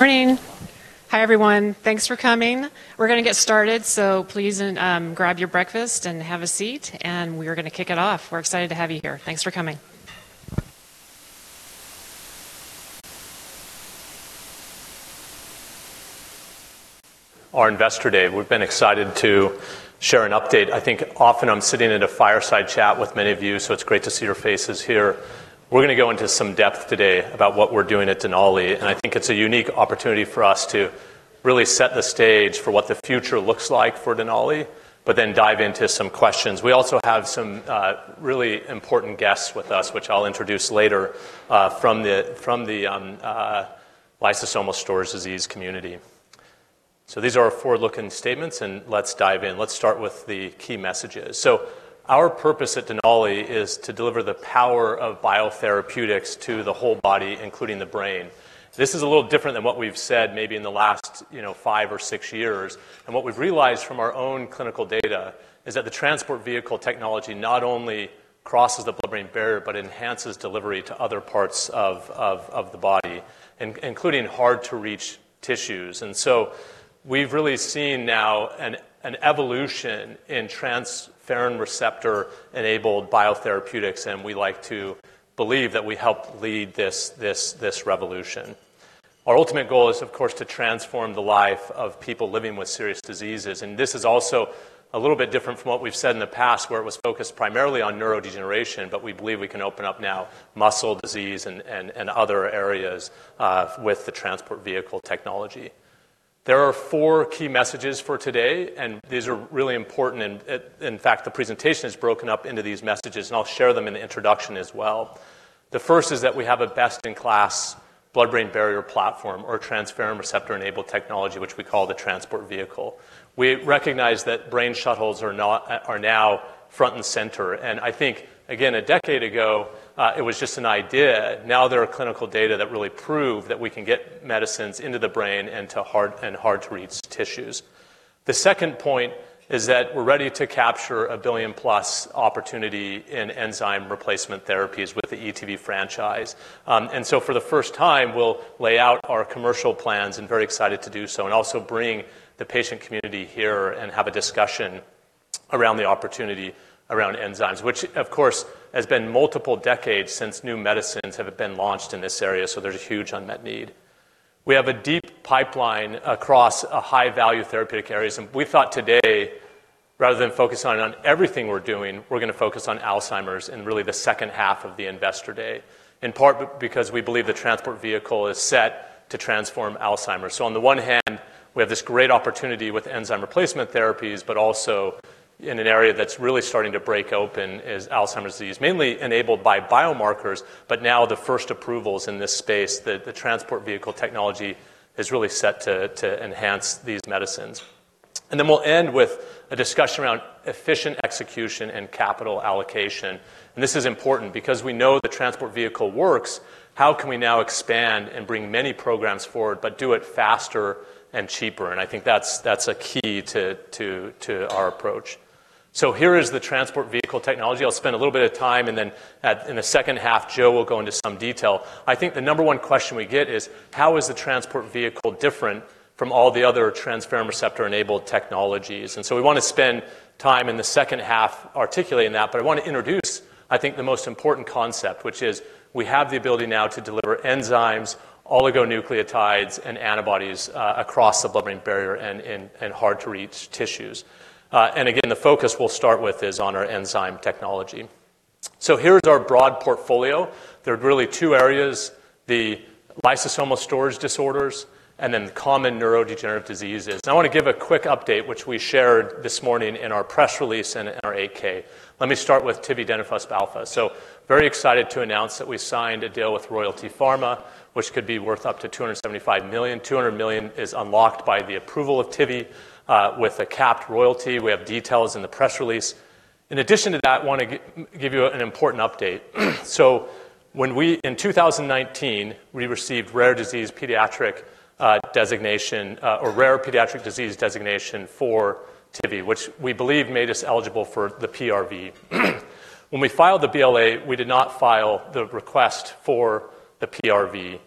Morning. Hi everyone. Thanks for coming. We're going to get started, so please grab your breakfast and have a seat, and we're going to kick it off. We're excited to have you here. Thanks for coming. Our investor day, we've been excited to share an update. I think often I'm sitting in a fireside chat with many of you, so it's great to see your faces here. We're going to go into some depth today about what we're doing at Denali, and I think it's a unique opportunity for us to really set the stage for what the future looks like for Denali, but then dive into some questions. We also have some really important guests with us, which I'll introduce later from the lysosomal storage disease community. So these are our forward-looking statements, and let's dive in. Let's start with the key messages. So our purpose at Denali is to deliver the power of biotherapeutics to the whole body, including the brain. This is a little different than what we've said maybe in the last five or six years, and what we've realized from our own clinical data is that the transport vehicle technology not only crosses the blood-brain barrier, but enhances delivery to other parts of the body, including hard-to-reach tissues. And so we've really seen now an evolution in transferrin receptor-enabled biotherapeutics, and we like to believe that we help lead this revolution. Our ultimate goal is, of course, to transform the life of people living with serious diseases, and this is also a little bit different from what we've said in the past, where it was focused primarily on neurodegeneration, but we believe we can open up now muscle disease and other areas with the transport vehicle technology. There are four key messages for today, and these are really important. In fact, the presentation is broken up into these messages, and I'll share them in the introduction as well. The first is that we have a best-in-class blood-brain barrier platform, or transferrin receptor-enabled technology, which we call the transport vehicle. We recognize that brain shuttles are now front and center, and I think, again, a decade ago, it was just an idea. Now there are clinical data that really prove that we can get medicines into the brain and to hard-to-reach tissues. The second point is that we're ready to capture a billion-plus opportunity in enzyme replacement therapies with the ETV franchise. And so for the first time, we'll lay out our commercial plans and are very excited to do so, and also bring the patient community here and have a discussion around the opportunity around enzymes, which, of course, has been multiple decades since new medicines have been launched in this area, so there's a huge unmet need. We have a deep pipeline across high-value therapeutic areas, and we thought today, rather than focus on everything we're doing, we're going to focus on Alzheimer's and really the second half of the investor day, in part because we believe the transport vehicle is set to transform Alzheimer's. So, on the one hand, we have this great opportunity with enzyme replacement therapies, but also in an area that's really starting to break open is Alzheimer's disease, mainly enabled by biomarkers, but now the first approvals in this space, the Transport Vehicle technology is really set to enhance these medicines. And then we'll end with a discussion around efficient execution and capital allocation, and this is important because we know the Transport Vehicle works. How can we now expand and bring many programs forward, but do it faster and cheaper? And I think that's a key to our approach. So here is the Transport Vehicle technology. I'll spend a little bit of time, and then in the second half, Joe will go into some detail. I think the number one question we get is, how is the Transport Vehicle different from all the other transferrin receptor-enabled technologies? We want to spend time in the second half articulating that, but I want to introduce, I think, the most important concept, which is we have the ability now to deliver enzymes, oligonucleotides, and antibodies across the blood-brain barrier and hard-to-reach tissues. Again, the focus we'll start with is on our enzyme technology. Here is our broad portfolio. There are really two areas: the lysosomal storage disorders and then common neurodegenerative diseases. I want to give a quick update, which we shared this morning in our press release and in our 8-K. Let me start with tividenofusp alfa. Very excited to announce that we signed a deal with Royalty Pharma, which could be worth up to $275 million. $200 million is unlocked by the approval of Tivi with a capped royalty. We have details in the press release. In addition to that, I want to give you an important update, so in 2019, we received rare disease pediatric designation or rare pediatric disease designation for Tivi, which we believe made us eligible for the PRV. When we filed the BLA, we did not file the request for the PRV,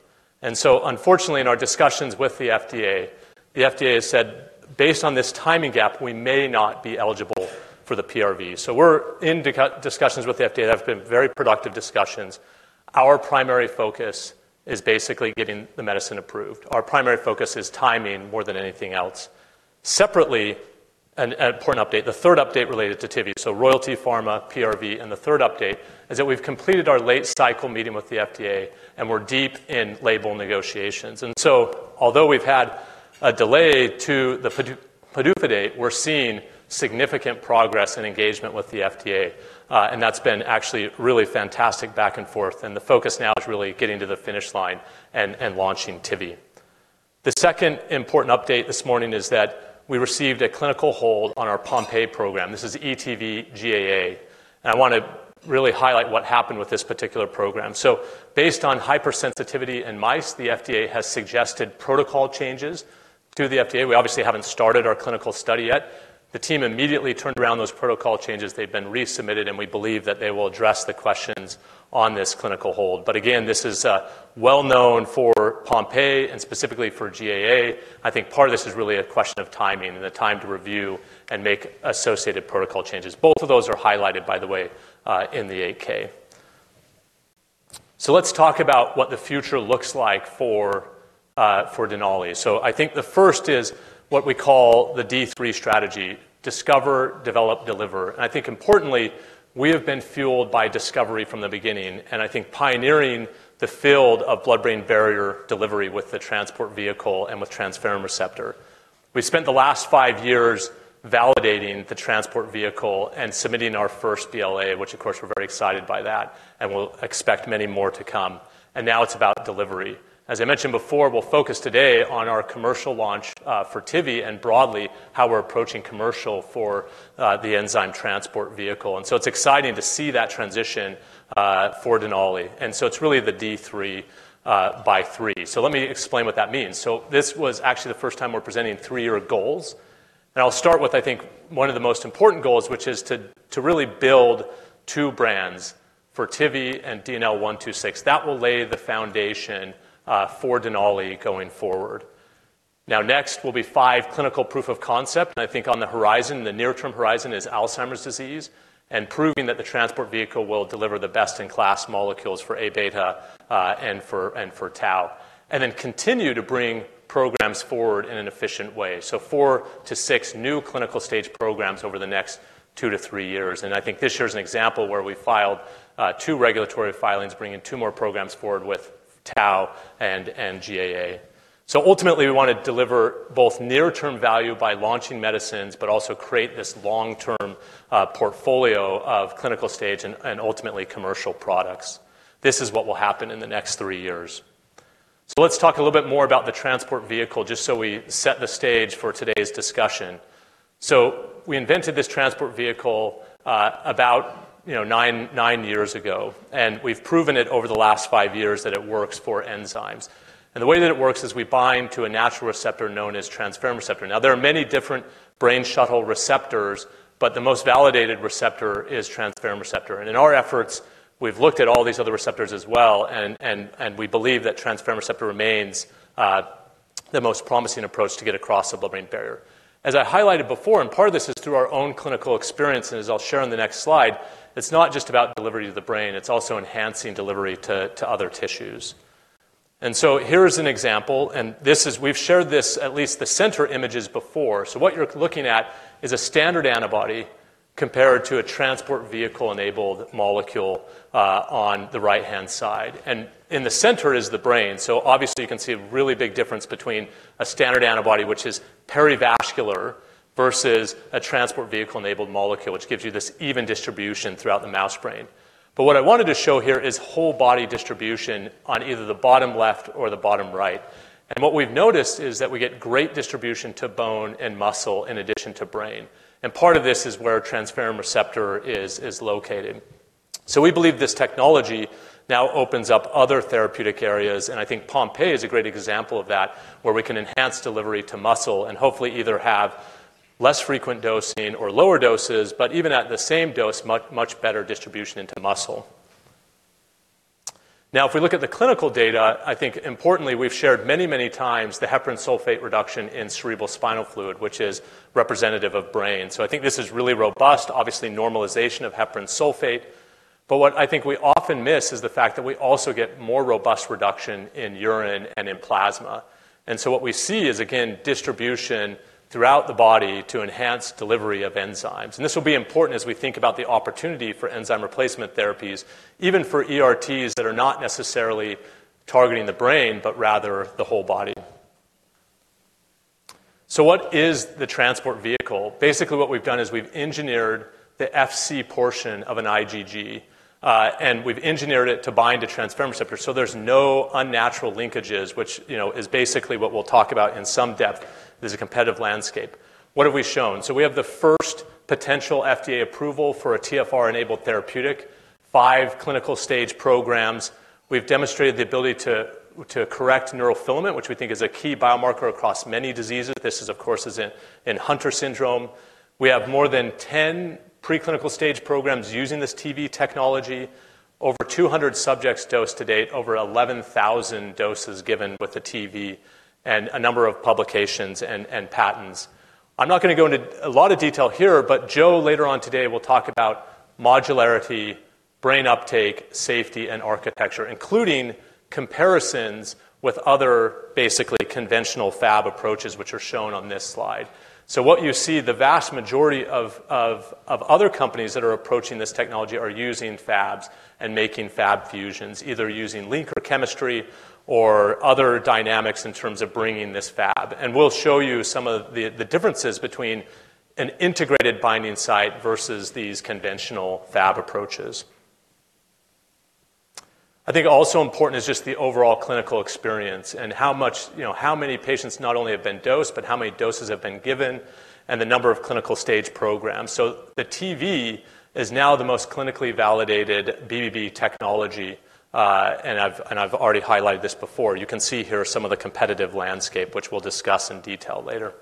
and so unfortunately, in our discussions with the FDA, the FDA has said, based on this timing gap, we may not be eligible for the PRV, so we're in discussions with the FDA. That's been very productive discussions. Our primary focus is basically getting the medicine approved. Our primary focus is timing more than anything else. Separately, an important update, the third update related to Tivi, so Royalty Pharma, PRV, and the third update is that we've completed our late-cycle meeting with the FDA, and we're deep in label negotiations. Although we've had a delay to the PDUFA date, we're seeing significant progress and engagement with the FDA, and that's been actually really fantastic back and forth, and the focus now is really getting to the finish line and launching Tivi. The second important update this morning is that we received a clinical hold on our Pompe program. This is ETV GAA, and I want to really highlight what happened with this particular program. Based on hypersensitivity in mice, the FDA has suggested protocol changes. To the FDA, we obviously haven't started our clinical study yet. The team immediately turned around those protocol changes. They've been resubmitted, and we believe that they will address the questions on this clinical hold. But again, this is well known for Pompe and specifically for GAA. I think part of this is really a question of timing and the time to review and make associated protocol changes. Both of those are highlighted, by the way, in the 8-K. So let's talk about what the future looks like for Denali. So I think the first is what we call the D3 strategy: discover, develop, deliver. And I think importantly, we have been fueled by discovery from the beginning, and I think pioneering the field of blood-brain barrier delivery with the transport vehicle and with transferrin receptor. We spent the last five years validating the transport vehicle and submitting our first BLA, which, of course, we're very excited by that, and we'll expect many more to come. And now it's about delivery. As I mentioned before, we'll focus today on our commercial launch for Tivi and broadly how we're approaching commercial for the enzyme transport vehicle. And so it's exciting to see that transition for Denali. And so it's really the D3 by three. So let me explain what that means. So this was actually the first time we're presenting three-year goals, and I'll start with, I think, one of the most important goals, which is to really build two brands for Tivi and DNL126. That will lay the foundation for Denali going forward. Now next will be five clinical proof of concept, and I think on the horizon, the near-term horizon is Alzheimer's disease and proving that the transport vehicle will deliver the best-in-class molecules for Abeta and for tau, and then continue to bring programs forward in an efficient way. So four to six new clinical stage programs over the next two to three years, and I think this year is an example where we filed two regulatory filings bringing two more programs forward with tau and GAA. So ultimately, we want to deliver both near-term value by launching medicines, but also create this long-term portfolio of clinical stage and ultimately commercial products. This is what will happen in the next three years. So let's talk a little bit more about the transport vehicle, just so we set the stage for today's discussion. So we invented this transport vehicle about nine years ago, and we've proven it over the last five years that it works for enzymes. And the way that it works is we bind to a natural receptor known as transferrin receptor. Now there are many different brain shuttle receptors, but the most validated receptor is transferrin receptor. And in our efforts, we've looked at all these other receptors as well, and we believe that transferrin receptor remains the most promising approach to get across the blood-brain barrier. As I highlighted before, and part of this is through our own clinical experience, and as I'll share on the next slide, it's not just about delivery to the brain, it's also enhancing delivery to other tissues. And so here's an example, and we've shared this, at least the center images before. So what you're looking at is a standard antibody compared to a transport vehicle-enabled molecule on the right-hand side, and in the center is the brain. So obviously, you can see a really big difference between a standard antibody, which is perivascular, versus a transport vehicle-enabled molecule, which gives you this even distribution throughout the mouse brain. But what I wanted to show here is whole body distribution on either the bottom left or the bottom right. And what we've noticed is that we get great distribution to bone and muscle in addition to brain, and part of this is where transferrin receptor is located. So we believe this technology now opens up other therapeutic areas, and I think Pompe is a great example of that, where we can enhance delivery to muscle and hopefully either have less frequent dosing or lower doses, but even at the same dose, much better distribution into muscle. Now if we look at the clinical data, I think importantly we've shared many, many times the heparan sulfate reduction in cerebrospinal fluid, which is representative of brain. I think this is really robust, obviously normalization of heparan sulfate, but what I think we often miss is the fact that we also get more robust reduction in urine and in plasma. And so what we see is, again, distribution throughout the body to enhance delivery of enzymes. And this will be important as we think about the opportunity for enzyme replacement therapies, even for ERTs that are not necessarily targeting the brain, but rather the whole body. What is the transport vehicle? Basically, what we've done is we've engineered the Fc portion of an IgG, and we've engineered it to bind to transferrin receptor, so there's no unnatural linkages, which is basically what we'll talk about in some depth. This is a competitive landscape. What have we shown? We have the first potential FDA approval for a TfR-enabled therapeutic, five clinical stage programs. We've demonstrated the ability to correct neurofilament, which we think is a key biomarker across many diseases. This is, of course, in Hunter syndrome. We have more than 10 preclinical stage programs using this Tivi technology, over 200 subjects dosed to date, over 11,000 doses given with the Tivi, and a number of publications and patents. I'm not going to go into a lot of detail here, but Joe later on today will talk about modularity, brain uptake, safety, and architecture, including comparisons with other basically conventional Fab approaches, which are shown on this slide. So what you see, the vast majority of other companies that are approaching this technology are using Fabs and making Fab fusions, either using linker chemistry or other dynamics in terms of bringing this Fab. And we'll show you some of the differences between an integrated binding site versus these conventional Fab approaches. I think also important is just the overall clinical experience and how many patients not only have been dosed, but how many doses have been given, and the number of clinical stage programs. So the Tivi is now the most clinically validated BBB technology, and I've already highlighted this before. You can see here some of the competitive landscape, which we'll discuss in detail later.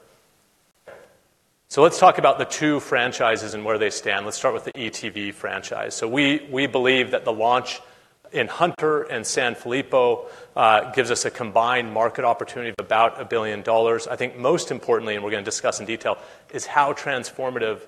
So let's talk about the two franchises and where they stand. Let's start with the ETV franchise. So we believe that the launch in Hunter and Sanfilippo gives us a combined market opportunity of about $1 billion. I think most importantly, and we're going to discuss in detail, is how transformative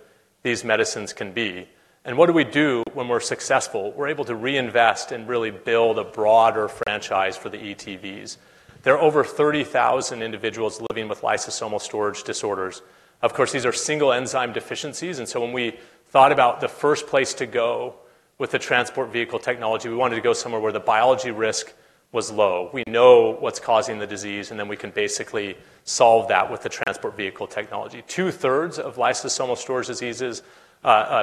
these medicines can be. And what do we do when we're successful? We're able to reinvest and really build a broader franchise for the ETVs. There are over 30,000 individuals living with lysosomal storage disorders. Of course, these are single enzyme deficiencies, and so when we thought about the first place to go with the transport vehicle technology, we wanted to go somewhere where the biology risk was low. We know what's causing the disease, and then we can basically solve that with the transport vehicle technology. Two-thirds of lysosomal storage diseases,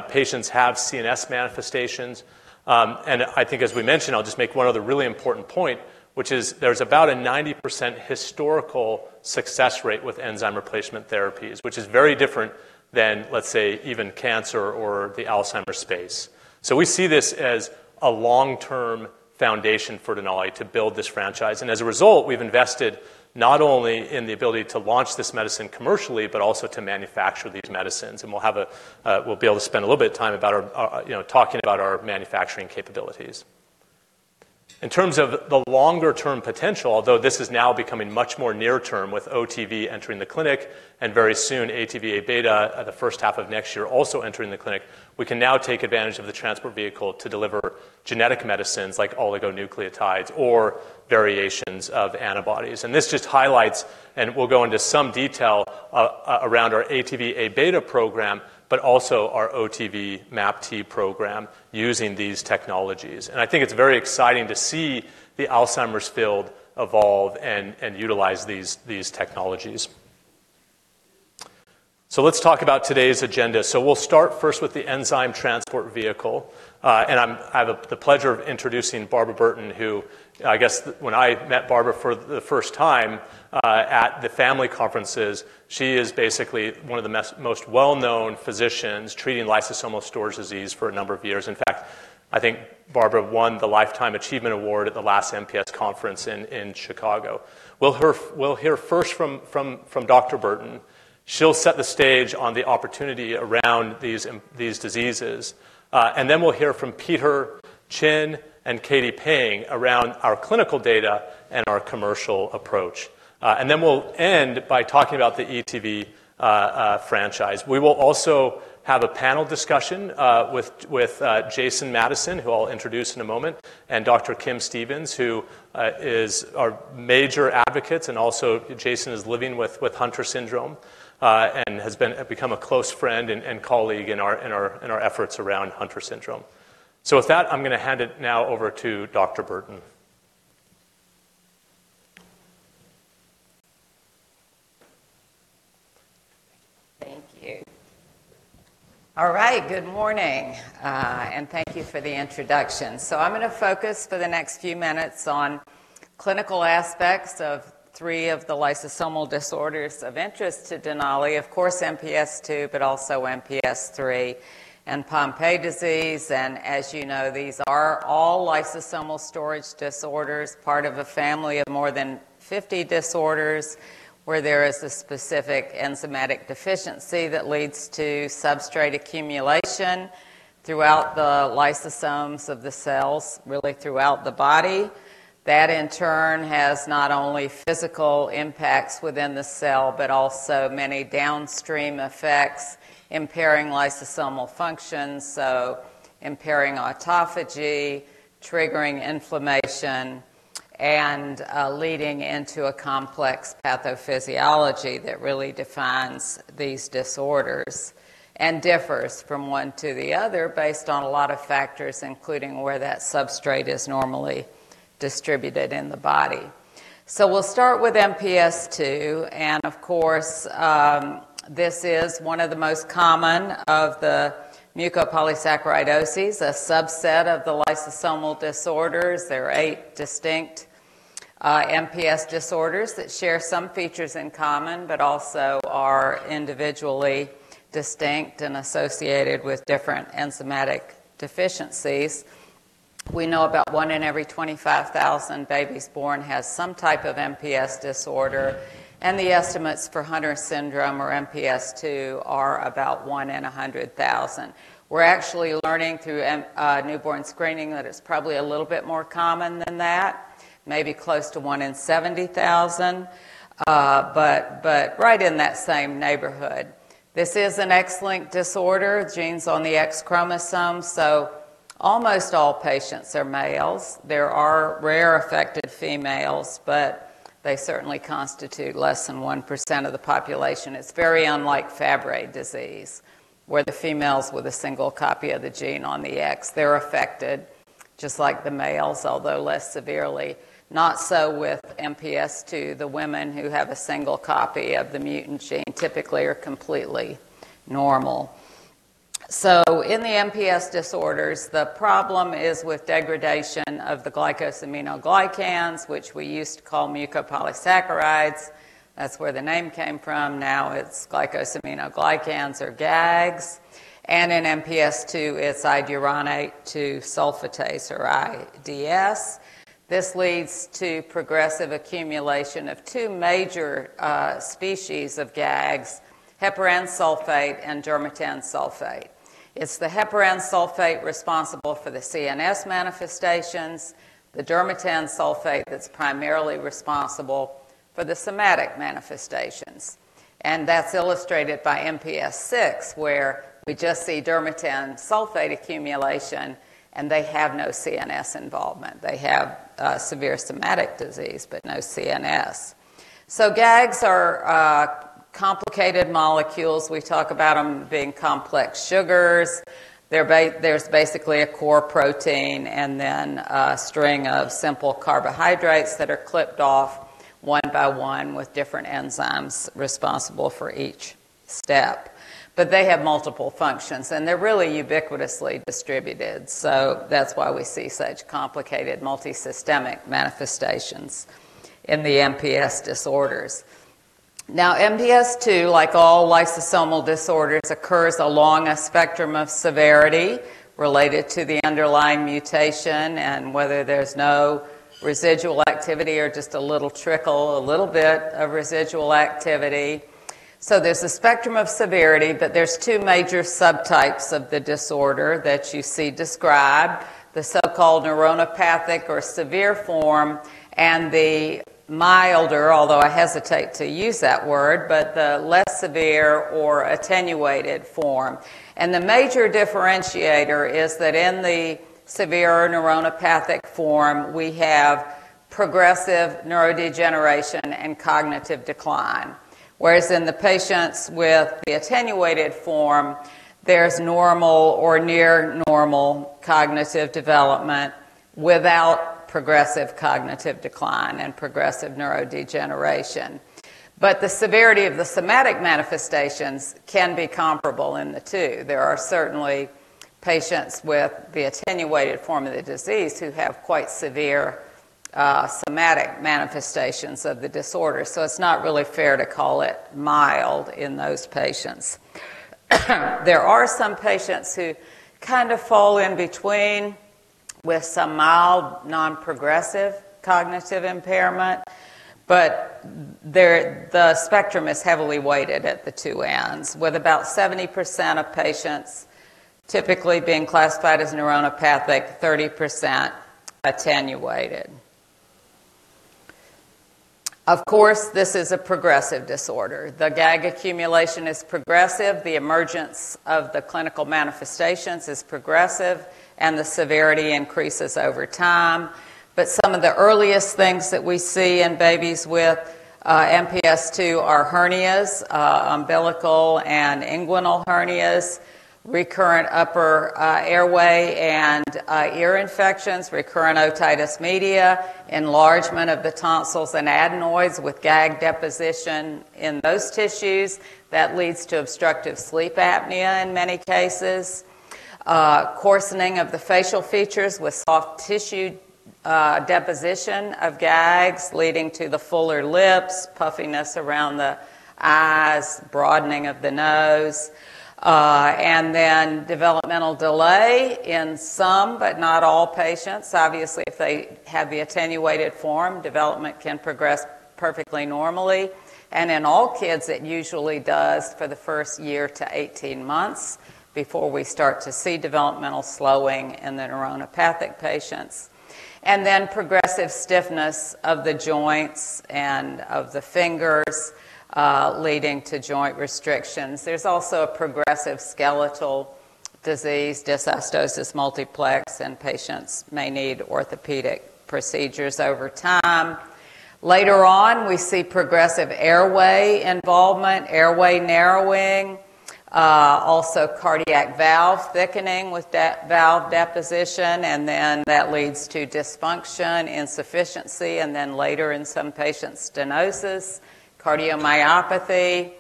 patients have CNS manifestations, and I think as we mentioned, I'll just make one other really important point, which is there's about a 90% historical success rate with enzyme replacement therapies, which is very different than, let's say, even cancer or the Alzheimer's space. So we see this as a long-term foundation for Denali to build this franchise, and as a result, we've invested not only in the ability to launch this medicine commercially, but also to manufacture these medicines, and we'll be able to spend a little bit of time talking about our manufacturing capabilities. In terms of the longer-term potential, although this is now becoming much more near-term with OTV entering the clinic, and very soon ATV Abeta the first half of next year also entering the clinic, we can now take advantage of the transport vehicle to deliver genetic medicines like oligonucleotides or variations of antibodies. And this just highlights, and we'll go into some detail around our ATV Abeta program, but also our OTV MAPT program using these technologies. And I think it's very exciting to see the Alzheimer's field evolve and utilize these technologies. So let's talk about today's agenda. So we'll start first with the enzyme transport vehicle, and I have the pleasure of introducing Barbara Burton, who I guess when I met Barbara for the first time at the family conferences, she is basically one of the most well-known physicians treating lysosomal storage disease for a number of years. In fact, I think Barbara won the Lifetime Achievement Award at the last MPS conference in Chicago. We'll hear first from Dr. Burton. She'll set the stage on the opportunity around these diseases, and then we'll hear from Peter Chin and Katie Peng around our clinical data and our commercial approach. And then we'll end by talking about the ETV franchise. We will also have a panel discussion with Jason Madison, who I'll introduce in a moment, and Dr.Kim Stephens, who are major advocates, and also Jason is living with Hunter syndrome and has become a close friend and colleague in our efforts around Hunter syndrome. With that, I'm going to hand it now over to Dr. Burton. Thank you. All right, good morning, and thank you for the introduction. I'm going to focus for the next few minutes on clinical aspects of three of the lysosomal disorders of interest to Denali, of course MPS II, but also MPS III and Pompe disease. As you know, these are all lysosomal storage disorders, part of a family of more than 50 disorders where there is a specific enzymatic deficiency that leads to substrate accumulation throughout the lysosomes of the cells, really throughout the body. That in turn has not only physical impacts within the cell, but also many downstream effects impairing lysosomal function, so impairing autophagy, triggering inflammation, and leading into a complex pathophysiology that really defines these disorders and differs from one to the other based on a lot of factors, including where that substrate is normally distributed in the body, so we'll start with MPS II, and of course, this is one of the most common of the mucopolysaccharidoses, a subset of the lysosomal disorders. There are eight distinct MPS disorders that share some features in common, but also are individually distinct and associated with different enzymatic deficiencies. We know about one in every 25,000 babies born has some type of MPS disorder, and the estimates for Hunter syndrome or MPS II are about one in 100,000. We're actually learning through newborn screening that it's probably a little bit more common than that, maybe close to one in 70,000, but right in that same neighborhood. This is an X-linked disorder, genes on the X chromosome, so almost all patients are males. There are rare affected females, but they certainly constitute less than 1% of the population. It's very unlike Fabry disease, where the females with a single copy of the gene on the X, they're affected just like the males, although less severely. Not so with MPS II. The women who have a single copy of the mutant gene typically are completely normal. So in the MPS disorders, the problem is with degradation of the glycosaminoglycans, which we used to call mucopolysaccharides. That's where the name came from. Now it's glycosaminoglycans or GAGs, and in MPS II, it's iduronate-2-sulfatase or IDS. This leads to progressive accumulation of two major species of GAGs, heparan sulfate and dermatan sulfate. It's the heparan sulfate responsible for the CNS manifestations, the dermatan sulfate that's primarily responsible for the somatic manifestations, and that's illustrated by MPS VI, where we just see dermatan sulfate accumulation, and they have no CNS involvement. They have severe somatic disease, but no CNS. So GAGs are complicated molecules. We talk about them being complex sugars. There's basically a core protein and then a string of simple carbohydrates that are clipped off one by one with different enzymes responsible for each step, but they have multiple functions, and they're really ubiquitously distributed, so that's why we see such complicated multisystemic manifestations in the MPS disorders. Now MPS II, like all lysosomal disorders, occurs along a spectrum of severity related to the underlying mutation and whether there's no residual activity or just a little trickle, a little bit of residual activity. So there's a spectrum of severity, but there's two major subtypes of the disorder that you see described: the so-called neuronopathic or severe form and the milder, although I hesitate to use that word, but the less severe or attenuated form. And the major differentiator is that in the severe neuronopathic form, we have progressive neurodegeneration and cognitive decline, whereas in the patients with the attenuated form, there's normal or near normal cognitive development without progressive cognitive decline and progressive neurodegeneration. But the severity of the somatic manifestations can be comparable in the two. There are certainly patients with the attenuated form of the disease who have quite severe somatic manifestations of the disorder, so it's not really fair to call it mild in those patients. There are some patients who kind of fall in between with some mild non-progressive cognitive impairment, but the spectrum is heavily weighted at the two ends, with about 70% of patients typically being classified as neuronopathic, 30% attenuated. Of course, this is a progressive disorder. The GAG accumulation is progressive, the emergence of the clinical manifestations is progressive, and the severity increases over time. But some of the earliest things that we see in babies with MPS II are hernias, umbilical and inguinal hernias, recurrent upper airway and ear infections, recurrent otitis media, enlargement of the tonsils and adenoids with GAG deposition in those tissues that leads to obstructive sleep apnea in many cases, coarsening of the facial features with soft tissue deposition of GAGs leading to the fuller lips, puffiness around the eyes, broadening of the nose, and then developmental delay in some, but not all patients. Obviously, if they have the attenuated form, development can progress perfectly normally, and in all kids, it usually does for the first year to 18 months before we start to see developmental slowing in the neuronopathic patients, and then progressive stiffness of the joints and of the fingers leading to joint restrictions. There's also a progressive skeletal disease, dysostosis multiplex, and patients may need orthopedic procedures over time. Later on, we see progressive airway involvement, airway narrowing, also cardiac valve thickening with valve deposition, and then that leads to dysfunction, insufficiency, and then later in some patients, stenosis, cardiomyopathy,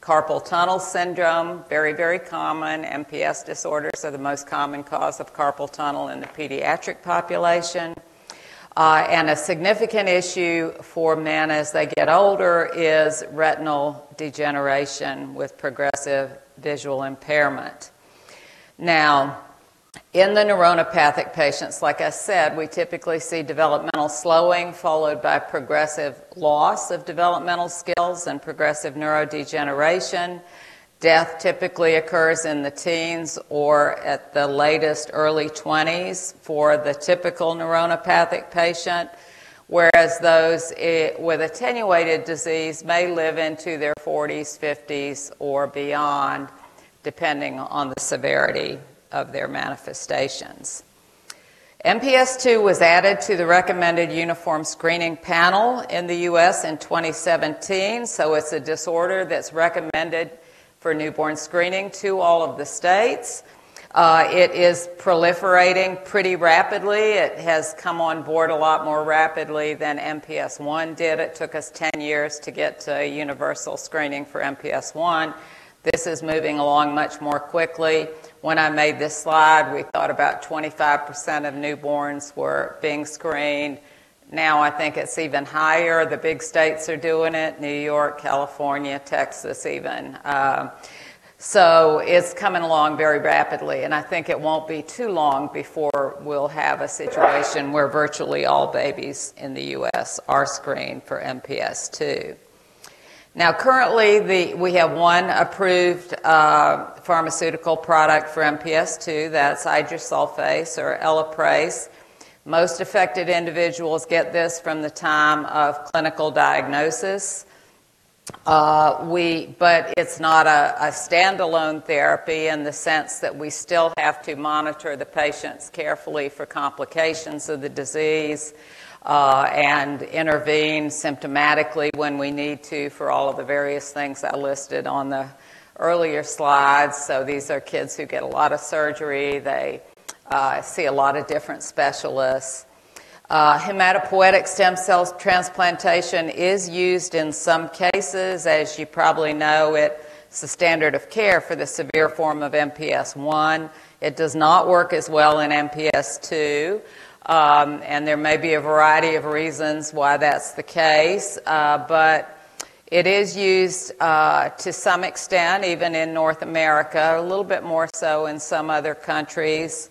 carpal tunnel syndrome, very, very common. MPS disorders are the most common cause of carpal tunnel in the pediatric population, and a significant issue for men as they get older is retinal degeneration with progressive visual impairment. Now, in the neuronopathic patients, like I said, we typically see developmental slowing followed by progressive loss of developmental skills and progressive neurodegeneration. Death typically occurs in the teens or at the latest early 20s for the typical neuronopathic patient, whereas those with attenuated disease may live into their 40s, 50s, or beyond, depending on the severity of their manifestations. II was added to the recommended uniform screening panel in the U.S. in 2017, so it's a disorder that's recommended for newborn screening to all of the states. It is proliferating pretty rapidly. It has come on board a lot more rapidly than MPS I did. It took us 10 years to get to universal screening for MPS I. This is moving along much more quickly. When I made this slide, we thought about 25% of newborns were being screened. Now I think it's even higher. The big states are doing it: New York, California, Texas even. So it's coming along very rapidly, and I think it won't be too long before we'll have a situation where virtually all babies in the U.S. are screened for MPS II. Now, currently, we have one approved pharmaceutical product for MPS II. That's idursulfase or Elaprase. Most affected individuals get this from the time of clinical diagnosis, but it's not a standalone therapy in the sense that we still have to monitor the patients carefully for complications of the disease and intervene symptomatically when we need to for all of the various things I listed on the earlier slides. So these are kids who get a lot of surgery. They see a lot of different specialists. Hematopoietic stem cell transplantation is used in some cases. As you probably know, it's the standard of care for the severe form of MPS I. It does not work as well in MPS II, and there may be a variety of reasons why that's the case, but it is used to some extent, even in North America, a little bit more so in some other countries.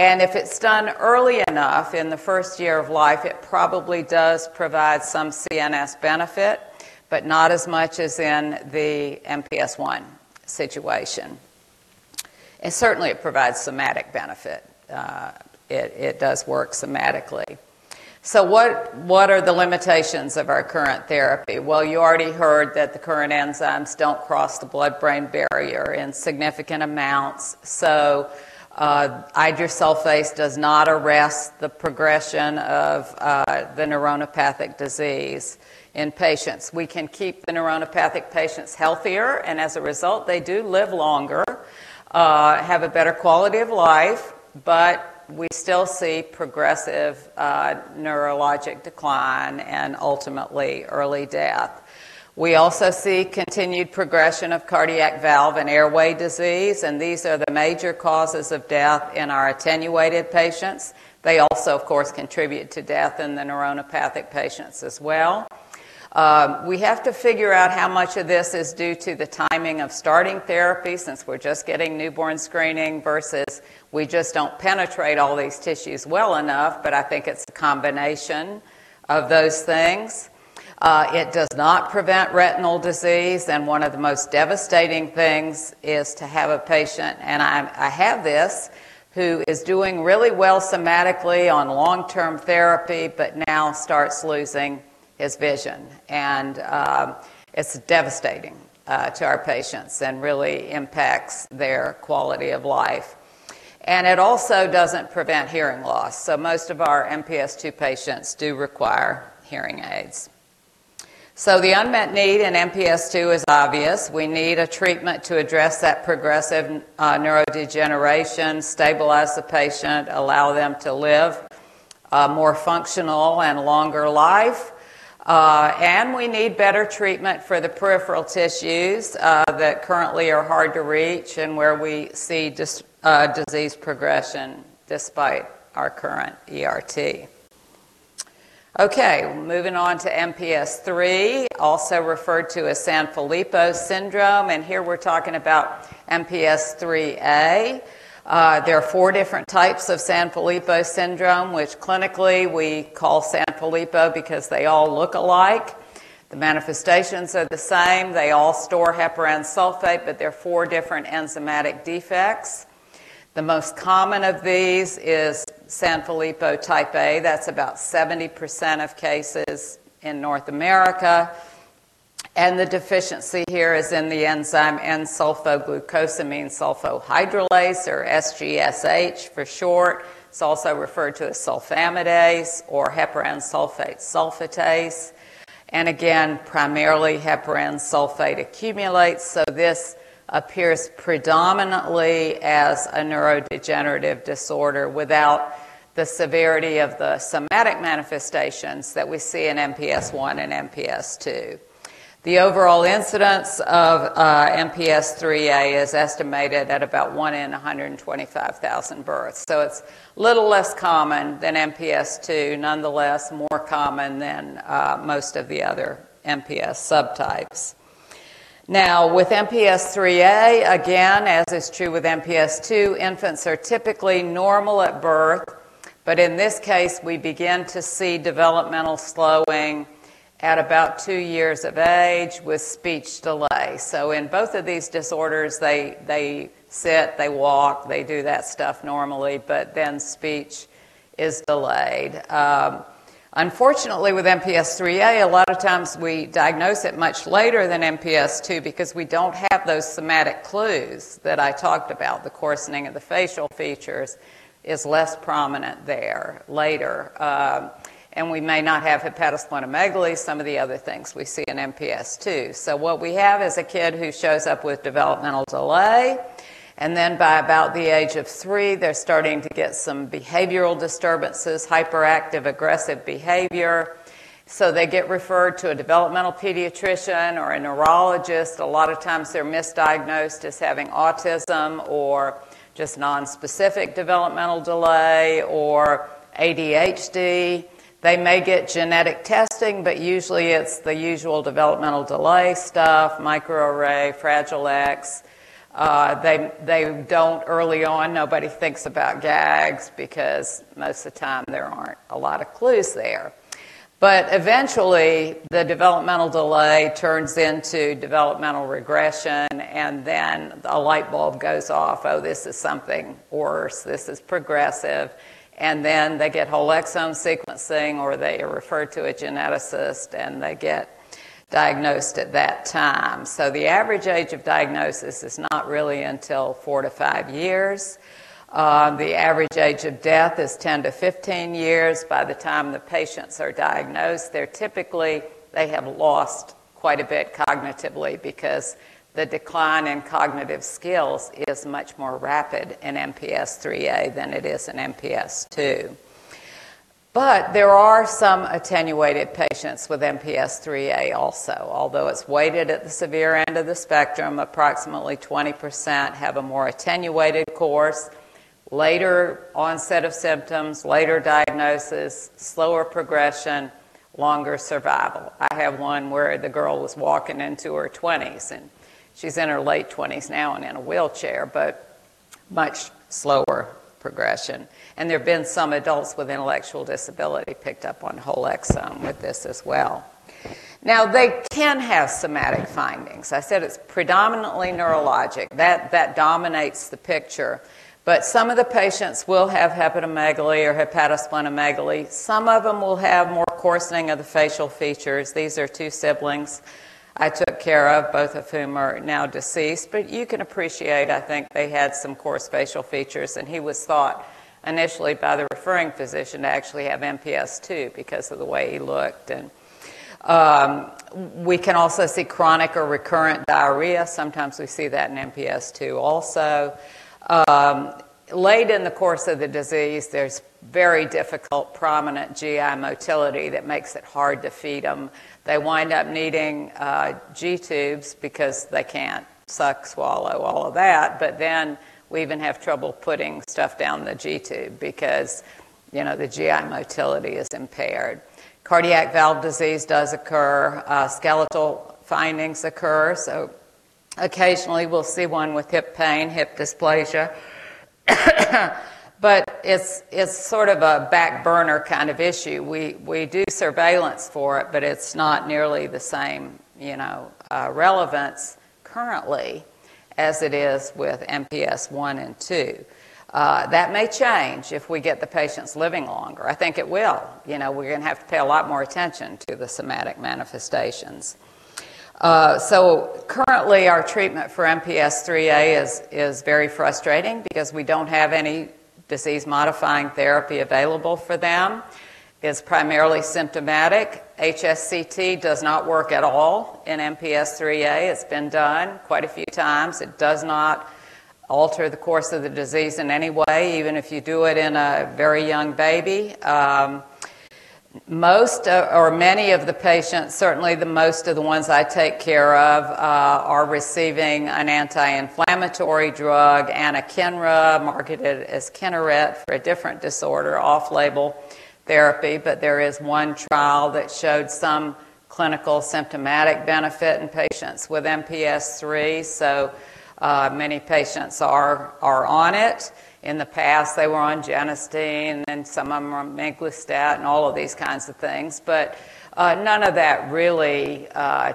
If it's done early enough in the first year of life, it probably does provide some CNS benefit, but not as much as in the MPS I situation. Certainly, it provides somatic benefit. It does work somatically. What are the limitations of our current therapy? You already heard that the current enzymes don't cross the blood-brain barrier in significant amounts, so idursulfase does not arrest the progression of the neuronopathic disease in patients. We can keep the neuronopathic patients healthier, and as a result, they do live longer, have a better quality of life, but we still see progressive neurologic decline and ultimately early death. We also see continued progression of cardiac valve and airway disease, and these are the major causes of death in our attenuated patients. They also, of course, contribute to death in the neuronopathic patients as well. We have to figure out how much of this is due to the timing of starting therapy since we're just getting newborn screening versus we just don't penetrate all these tissues well enough, but I think it's a combination of those things. It does not prevent retinal disease, and one of the most devastating things is to have a patient, and I have this, who is doing really well somatically on long-term therapy, but now starts losing his vision, and it's devastating to our patients and really impacts their quality of life. And it also doesn't prevent hearing loss, so most of our MPS II patients do require hearing aids. So the unmet need in MPS II is obvious. We need a treatment to address that progressive neurodegeneration, stabilize the patient, allow them to live a more functional and longer life, and we need better treatment for the peripheral tissues that currently are hard to reach and where we see disease progression despite our current ERT. Okay, moving on to MPS III, also referred to as Sanfilippo syndrome, and here we're talking about MPS IIIA. There are four different types of Sanfilippo syndrome, which clinically we call Sanfilippo because they all look alike. The manifestations are the same. They all store heparan sulfate, but they're four different enzymatic defects. The most common of these is Sanfilippo type A. That's about 70% of cases in North America, and the deficiency here is in the enzyme N-sulfoglucosamine sulfohydrolase, or SGSH for short. It's also referred to as sulfamidase or heparan sulfate sulfatase, and again, primarily heparan sulfate accumulates. So this appears predominantly as a neurodegenerative disorder without the severity of the somatic manifestations that we see in MPS I and MPS II. The overall incidence of MPS IIIA is estimated at about 1:25,000 births, so it's a little less common than MPS ii, nonetheless more common than most of the other MPS subtypes. Now, with MPS IIIA, again, as is true with MPS II, infants are typically normal at birth, but in this case, we begin to see developmental slowing at about two years of age with speech delay. So in both of these disorders, they sit, they walk, they do that stuff normally, but then speech is delayed. Unfortunately, with MPS IIIA, a lot of times we diagnose it much later than MPS II because we don't have those somatic clues that I talked about. The coarsening of the facial features is less prominent there later, and we may not have hepatosplenomegaly, some of the other things we see in MPS II. So what we have is a kid who shows up with developmental delay, and then by about the age of three, they're starting to get some behavioral disturbances, hyperactive, aggressive behavior, so they get referred to a developmental pediatrician or a neurologist. A lot of times, they're misdiagnosed as having autism or just non-specific developmental delay or ADHD. They may get genetic testing, but usually it's the usual developmental delay stuff, microarray, Fragile X. They don't early on. Nobody thinks about GAGs because most of the time there aren't a lot of clues there. But eventually, the developmental delay turns into developmental regression, and then a light bulb goes off, "Oh, this is something worse. This is progressive," and then they get whole exome sequencing or they are referred to a geneticist and they get diagnosed at that time. So the average age of diagnosis is not really until four to five years. The average age of death is 10-15 years. By the time the patients are diagnosed, they're typically have lost quite a bit cognitively because the decline in cognitive skills is much more rapid in MPS IIIA than it is in MPS II. But there are some attenuated patients with MPS IIIA also, although it's weighted at the severe end of the spectrum. Approximately 20% have a more attenuated course, later onset of symptoms, later diagnosis, slower progression, longer survival. I have one where the girl was walking into her 20s, and she's in her late 20s now and in a wheelchair, but much slower progression. There have been some adults with intellectual disability picked up on whole exome with this as well. Now, they can have somatic findings. I said it's predominantly neurologic. That dominates the picture, but some of the patients will have hepatomegaly or hepatosplenomegaly. Some of them will have more coarsening of the facial features. These are two siblings I took care of, both of whom are now deceased, but you can appreciate, I think they had some coarse facial features, and he was thought initially by the referring physician to actually have MPS II because of the way he looked. We can also see chronic or recurrent diarrhea. Sometimes we see that in MPS II also. Late in the course of the disease, there's very difficult prominent GI motility that makes it hard to feed them. They wind up needing G-tubes because they can't suck, swallow, all of that, but then we even have trouble putting stuff down the G-tube because the GI motility is impaired. Cardiac valve disease does occur. Skeletal findings occur, so occasionally we'll see one with hip pain, hip dysplasia, but it's sort of a back burner kind of issue. We do surveillance for it, but it's not nearly the same relevance currently as it is with MPS I and II. That may change if we get the patients living longer. I think it will. We're going to have to pay a lot more attention to the somatic manifestations. So currently, our treatment for MPS IIIA is very frustrating because we don't have any disease-modifying therapy available for them. It's primarily symptomatic. HSCT does not work at all in MPS IIIA. It's been done quite a few times. It does not alter the course of the disease in any way, even if you do it in a very young baby. Most or many of the patients, certainly the most of the ones I take care of, are receiving an anti-inflammatory drug, anakinra, marketed as Kineret for a different disorder, off-label therapy, but there is one trial that showed some clinical symptomatic benefit in patients with MPS III, so many patients are on it. In the past, they were on genistein, and some of them are on miglustat, and all of these kinds of things, but none of that really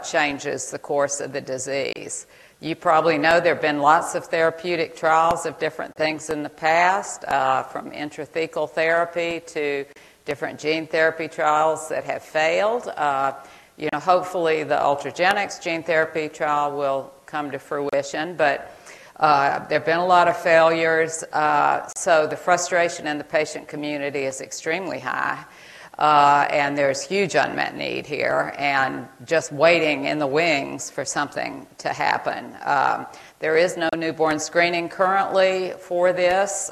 changes the course of the disease. You probably know there have been lots of therapeutic trials of different things in the past, from intrathecal therapy to different gene therapy trials that have failed. Hopefully, the Ultragenyx gene therapy trial will come to fruition, but there have been a lot of failures, so the frustration in the patient community is extremely high, and there's huge unmet need here and just waiting in the wings for something to happen. There is no newborn screening currently for this.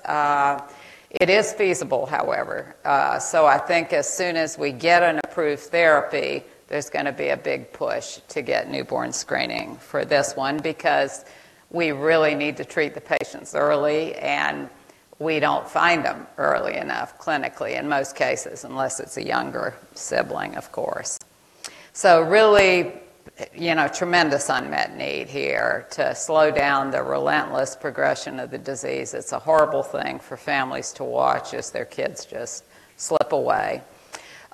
It is feasible, however, so I think as soon as we get an approved therapy, there's going to be a big push to get newborn screening for this one because we really need to treat the patients early, and we don't find them early enough clinically in most cases, unless it's a younger sibling, of course. So really tremendous unmet need here to slow down the relentless progression of the disease. It's a horrible thing for families to watch as their kids just slip away.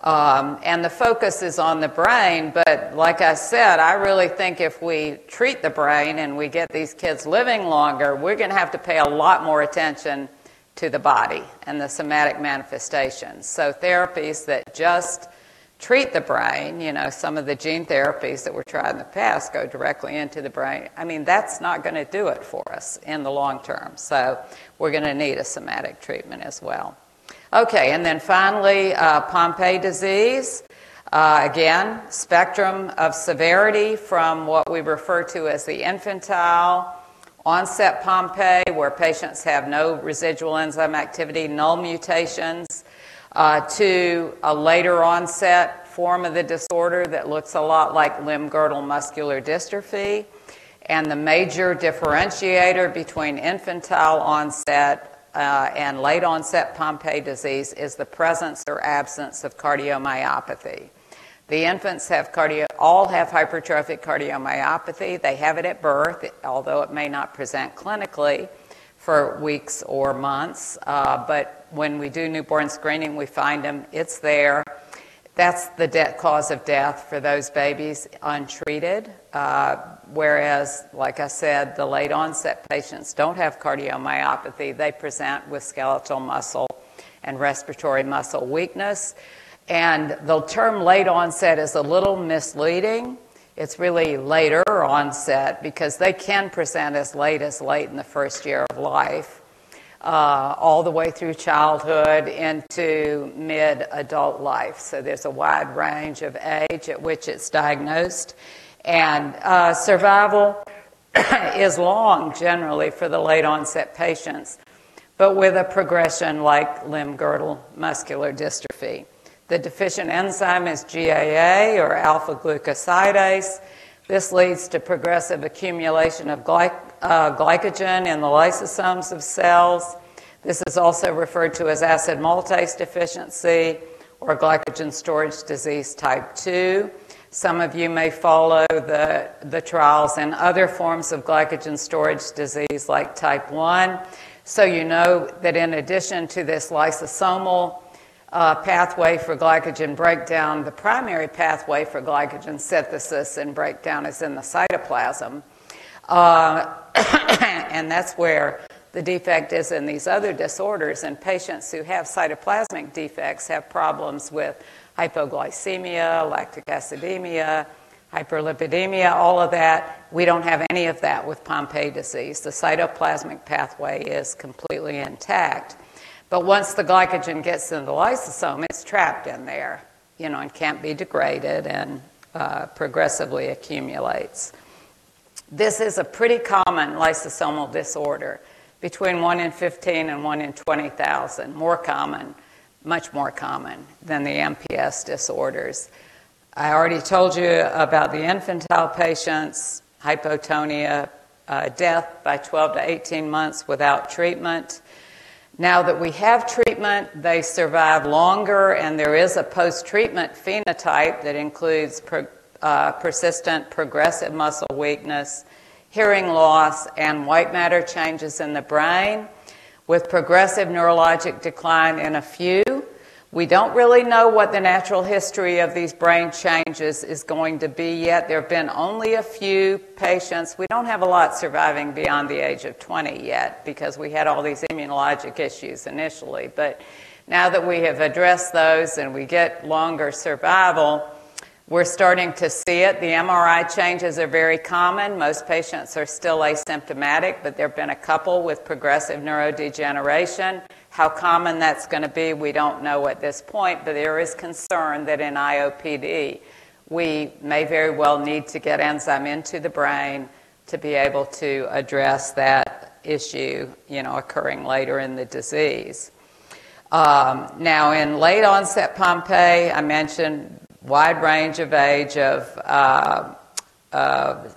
The focus is on the brain, but like I said, I really think if we treat the brain and we get these kids living longer, we're going to have to pay a lot more attention to the body and the somatic manifestations. Therapies that just treat the brain, some of the gene therapies that were tried in the past go directly into the brain. I mean, that's not going to do it for us in the long term, so we're going to need a somatic treatment as well. Okay, then finally, Pompe disease. Again, spectrum of severity from what we refer to as the infantile onset Pompe, where patients have no residual enzyme activity, no mutations, to a later onset form of the disorder that looks a lot like limb-girdle muscular dystrophy. The major differentiator between infantile onset and late onset Pompe disease is the presence or absence of cardiomyopathy. The infants all have hypertrophic cardiomyopathy. They have it at birth, although it may not present clinically for weeks or months, but when we do newborn screening, we find them, it's there. That's the cause of death for those babies untreated, whereas, like I said, the late onset patients don't have cardiomyopathy. They present with skeletal muscle and respiratory muscle weakness, and the term late onset is a little misleading. It's really later onset because they can present as late as late in the first year of life, all the way through childhood into mid-adult life. So there's a wide range of age at which it's diagnosed, and survival is long generally for the late onset patients, but with a progression like limb-girdle muscular dystrophy. The deficient enzyme is GAA or alpha-glucosidase. This leads to progressive accumulation of glycogen in the lysosomes of cells. This is also referred to as acid maltase deficiency or glycogen storage disease type II. Some of you may follow the trials in other forms of glycogen storage disease like type I, so you know that in addition to this lysosomal pathway for glycogen breakdown, the primary pathway for glycogen synthesis and breakdown is in the cytoplasm, and that's where the defect is in these other disorders, and patients who have cytoplasmic defects have problems with hypoglycemia, lactic acidemia, hyperlipidemia, all of that. We don't have any of that with Pompe disease. The cytoplasmic pathway is completely intact, but once the glycogen gets into the lysosome, it's trapped in there and can't be degraded and progressively accumulates. This is a pretty common lysosomal disorder, between 1:15 and 1:20,000, more common, much more common than the MPS disorders. I already told you about the infantile patients, hypotonia, death by 12-18 months without treatment. Now that we have treatment, they survive longer, and there is a post-treatment phenotype that includes persistent progressive muscle weakness, hearing loss, and white matter changes in the brain with progressive neurologic decline in a few. We don't really know what the natural history of these brain changes is going to be yet. There have been only a few patients. We don't have a lot surviving beyond the age of 20 yet because we had all these immunologic issues initially, but now that we have addressed those and we get longer survival, we're starting to see it. The MRI changes are very common. Most patients are still asymptomatic, but there have been a couple with progressive neurodegeneration. How common that's going to be? We don't know at this point, but there is concern that in IOPD, we may very well need to get enzyme into the brain to be able to address that issue occurring later in the disease. Now, in late onset Pompe, I mentioned wide range of age of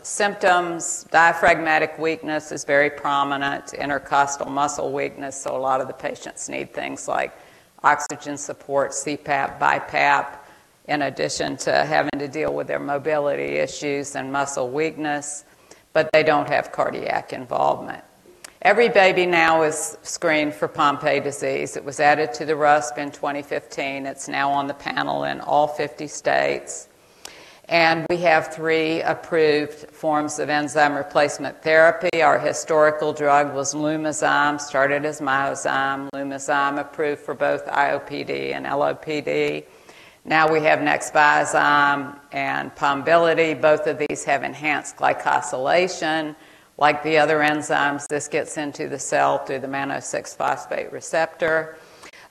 symptoms. Diaphragmatic weakness is very prominent, intercostal muscle weakness, so a lot of the patients need things like oxygen support, CPAP, BiPAP, in addition to having to deal with their mobility issues and muscle weakness, but they don't have cardiac involvement. Every baby now is screened for Pompe disease. It was added to the RUSP in 2015. It's now on the panel in all 50 states, and we have three approved forms of enzyme replacement therapy. Our historical drug was Lumazyme, started as Myozyme. Lumazyme approved for both IOPD and LOPD. Now we have Nexviazyme and Pombiliti. Both of these have enhanced glycosylation. Like the other enzymes, this gets into the cell through the mannose-6-phosphate receptor,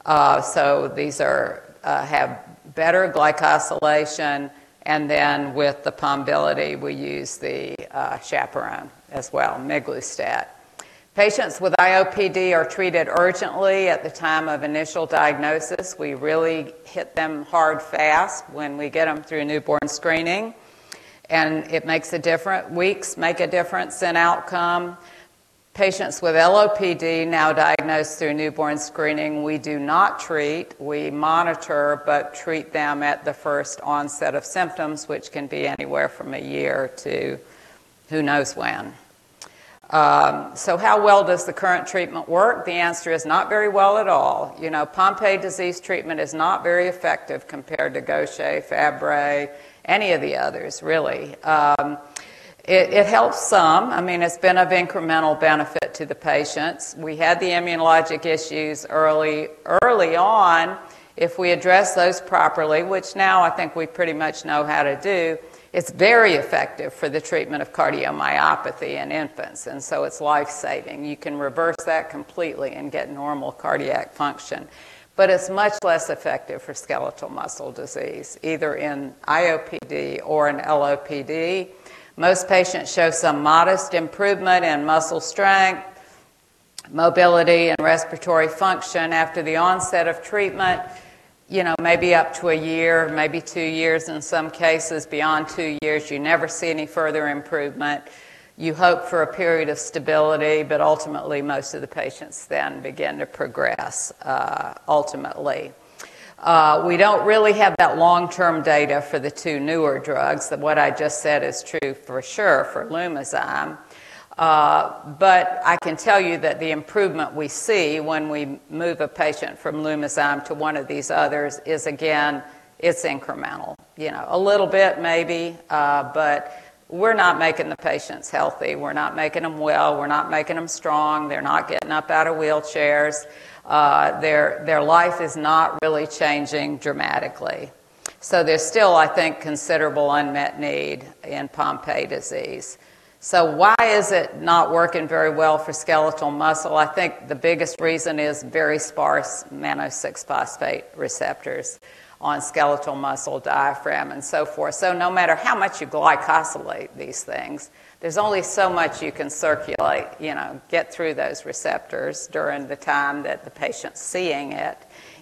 so these have better glycosylation. And then with the Pombiliti, we use the chaperone as well, miglustat. Patients with IOPD are treated urgently at the time of initial diagnosis. We really hit them hard fast when we get them through newborn screening, and it makes a difference. Weeks make a difference in outcome. Patients with LOPD now diagnosed through newborn screening, we do not treat. We monitor but treat them at the first onset of symptoms, which can be anywhere from a year to who knows when, so how well does the current treatment work? The answer is not very well at all. Pompe disease treatment is not very effective compared to Gaucher, Fabry, any of the others, really. It helps some. I mean, it's been of incremental benefit to the patients. We had the immunologic issues early on. If we address those properly, which now I think we pretty much know how to do, it's very effective for the treatment of cardiomyopathy in infants, and so it's life-saving. You can reverse that completely and get normal cardiac function, but it's much less effective for skeletal muscle disease, either in IOPD or in LOPD. Most patients show some modest improvement in muscle strength, mobility, and respiratory function after the onset of treatment, maybe up to a year, maybe two years. In some cases, beyond two years, you never see any further improvement. You hope for a period of stability, but ultimately, most of the patients then begin to progress ultimately. We don't really have that long-term data for the two newer drugs. What I just said is true for sure for Lumazyme, but I can tell you that the improvement we see when we move a patient from Lumazyme to one of these others is, again, it's incremental. A little bit maybe, but we're not making the patients healthy. We're not making them well. We're not making them strong. They're not getting up out of wheelchairs. Their life is not really changing dramatically. So there's still, I think, considerable unmet need in Pompe disease. So why is it not working very well for skeletal muscle? I think the biggest reason is very sparse mannose-6-phosphate receptors on skeletal muscle, diaphragm, and so forth. No matter how much you glycosylate these things, there's only so much you can circulate, get through those receptors during the time that the patient's seeing it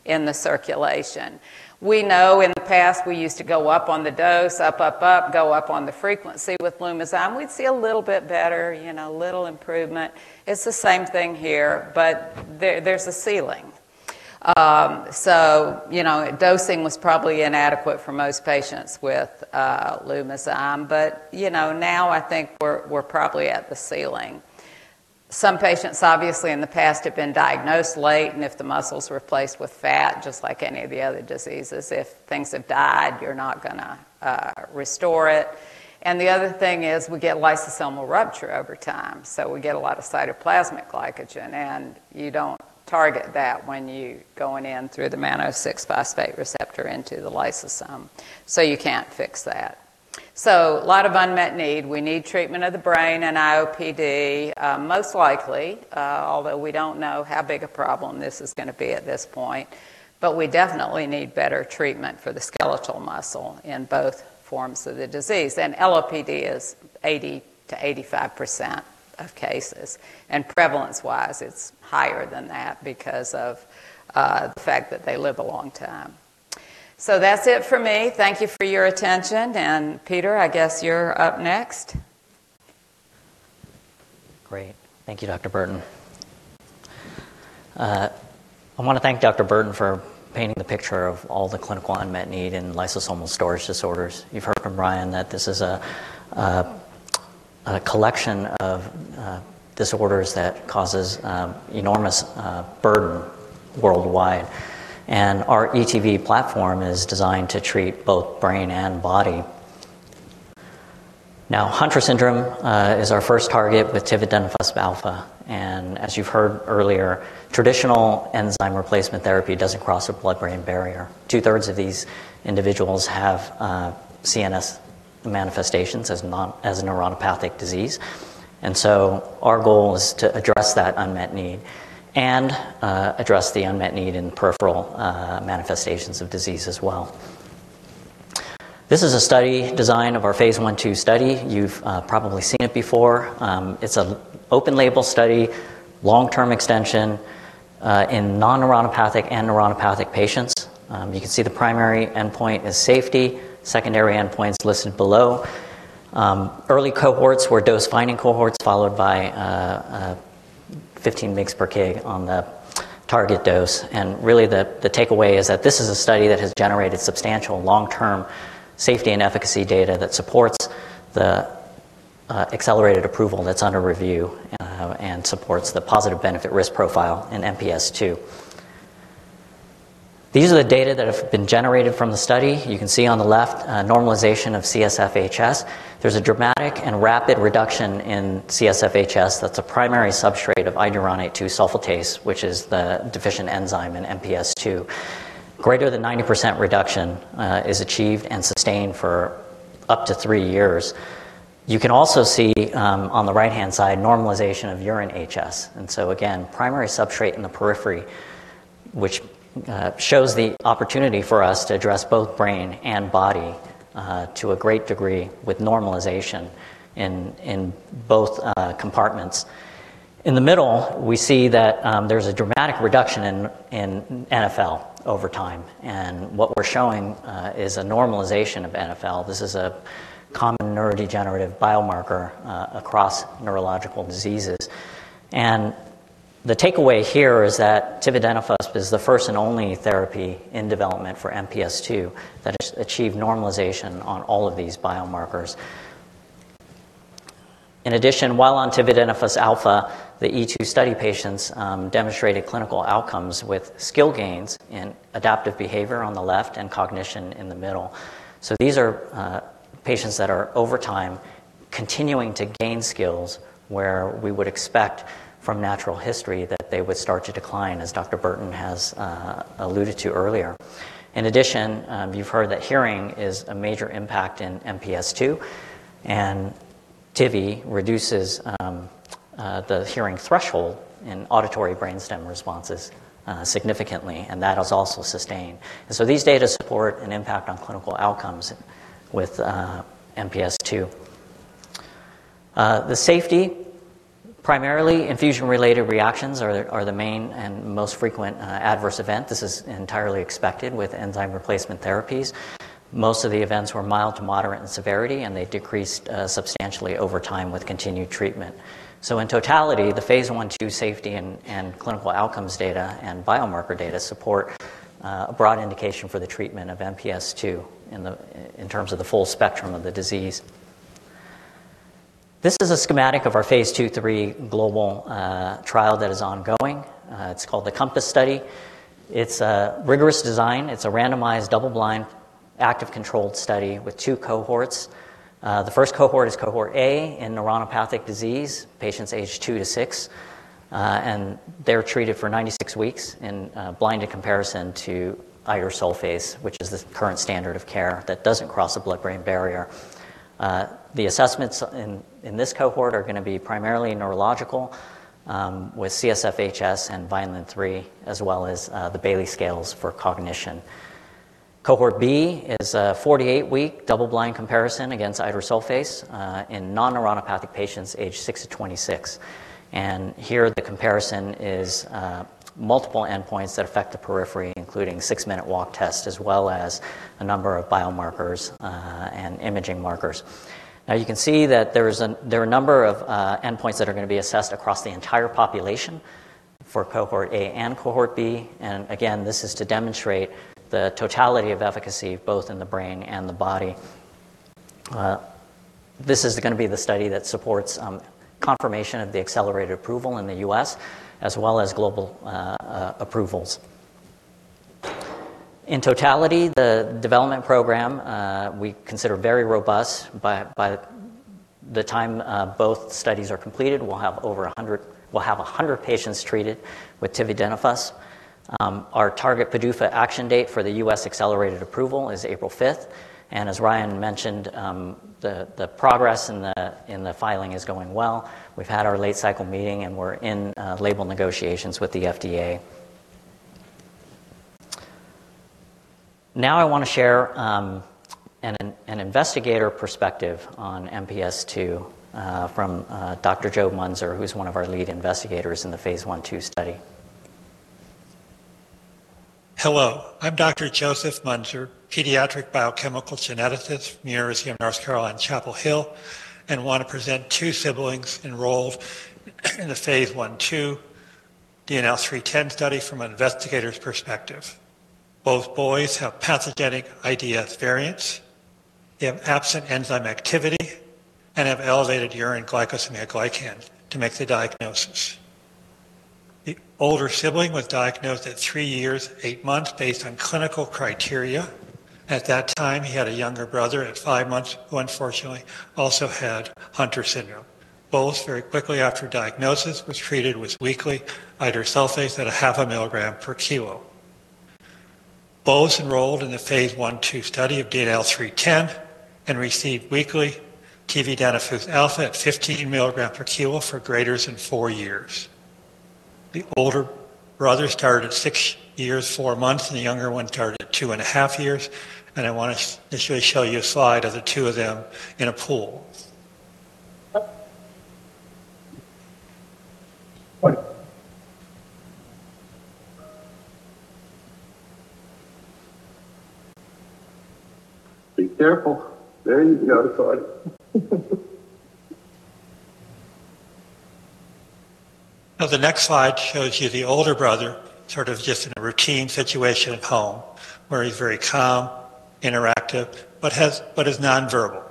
in the circulation. We know in the past, we used to go up on the dose, up, up, up, go up on the frequency with Lumazyme. We'd see a little bit better, a little improvement. It's the same thing here, but there's a ceiling. Dosing was probably inadequate for most patients with Lumazyme, but now I think we're probably at the ceiling. Some patients, obviously, in the past have been diagnosed late, and if the muscles were replaced with fat, just like any of the other diseases, if things have died, you're not going to restore it. And the other thing is we get lysosomal rupture over time, so we get a lot of cytoplasmic glycogen, and you don't target that when you're going in through the mannose-6-phosphate receptor into the lysosome, so you can't fix that. So a lot of unmet need. We need treatment of the brain and IOPD, most likely, although we don't know how big a problem this is going to be at this point, but we definitely need better treatment for the skeletal muscle in both forms of the disease. And LOPD is 80%-85% of cases, and prevalence-wise, it's higher than that because of the fact that they live a long time. So that's it for me. Thank you for your attention. And Peter, I guess you're up next. Great. Thank you, Dr. Burton. I want to thank Dr. Burton for painting the picture of all the clinical unmet need in lysosomal storage disorders. You've heard from Ryan that this is a collection of disorders that causes enormous burden worldwide, and our ETV platform is designed to treat both brain and body. Now, Hunter syndrome is our first target with tividenofusp alfa, and as you've heard earlier, traditional enzyme replacement therapy doesn't cross a blood-brain barrier. Two-thirds of these individuals have CNS manifestations as a neuropathic disease, and so our goal is to address that unmet need and address the unmet need in peripheral manifestations of disease as well. This is a study design of our phase I-II study. You've probably seen it before. It's an open-label study, long-term extension in non-neuropathic and neuropathic patients. You can see the primary endpoint is safety. Secondary endpoints listed below. Early cohorts were dose-finding cohorts followed by 15 weeks per kg on the target dose. And really, the takeaway is that this is a study that has generated substantial long-term safety and efficacy data that supports the accelerated approval that's under review and supports the positive benefit risk profile in MPS2. These are the data that have been generated from the study. You can see on the left normalization of CSF HS. There's a dramatic and rapid reduction in CSF HS that's a primary substrate of iduronate-2-sulfatase, which is the deficient enzyme in MPS II. Greater than 90% reduction is achieved and sustained for up to three years. You can also see on the right-hand side normalization of urine HS. And so again, primary substrate in the periphery, which shows the opportunity for us to address both brain and body to a great degree with normalization in both compartments. In the middle, we see that there's a dramatic reduction in NfL over time, and what we're showing is a normalization of NfL. This is a common neurodegenerative biomarker across neurological diseases, and the takeaway here is that tividenofusp is the first and only therapy in development for MPS II that has achieved normalization on all of these biomarkers. In addition, while on tividenofusp alfa, the ETV study patients demonstrated clinical outcomes with skill gains in adaptive behavior on the left and cognition in the middle, so these are patients that are over time continuing to gain skills where we would expect from natural history that they would start to decline, as Dr. Burton has alluded to earlier. In addition, you've heard that hearing is a major impact in MPS II, and Tivi reduces the hearing threshold in auditory brainstem responses significantly, and that is also sustained. These data support an impact on clinical outcomes with MPS II. The safety, primarily infusion-related reactions, are the main and most frequent adverse event. This is entirely expected with enzyme replacement therapies. Most of the events were mild to moderate in severity, and they decreased substantially over time with continued treatment. In totality, the phase I/II safety and clinical outcomes data and biomarker data support a broad indication for the treatment of MPS II in terms of the full spectrum of the disease. This is a schematic of our phase II/III global trial that is ongoing. It's called the COMPASS study. It's a rigorous design. It's a randomized double-blind active-controlled study with two cohorts. The first cohort is cohort A in neuropathic disease, patients age two to six, and they're treated for 96 weeks in blinded comparison to idursulfase, which is the current standard of care that doesn't cross a blood-brain barrier. The assessments in this cohort are going to be primarily neurological with CSF HS and Vineland-3, as well as the Bayley Scales for cognition. Cohort B is a 48-week double-blind comparison against idursulfase in non-neuropathic patients age six to 26. And here, the comparison is multiple endpoints that affect the periphery, including six-minute walk tests, as well as a number of biomarkers and imaging markers. Now, you can see that there are a number of endpoints that are going to be assessed across the entire population for cohort A and cohort B. And again, this is to demonstrate the totality of efficacy both in the brain and the body. This is going to be the study that supports confirmation of the accelerated approval in the U.S., as well as global approvals. In totality, the development program we consider very robust. By the time both studies are completed, we'll have over 100 patients treated with tividenofusp alfa. Our target PDUFA action date for the U.S. accelerated approval is April 5th. As Ryan mentioned, the progress in the filing is going well. We've had our late-cycle meeting, and we're in label negotiations with the FDA. Now, I want to share an investigator perspective on MPS II from Dr. Joseph Muenzer, who's one of our lead investigators in the phase I/II study. Hello. I'm Dr. Joseph Muenzer, pediatric biochemical geneticist from University of North Carolina Chapel Hill, and want to present two siblings enrolled in the phase I/II DNL310 study from an investigator's perspective. Both boys have pathogenic IDS variants. They have absent enzyme activity and have elevated urine glycosaminoglycans to make the diagnosis. The older sibling was diagnosed at three years eight months based on clinical criteria. At that time, he had a younger brother at five months who unfortunately also had Hunter syndrome. Both, very quickly after diagnosis, were treated with weekly idursulfase at a half a milligram per kilo. Both enrolled in the phase I/II study of DNL310 and received weekly tividenofusp alfa at 15 milligrams per kilo for greater than four years. The older brother started at six years four months, and the younger one started at two and a half years. I want to initially show you a slide of the two of them in a pool. Now, the next slide shows you the older brother, sort of just in a routine situation at home, where he's very calm, interactive, but is nonverbal.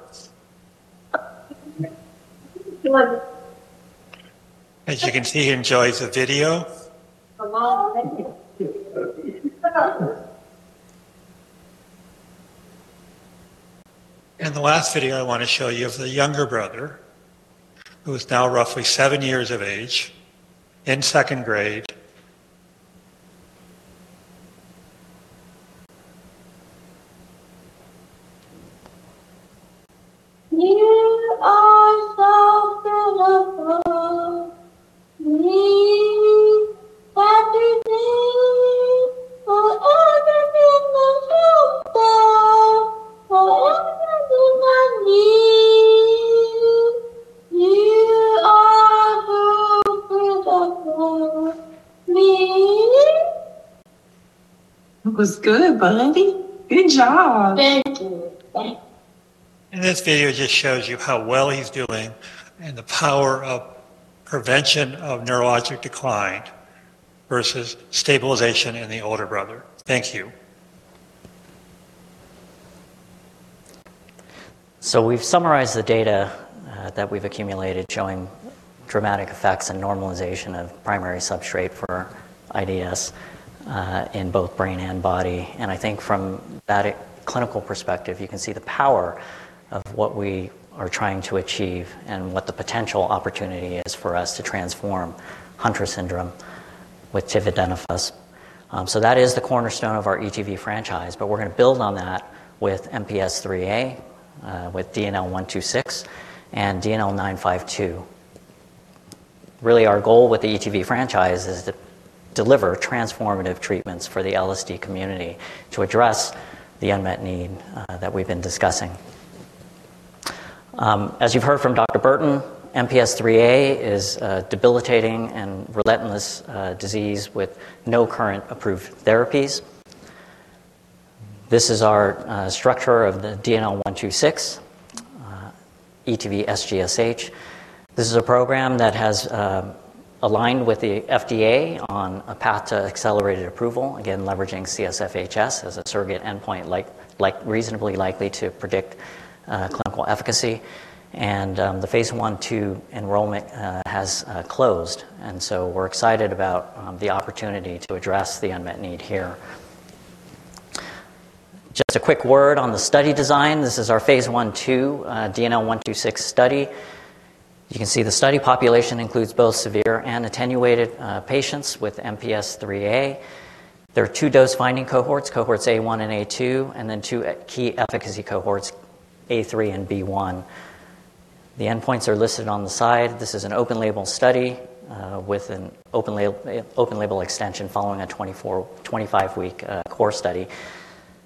As you can see, he enjoys the video, and the last video I want to show you is the younger brother, who is now roughly seven years of age in second grade. And this video just shows you how well he's doing and the power of prevention of neurologic decline versus stabilization in the older brother. Thank you. We've summarized the data that we've accumulated showing dramatic effects and normalization of primary substrate for IDS in both brain and body. I think from that clinical perspective, you can see the power of what we are trying to achieve and what the potential opportunity is for us to transform Hunter syndrome with tividenofusp alfa. That is the cornerstone of our ETV franchise, but we're going to build on that with MPS IIIA, with DNL126, and DNL952. Really, our goal with the ETV franchise is to deliver transformative treatments for the LSD community to address the unmet need that we've been discussing. As you've heard from Dr. Burton, MPS IIIA is a debilitating and relentless disease with no current approved therapies. This is our structure of the DNL126 ETV SGSH. This is a program that has aligned with the FDA on a path to accelerated approval, again, leveraging CSF HS as a surrogate endpoint reasonably likely to predict clinical efficacy. And the phase I-II enrollment has closed, and so we're excited about the opportunity to address the unmet need here. Just a quick word on the study design. This is our phase I-II DNL126 study. You can see the study population includes both severe and attenuated patients with MPS IIIA. There are two dose-finding cohorts, cohorts A-I and A-II, and then two key efficacy cohorts, A-III and B-I. The endpoints are listed on the side. This is an open-label study with an open-label extension following a 25-week core study.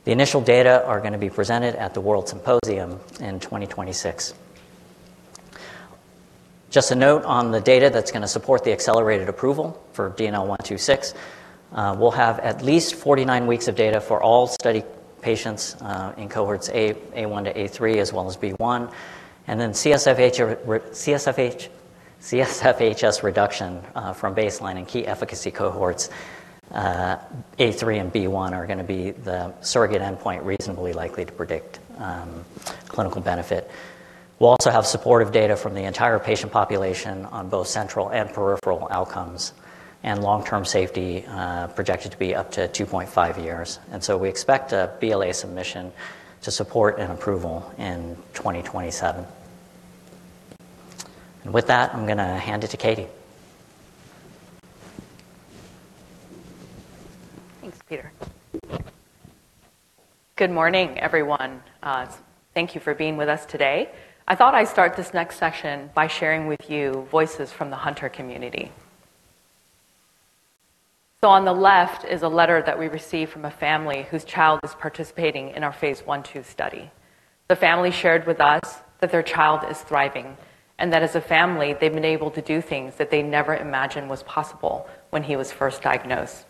The initial data are going to be presented at the World Symposium in 2026. Just a note on the data that's going to support the accelerated approval for DNL126. We'll have at least 49 weeks of data for all study patients in cohorts A-I to A-III, as well as B-I. And then CSF HS reduction from baseline and key efficacy cohorts, A-III and B1, are going to be the surrogate endpoint reasonably likely to predict clinical benefit. We'll also have supportive data from the entire patient population on both central and peripheral outcomes and long-term safety projected to be up to 2.5 years. And so we expect a BLA submission to support an approval in 2027. And with that, I'm going to hand it to Katie. Thanks, Peter. Good morning, everyone. Thank you for being with us today. I thought I'd start this next section by sharing with you voices from the Hunter community. So on the left is a letter that we received from a family whose child is participating in our phase I/II study. The family shared with us that their child is thriving and that as a family, they've been able to do things that they never imagined were possible when he was first diagnosed.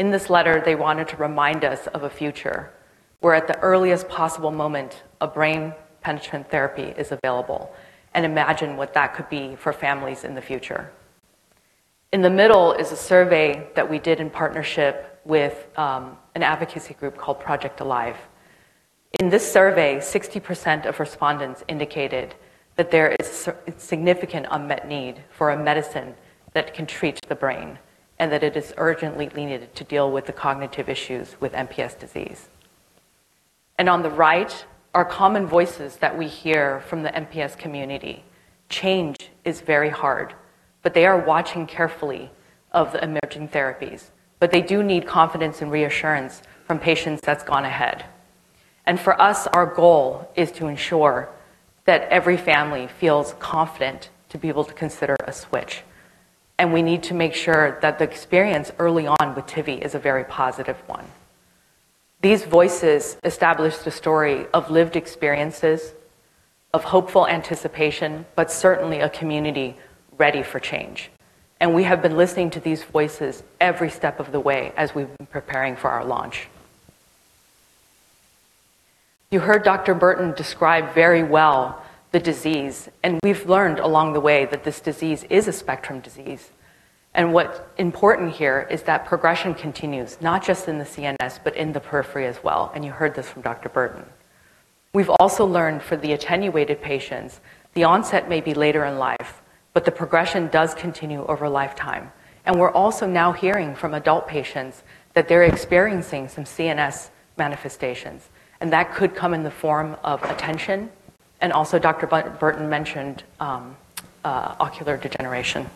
In this letter, they wanted to remind us of a future where at the earliest possible moment, a brain penetrant therapy is available and imagine what that could be for families in the future. In the middle is a survey that we did in partnership with an advocacy group called Project Alive. In this survey, 60% of respondents indicated that there is a significant unmet need for a medicine that can treat the brain and that it is urgently needed to deal with the cognitive issues with MPS disease, and on the right are common voices that we hear from the MPS community. Change is very hard, but they are watching carefully of the emerging therapies, but they do need confidence and reassurance from patients that's gone ahead, and for us, our goal is to ensure that every family feels confident to be able to consider a switch, and we need to make sure that the experience early on with Tivi is a very positive one. These voices establish the story of lived experiences, of hopeful anticipation, but certainly a community ready for change. We have been listening to these voices every step of the way as we've been preparing for our launch. You heard Dr. Burton describe very well the disease, and we've learned along the way that this disease is a spectrum disease. What's important here is that progression continues, not just in the CNS, but in the periphery as well. You heard this from Dr. Burton. We've also learned for the attenuated patients, the onset may be later in life, but the progression does continue over lifetime. We're also now hearing from adult patients that they're experiencing some CNS manifestations, and that could come in the form of attention. Also, Dr. Burton mentioned ocular degeneration.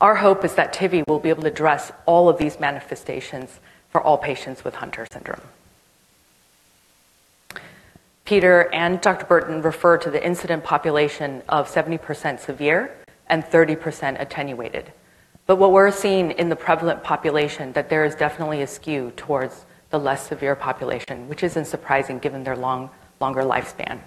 Our hope is that Tivi will be able to address all of these manifestations for all patients with Hunter syndrome. Peter and Dr. Burton refers to the incident population of 70% severe and 30% attenuated, but what we're seeing in the prevalent population is that there is definitely a skew towards the less severe population, which isn't surprising given their longer lifespan.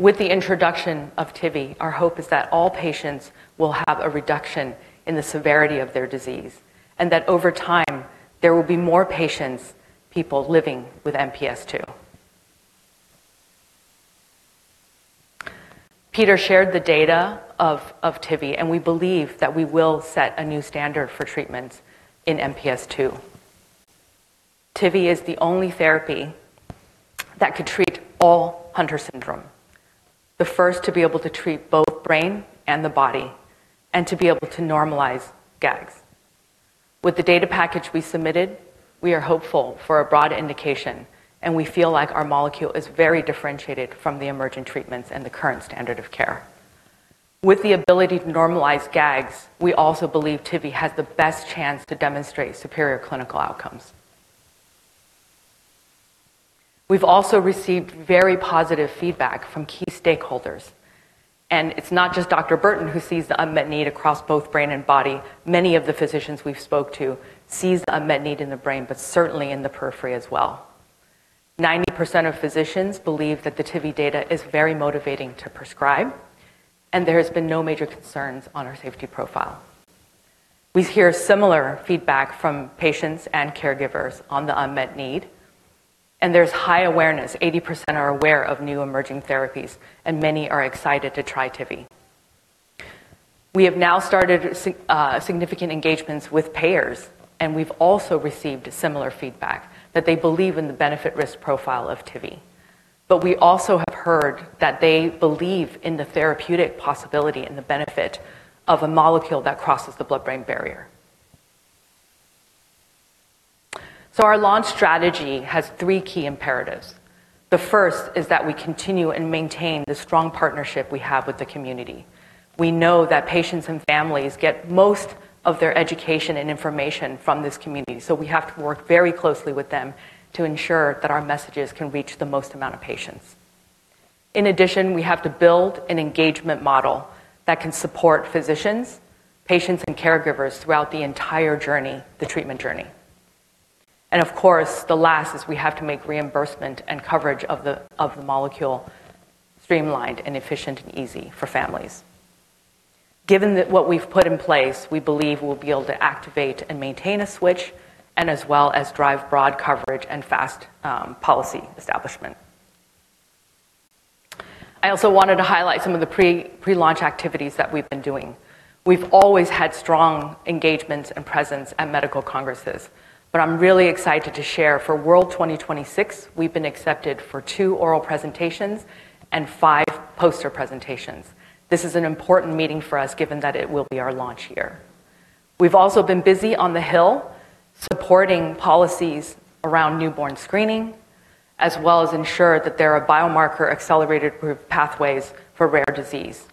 With the introduction of Tivi, our hope is that all patients will have a reduction in the severity of their disease and that over time, there will be more patients, people living with MPS II. Peter shared the data of Tivi, and we believe that we will set a new standard for treatments in MPS II. Tivi is the only therapy that could treat all Hunter syndrome, the first to be able to treat both brain and the body and to be able to normalize GAGs. With the data package we submitted, we are hopeful for a broad indication, and we feel like our molecule is very differentiated from the emergent treatments and the current standard of care. With the ability to normalize GAGs, we also believe Tivi has the best chance to demonstrate superior clinical outcomes. We've also received very positive feedback from key stakeholders. And it's not just Dr. Burton who sees the unmet need across both brain and body. Many of the physicians we've spoke to see the unmet need in the brain, but certainly in the periphery as well. 90% of physicians believe that the Tivi data is very motivating to prescribe, and there have been no major concerns on our safety profile. We hear similar feedback from patients and caregivers on the unmet need, and there's high awareness. 80% are aware of new emerging therapies, and many are excited to try Tivi. We have now started significant engagements with payers, and we've also received similar feedback that they believe in the benefit-risk profile of Tivi. But we also have heard that they believe in the therapeutic possibility and the benefit of a molecule that crosses the blood-brain barrier. So our launch strategy has three key imperatives. The first is that we continue and maintain the strong partnership we have with the community. We know that patients and families get most of their education and information from this community, so we have to work very closely with them to ensure that our messages can reach the most amount of patients. In addition, we have to build an engagement model that can support physicians, patients, and caregivers throughout the entire treatment journey. Of course, the last is we have to make reimbursement and coverage of the molecule streamlined and efficient and easy for families. Given what we've put in place, we believe we'll be able to activate and maintain a switch, as well as drive broad coverage and fast policy establishment. I also wanted to highlight some of the pre-launch activities that we've been doing. We've always had strong engagements and presence at medical congresses, but I'm really excited to share for WORLD 2026, we've been accepted for two oral presentations and five poster presentations. This is an important meeting for us given that it will be our launch year. We've also been busy on the Hill supporting policies around newborn screening, as well as ensure that there are biomarker accelerated pathways for rare disease.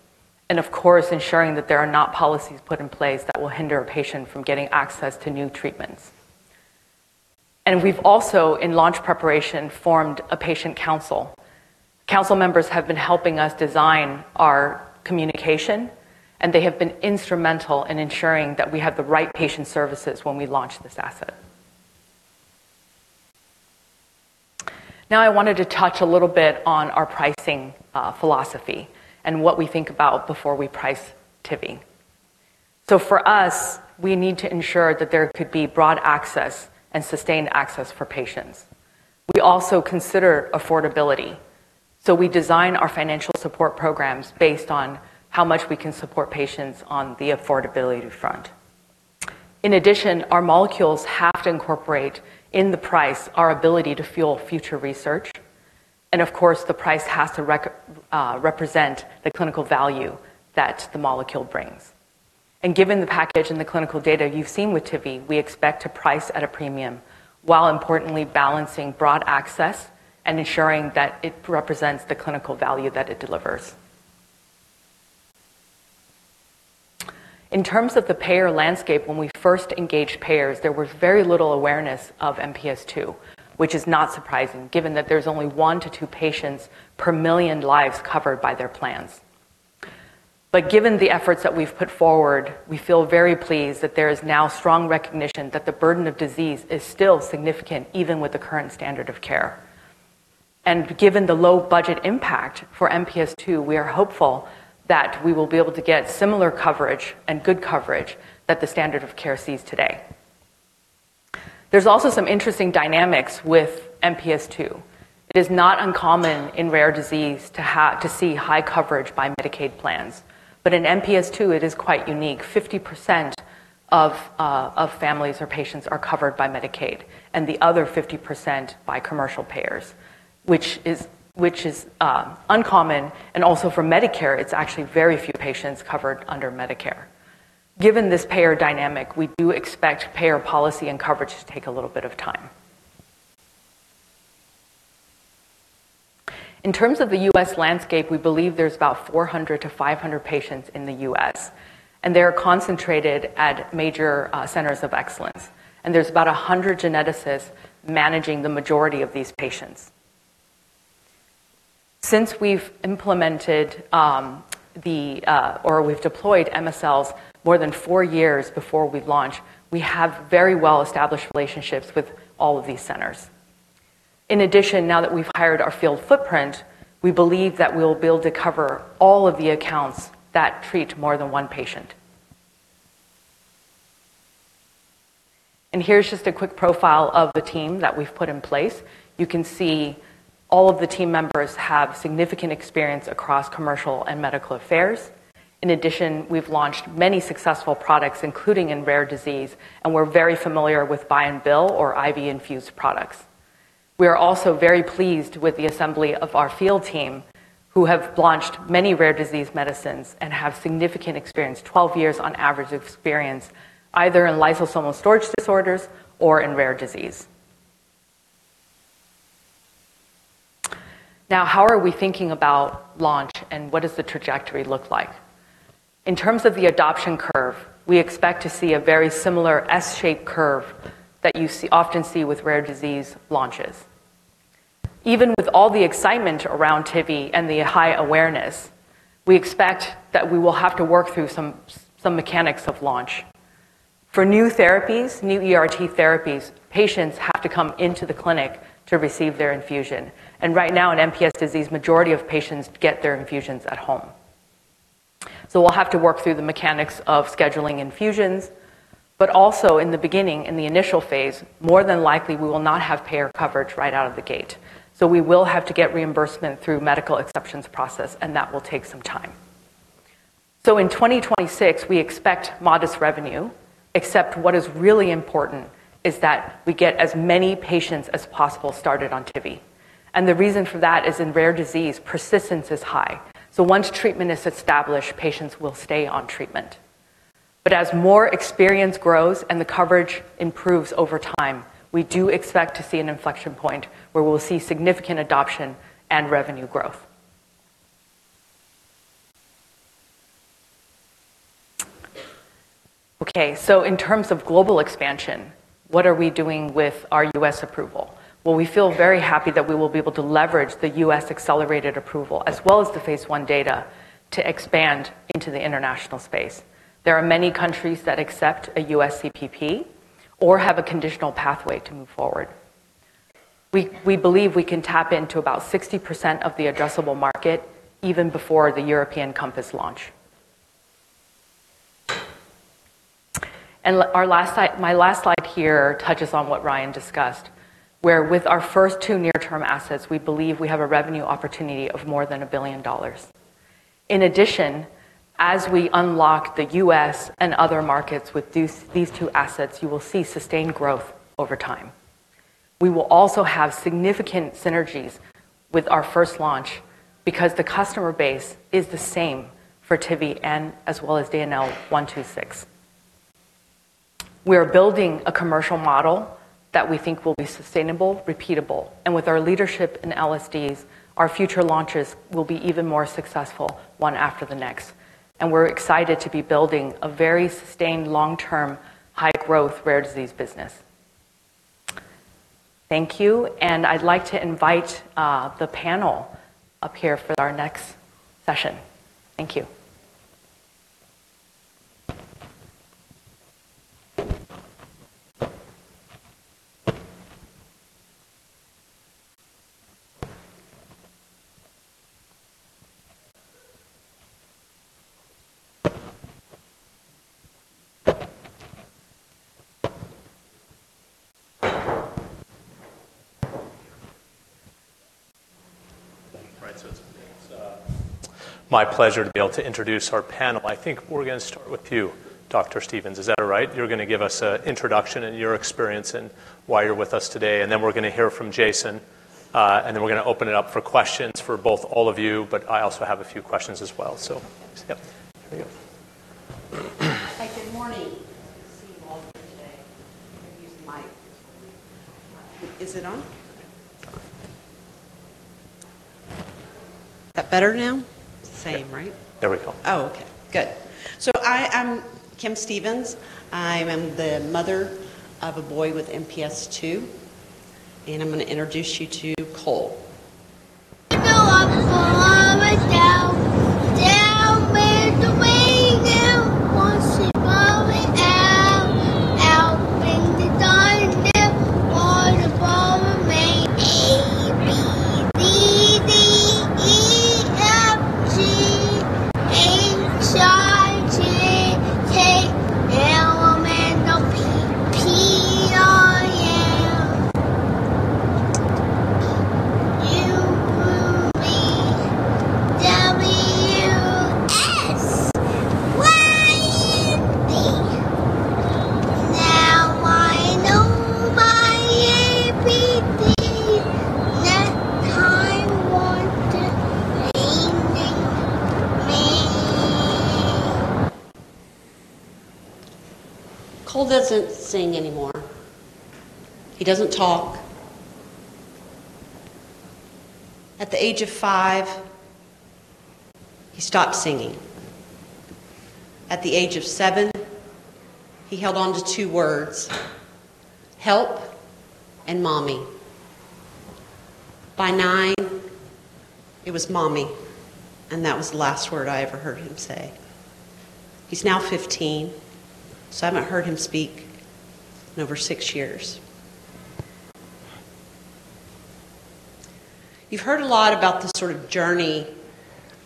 And of course, ensuring that there are not policies put in place that will hinder a patient from getting access to new treatments. And we've also, in launch preparation, formed a patient council. Council members have been helping us design our communication, and they have been instrumental in ensuring that we have the right patient services when we launch this asset. Now, I wanted to touch a little bit on our pricing philosophy and what we think about before we price Tivi. So for us, we need to ensure that there could be broad access and sustained access for patients. We also consider affordability. So we design our financial support programs based on how much we can support patients on the affordability front. In addition, our molecules have to incorporate in the price our ability to fuel future research. Of course, the price has to represent the clinical value that the molecule brings. Given the package and the clinical data you've seen with Tivi, we expect to price at a premium while importantly balancing broad access and ensuring that it represents the clinical value that it delivers. In terms of the payer landscape, when we first engaged payers, there was very little awareness of MPS II, which is not surprising given that there's only one to two patients per million lives covered by their plans. Given the efforts that we've put forward, we feel very pleased that there is now strong recognition that the burden of disease is still significant even with the current standard of care. Given the low budget impact for MPS II, we are hopeful that we will be able to get similar coverage and good coverage that the standard of care sees today. There's also some interesting dynamics with MPS II. It is not uncommon in rare disease to see high coverage by Medicaid plans, but in MPS II, it is quite unique. 50% of families or patients are covered by Medicaid and the other 50% by commercial payers, which is uncommon. Also for Medicare, it's actually very few patients covered under Medicare. Given this payer dynamic, we do expect payer policy and coverage to take a little bit of time. In terms of the U.S. landscape, we believe there's about 400-500 patients in the U.S., and they are concentrated at major centers of excellence. There's about 100 geneticists managing the majority of these patients. Since we've implemented or we've deployed MSLs more than four years before we launched, we have very well-established relationships with all of these centers. In addition, now that we've hired our field footprint, we believe that we'll be able to cover all of the accounts that treat more than one patient. And here's just a quick profile of the team that we've put in place. You can see all of the team members have significant experience across commercial and medical affairs. In addition, we've launched many successful products, including in rare disease, and we're very familiar with sub-Q or IV-infused products. We are also very pleased with the assembly of our field team, who have launched many rare disease medicines and have significant experience, 12 years on average experience, either in lysosomal storage disorders or in rare disease. Now, how are we thinking about launch and what does the trajectory look like? In terms of the adoption curve, we expect to see a very similar S-shaped curve that you often see with rare disease launches. Even with all the excitement around Tivi and the high awareness, we expect that we will have to work through some mechanics of launch. For new therapies, new ERT therapies, patients have to come into the clinic to receive their infusion. And right now, in MPS disease, the majority of patients get their infusions at home. So we'll have to work through the mechanics of scheduling infusions. But also in the beginning, in the initial phase, more than likely, we will not have payer coverage right out of the gate. So we will have to get reimbursement through the medical exceptions process, and that will take some time. So in 2026, we expect modest revenue, except what is really important is that we get as many patients as possible started on Tivi. And the reason for that is in rare disease, persistence is high. So once treatment is established, patients will stay on treatment. But as more experience grows and the coverage improves over time, we do expect to see an inflection point where we'll see significant adoption and revenue growth. Okay, so in terms of global expansion, what are we doing with our U.S. approval? Well, we feel very happy that we will be able to leverage the U.S. accelerated approval as well as the phase I data to expand into the international space. There are many countries that accept a U.S. CPP or have a conditional pathway to move forward. We believe we can tap into about 60% of the addressable market even before the European COMPASS launch, and my last slide here touches on what Ryan discussed, where with our first two near-term assets, we believe we have a revenue opportunity of more than $1 billion. In addition, as we unlock the U.S. and other markets with these two assets, you will see sustained growth over time. We will also have significant synergies with our first launch because the customer base is the same for Tivi and as well as DNL126. We are building a commercial model that we think will be sustainable, repeatable, and with our leadership in LSDs, our future launches will be even more successful one after the next, and we're excited to be building a very sustained, long-term, high-growth rare disease business. Thank you. I'd like to invite the panel up here for our next session. Thank you. My pleasure to be able to introduce our panel. I think we're going to start with you, Dr. Stephens. Is that all right? You're going to give us an introduction and your experience and why you're with us today. And then we're going to hear from Jason, and then we're going to open it up for questions for both all of you. But I also have a few questions as well. So, yep, here we go. Hi, good morning. Good to see you all here today. I'm using my. Is it on? Is that better now? It's the same, right? There we go. Oh, okay. Good. So I'm Kim Stephens. I am the mother of a boy with MPS II, and I'm going to introduce you to Cole. The ball up, pull all the way down, down with the wing and push it all the way out, out with the dynamite ball. A, B, D, E, F, G, H, I, J, K, L, M, N, O, P, P, O, U, V, W, U, S, Y, and D. Now I know my A, B, D, next time won't you sing with me? Cole doesn't sing anymore. He doesn't talk. At the age of five, he stopped singing. At the age of seven, he held on to two words: "Help" and "Mommy." By nine, it was "Mommy," and that was the last word I ever heard him say. He's now 15, so I haven't heard him speak in over six years. You've heard a lot about the sort of journey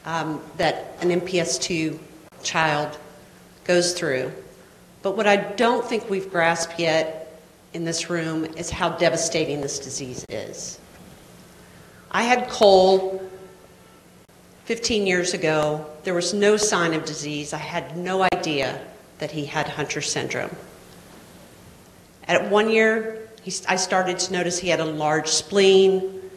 that an MPS II child goes through, but what I don't think we've grasped yet in this room is how devastating this disease is. I had Cole 15 years ago. There was no sign of disease. I had no idea that he had Hunter syndrome. At one year, I started to notice he had a large spleen,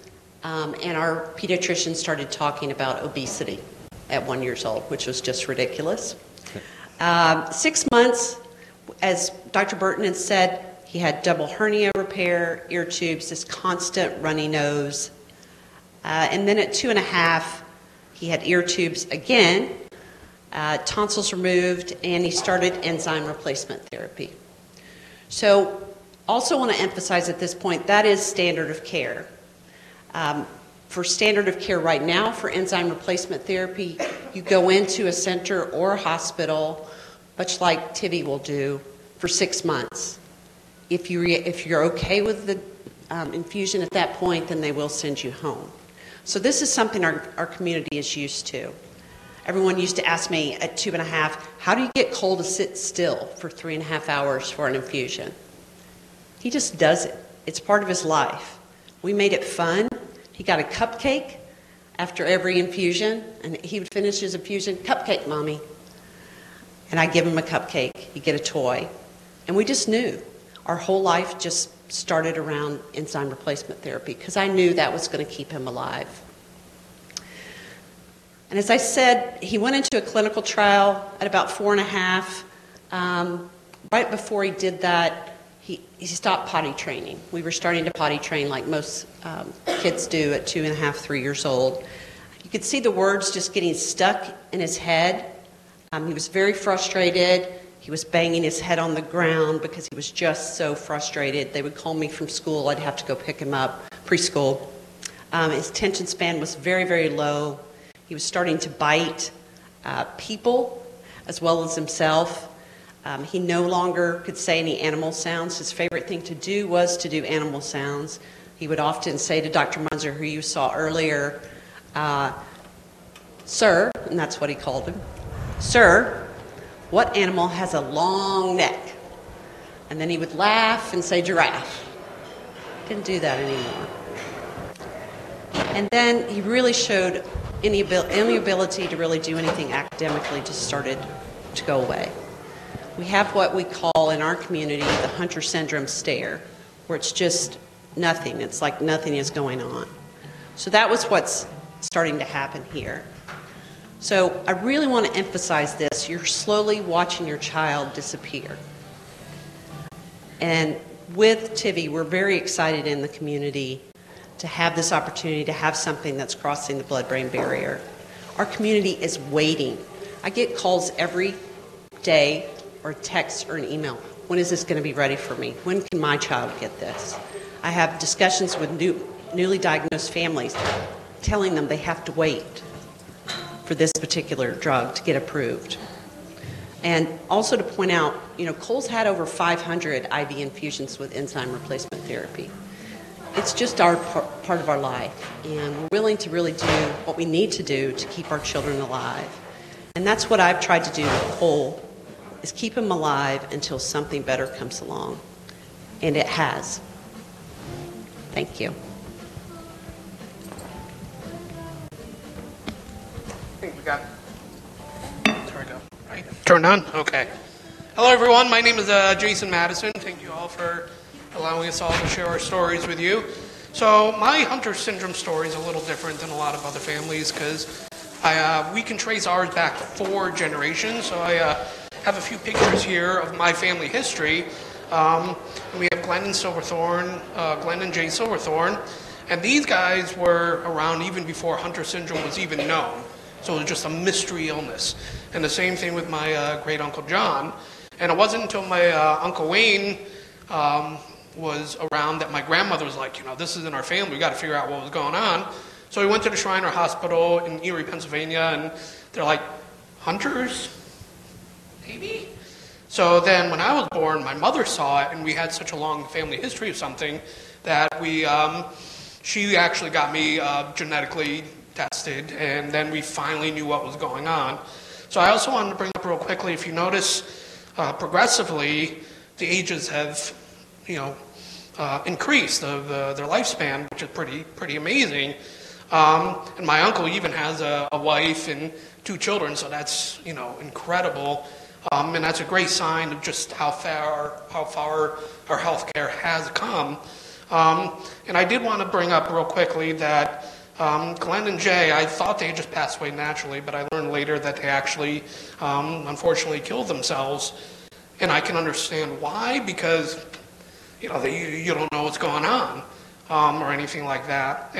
and our pediatrician started talking about obesity at one year's old, which was just ridiculous. Six months, as Dr. Burton had said, he had double hernia repair, ear tubes, this constant runny nose, and then at two and a half, he had ear tubes again, tonsils removed, and he started enzyme replacement therapy, so I also want to emphasize at this point that is standard of care. For standard of care right now for enzyme replacement therapy, you go into a center or a hospital, much like Tivi will do, for six months. If you're okay with the infusion at that point, then they will send you home, so this is something our community is used to. Everyone used to ask me at two and a half, "How do you get Cole to sit still for three and a half hours for an infusion?" He just does it. It's part of his life. We made it fun. He got a cupcake after every infusion, and he would finish his infusion, "Cupcake, Mommy," and I'd give him a cupcake. He'd get a toy, and we just knew. Our whole life just started around enzyme replacement therapy because I knew that was going to keep him alive. As I said, he went into a clinical trial at about four and a half. Right before he did that, he stopped potty training. We were starting to potty train like most kids do at two and a half, three years old. You could see the words just getting stuck in his head. He was very frustrated. He was banging his head on the ground because he was just so frustrated. They would call me from school. I'd have to go pick him up, preschool. His attention span was very, very low. He was starting to bite people as well as himself. He no longer could say any animal sounds. His favorite thing to do was to do animal sounds. He would often say to Dr. Muenzer, who you saw earlier, "Sir," and that's what he called him, "Sir, what animal has a long neck?" And then he would laugh and say, "Giraffe." He couldn't do that anymore, and then he really showed any ability to really do anything academically just started to go away. We have what we call in our community the Hunter syndrome stare, where it's just nothing. It's like nothing is going on, so that was what's starting to happen here. So I really want to emphasize this. You're slowly watching your child disappear, and with Tivi, we're very excited in the community to have this opportunity to have something that's crossing the blood-brain barrier. Our community is waiting. I get calls every day or a text or an email. When is this going to be ready for me? When can my child get this? I have discussions with newly diagnosed families telling them they have to wait for this particular drug to get approved. And also to point out, Cole's had over 500 IV infusions with enzyme replacement therapy. It's just part of our life, and we're willing to really do what we need to do to keep our children alive. And that's what I've tried to do with Cole, is keep him alive until something better comes along. And it has. Thank you. I think we got turned on? Okay. Hello, everyone. My name is Jason Madison. Thank you all for allowing us all to share our stories with you. So my Hunter syndrome story is a little different than a lot of other families because we can trace ours back four generations. So I have a few pictures here of my family history. We have Glennon Silverthorne, Glennon J. Silverthorne. These guys were around even before Hunter syndrome was even known. So it was just a mystery illness. The same thing happened with my great uncle John. It wasn't until my uncle Wayne was around that my grandmother was like, "This isn't our family. We got to figure out what was going on." He went to the Shriners Hospital in Erie, Pennsylvania, and they're like, "Hunters?" Maybe. When I was born, my mother saw it, and we had such a long family history of something that she actually got me genetically tested, and then we finally knew what was going on. I also wanted to bring up real quickly, if you notice, progressively, the ages have increased of their lifespan, which is pretty amazing. My uncle even has a wife and two children, so that's incredible. That's a great sign of just how far our healthcare has come. I did want to bring up real quickly that Glennon and Jay, I thought they had just passed away naturally, but I learned later that they actually, unfortunately, killed themselves. I can understand why because you don't know what's going on or anything like that.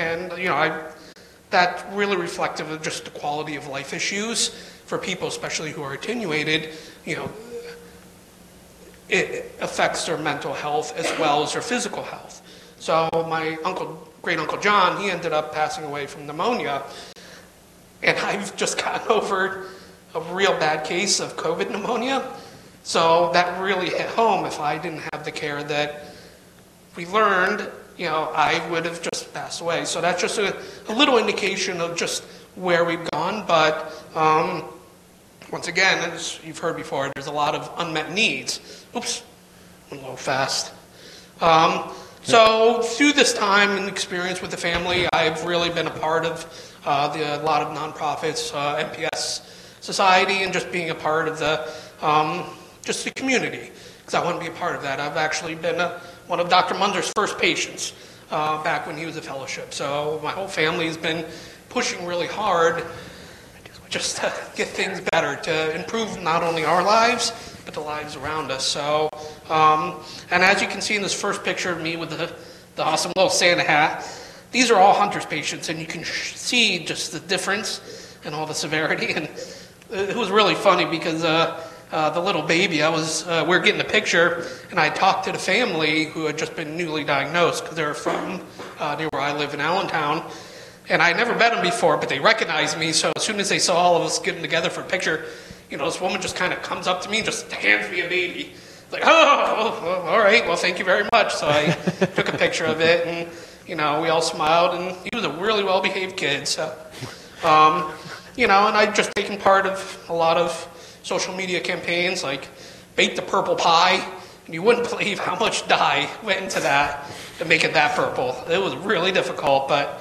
That really reflects just the quality of life issues for people, especially who are attenuated. It affects their mental health as well as their physical health. My great uncle John, he ended up passing away from pneumonia, and I've just gotten over a real bad case of COVID pneumonia. That really hit home. If I didn't have the care that we learned, I would have just passed away. That's just a little indication of just where we've gone. But once again, as you've heard before, there's a lot of unmet needs. Oops, went a little fast. Through this time and experience with the family, I've really been a part of a lot of nonprofits, MPS Society, and just being a part of just the community because I want to be a part of that. I've actually been one of Dr. Muenzer's first patients back when he was a fellowship. My whole family has been pushing really hard just to get things better, to improve not only our lives but the lives around us. As you can see in this first picture of me with the awesome little Santa hat, these are all Hunter's patients, and you can see just the difference and all the severity. It was really funny because we were getting a picture, and I talked to the family who had just been newly diagnosed because they're from near where I live in Allentown. I had never met them before, but they recognized me. As soon as they saw all of us getting together for a picture, this woman just kind of comes up to me and just hands me a baby. It's like, "Oh, all right. Well, thank you very much." I took a picture of it, and we all smiled, and he was a really well-behaved kid. I've just taken part in a lot of social media campaigns like Bake the Purple Pie. You wouldn't believe how much dye went into that to make it that purple. It was really difficult, but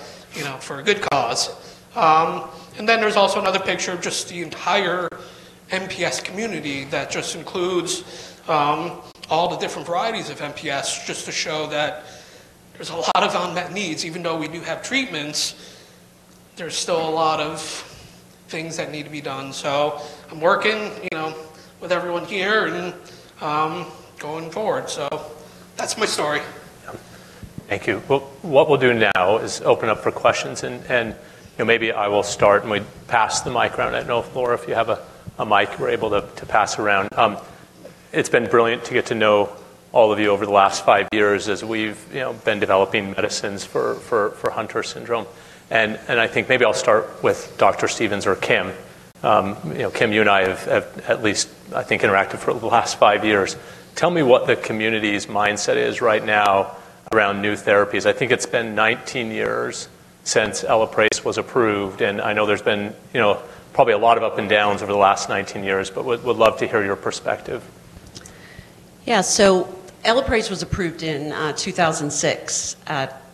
for a good cause. And then there's also another picture of just the entire MPS community that just includes all the different varieties of MPS just to show that there's a lot of unmet needs. Even though we do have treatments, there's still a lot of things that need to be done. So I'm working with everyone here and going forward. So that's my story. Thank you. What we'll do now is open up for questions, and maybe I will start, and we pass the mic around. I don't know if Laura, if you have a mic you were able to pass around. It's been brilliant to get to know all of you over the last five years as we've been developing medicines for Hunter syndrome. And I think maybe I'll start with Dr. Stephens or Kim. Kim, you and I have at least, I think, interacted for the last five years. Tell me what the community's mindset is right now around new therapies? I think it's been 19 years since Elaprase was approved, and I know there's been probably a lot of ups and downs over the last 19 years, but would love to hear your perspective. Yeah. So Elaprase was approved in 2006.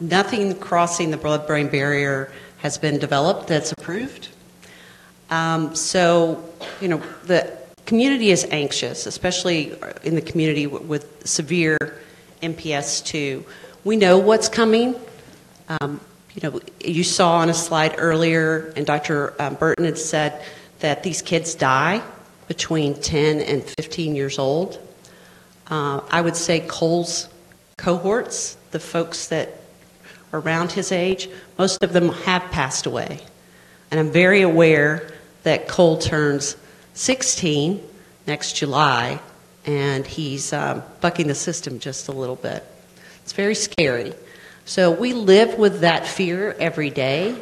Nothing crossing the blood-brain barrier has been developed that's approved. So the community is anxious, especially in the community with severe MPS II. We know what's coming. You saw on a slide earlier, and Dr. Burton had said that these kids die between 10 years and 15 years old. I would say Cole's cohorts, the folks that are around his age, most of them have passed away. And I'm very aware that Cole turns 16 next July, and he's bucking the system just a little bit. It's very scary. So we live with that fear every day.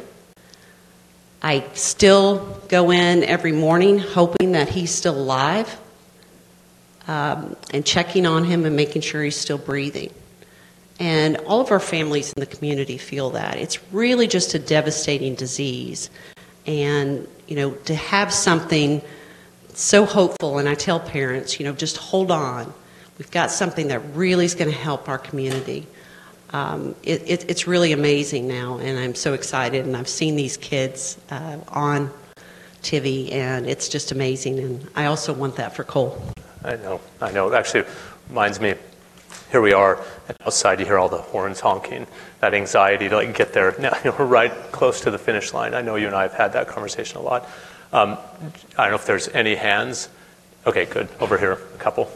I still go in every morning hoping that he's still alive and checking on him and making sure he's still breathing, and all of our families in the community feel that. It's really just a devastating disease, and to have something so hopeful, and I tell parents, "Just hold on. We've got something that really is going to help our community." It's really amazing now, and I'm so excited, and I've seen these kids on Tivi, and it's just amazing, and I also want that for Cole. I know. I know. It actually reminds me. Here we are outside. You hear all the horns honking, that anxiety to get there right close to the finish line. I know you and I have had that conversation a lot. I don't know if there's any hands. Okay. Good. Over here. A couple.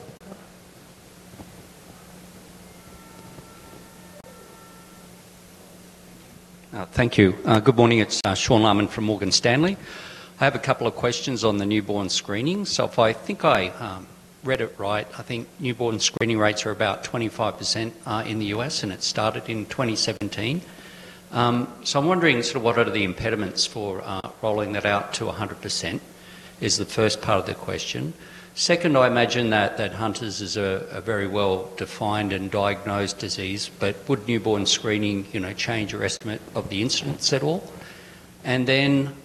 Thank you. Good morning. It's Sean Laaman from Morgan Stanley.I have a couple of questions on the newborn screening. So if I think I read it right, I think newborn screening rates are about 25% in the U.S., and it started in 2017. So I'm wondering sort of what are the impediments for rolling that out to 100% is the first part of the question. Second, I imagine that Hunter's is a very well-defined and diagnosed disease, but would newborn screening change your estimate of the incidence at all? And then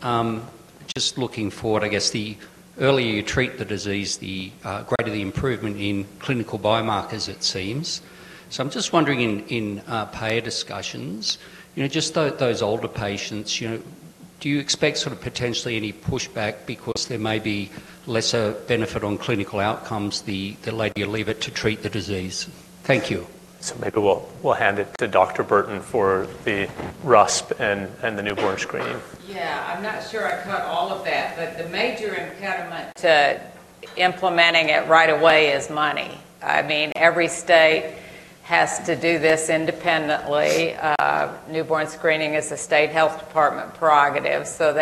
just looking forward, I guess the earlier you treat the disease, the greater the improvement in clinical biomarkers, it seems. So I'm just wondering in payer discussions, just those older patients, do you expect sort of potentially any pushback because there may be lesser benefit on clinical outcomes the later you leave it to treat the disease? Thank you. So maybe we'll hand it to Dr.Burton for the RUSP and the newborn screening. Yeah. I'm not sure I caught all of that, but the major impediment to implementing it right away is money. I mean, every state has to do this independently. Newborn screening is a state health department prerogative, so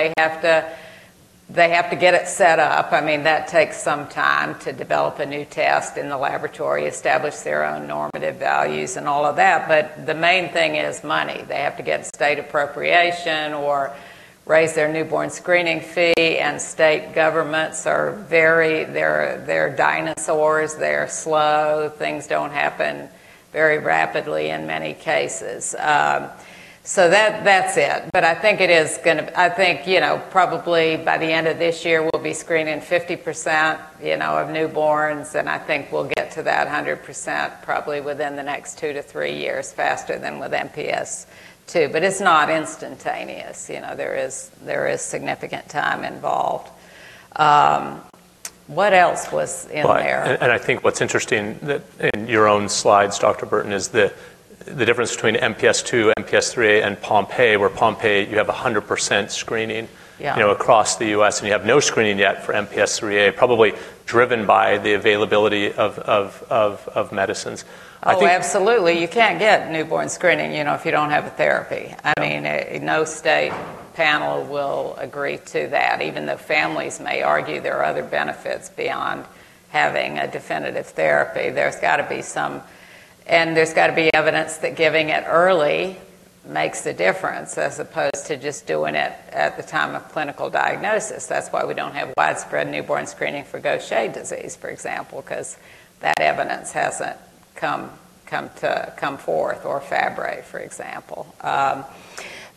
they have to get it set up. I mean, that takes some time to develop a new test in the laboratory, establish their own normative values, and all of that, but the main thing is money. They have to get state appropriation or raise their newborn screening fee, and state governments are very, they're dinosaurs. They're slow. Things don't happen very rapidly in many cases, so that's it. I think it is going to—I think probably by the end of this year, we'll be screening 50% of newborns, and I think we'll get to that 100% probably within the next two to three years faster than with MPS II. But it's not instantaneous. There is significant time involved. What else was in there? I think what's interesting in your own slides, Dr. Burton, is the difference between MPS II, MPS IIIA, and Pompe, where Pompe, you have 100% screening across the U.S., and you have no screening yet for MPS IIIA, probably driven by the availability of medicines. Oh, absolutely. You can't get newborn screening if you don't have a therapy. I mean, no state panel will agree to that, even though families may argue there are other benefits beyond having a definitive therapy. There's got to be some, and there's got to be evidence that giving it early makes a difference as opposed to just doing it at the time of clinical diagnosis. That's why we don't have widespread newborn screening for Gaucher disease, for example, because that evidence hasn't come forth or Fabry, for example.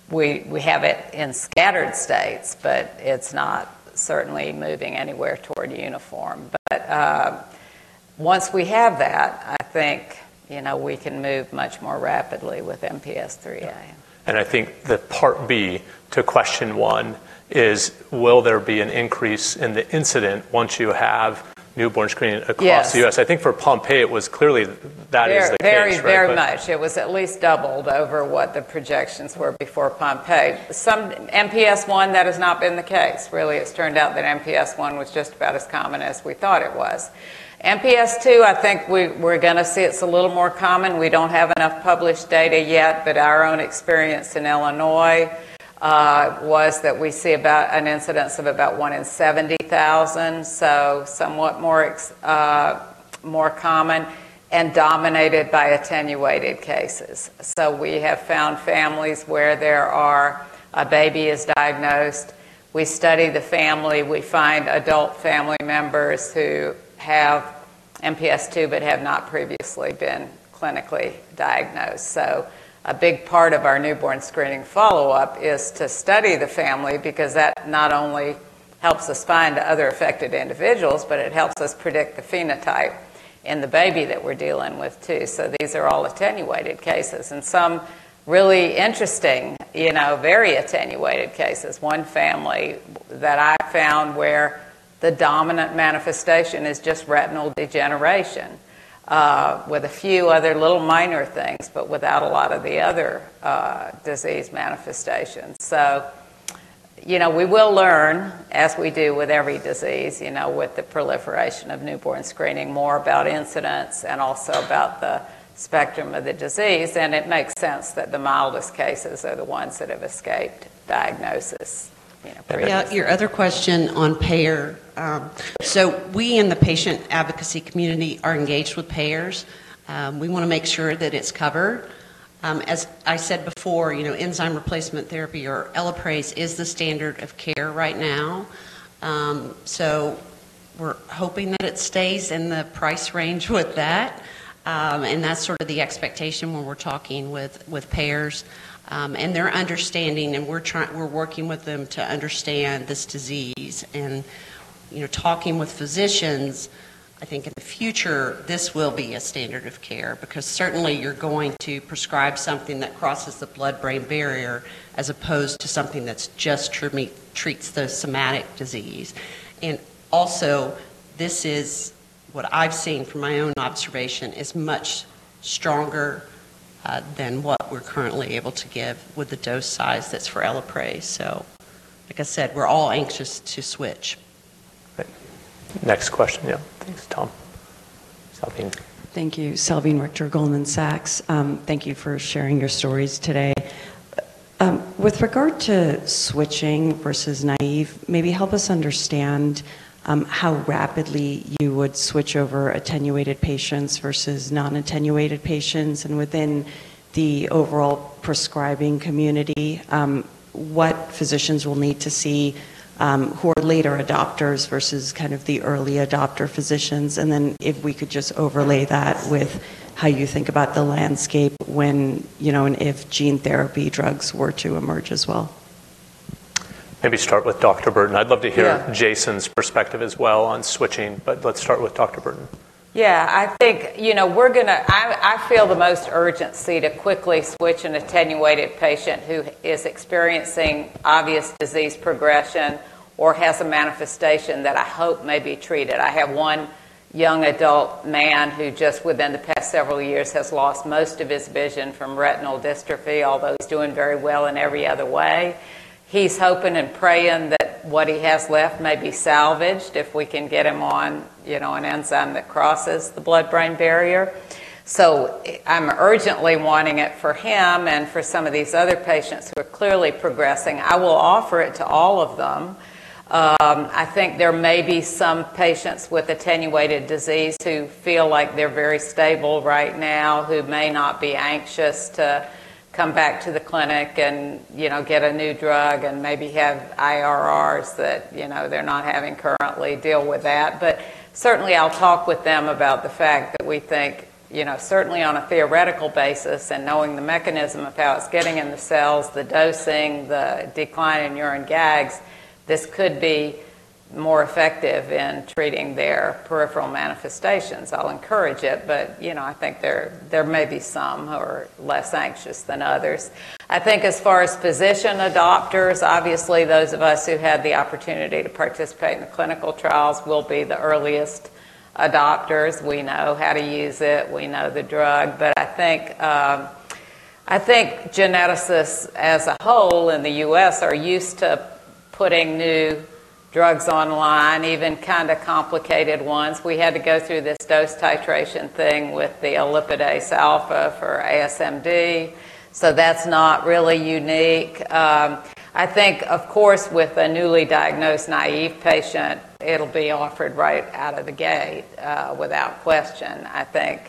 We have it in scattered states, but it's not certainly moving anywhere toward uniform. But once we have that, I think we can move much more rapidly with MPS IIIA. And I think the part B to question one is, will there be an increase in the incidence once you have newborn screening across the U.S.? I think for Pompe, it was clearly that is the case. Yeah. Very, very much. It was at least doubled over what the projections were before Pompe. MPS I, that has not been the case. Really, it's turned out that MPS I was just about as common as we thought it was. MPS II, I think we're going to see it's a little more common. We don't have enough published data yet, but our own experience in Illinois was that we see an incidence of about one in 70,000, so somewhat more common and dominated by attenuated cases. So we have found families where a baby is diagnosed. We study the family. We find adult family members who have MPS II but have not previously been clinically diagnosed. So a big part of our newborn screening follow-up is to study the family because that not only helps us find other affected individuals, but it helps us predict the phenotype in the baby that we're dealing with too. So these are all attenuated cases and some really interesting, very attenuated cases. One family that I found where the dominant manifestation is just retinal degeneration with a few other little minor things, but without a lot of the other disease manifestations. So we will learn, as we do with every disease, with the proliferation of newborn screening, more about incidence and also about the spectrum of the disease. And it makes sense that the mildest cases are the ones that have escaped diagnosis. Your other question on payer. So we in the patient advocacy community are engaged with payers. We want to make sure that it's covered. As I said before, enzyme replacement therapy or Elaprase is the standard of care right now. So we're hoping that it stays in the price range with that. And that's sort of the expectation when we're talking with payers. And they're understanding, and we're working with them to understand this disease. And talking with physicians, I think in the future, this will be a standard of care because certainly you're going to prescribe something that crosses the blood-brain barrier as opposed to something that just treats the somatic disease. And also, this is what I've seen from my own observation, is much stronger than what we're currently able to give with the dose size that's for Elaprase. So like I said, we're all anxious to switch. Thank you. Next question. Yeah. Thanks, Salveen. Thank you. Salveen Richter, Goldman Sachs. Thank you for sharing your stories today. With regard to switching versus naive, maybe help us understand how rapidly you would switch over attenuated patients versus non-attenuated patients. And within the overall prescribing community, what physicians will need to see who are later adopters versus kind of the early adopter physicians? And then if we could just overlay that with how you think about the landscape when and if gene therapy drugs were to emerge as well. Maybe start with Dr. Burton. I'd love to hear Jason's perspective as well on switching, but let's start with Dr. Burton. Yeah. I think we're going to—I feel the most urgency to quickly switch an attenuated patient who is experiencing obvious disease progression or has a manifestation that I hope may be treated. I have one young adult man who just within the past several years has lost most of his vision from retinal dystrophy, although he's doing very well in every other way. He's hoping and praying that what he has left may be salvaged if we can get him on an enzyme that crosses the blood-brain barrier. So I'm urgently wanting it for him and for some of these other patients who are clearly progressing. I will offer it to all of them. I think there may be some patients with attenuated disease who feel like they're very stable right now, who may not be anxious to come back to the clinic and get a new drug and maybe have IRRs that they're not having currently, deal with that. But certainly, I'll talk with them about the fact that we think certainly on a theoretical basis and knowing the mechanism of how it's getting in the cells, the dosing, the decline in urine GAGs, this could be more effective in treating their peripheral manifestations. I'll encourage it, but I think there may be some who are less anxious than others. I think as far as physician adopters, obviously, those of us who had the opportunity to participate in the clinical trials will be the earliest adopters. We know how to use it. We know the drug. But I think geneticists as a whole in the U.S. are used to putting new drugs online, even kind of complicated ones. We had to go through this dose titration thing with the olipudase alfa for ASMD. So that's not really unique. I think, of course, with a newly diagnosed naive patient, it'll be offered right out of the gate without question. I think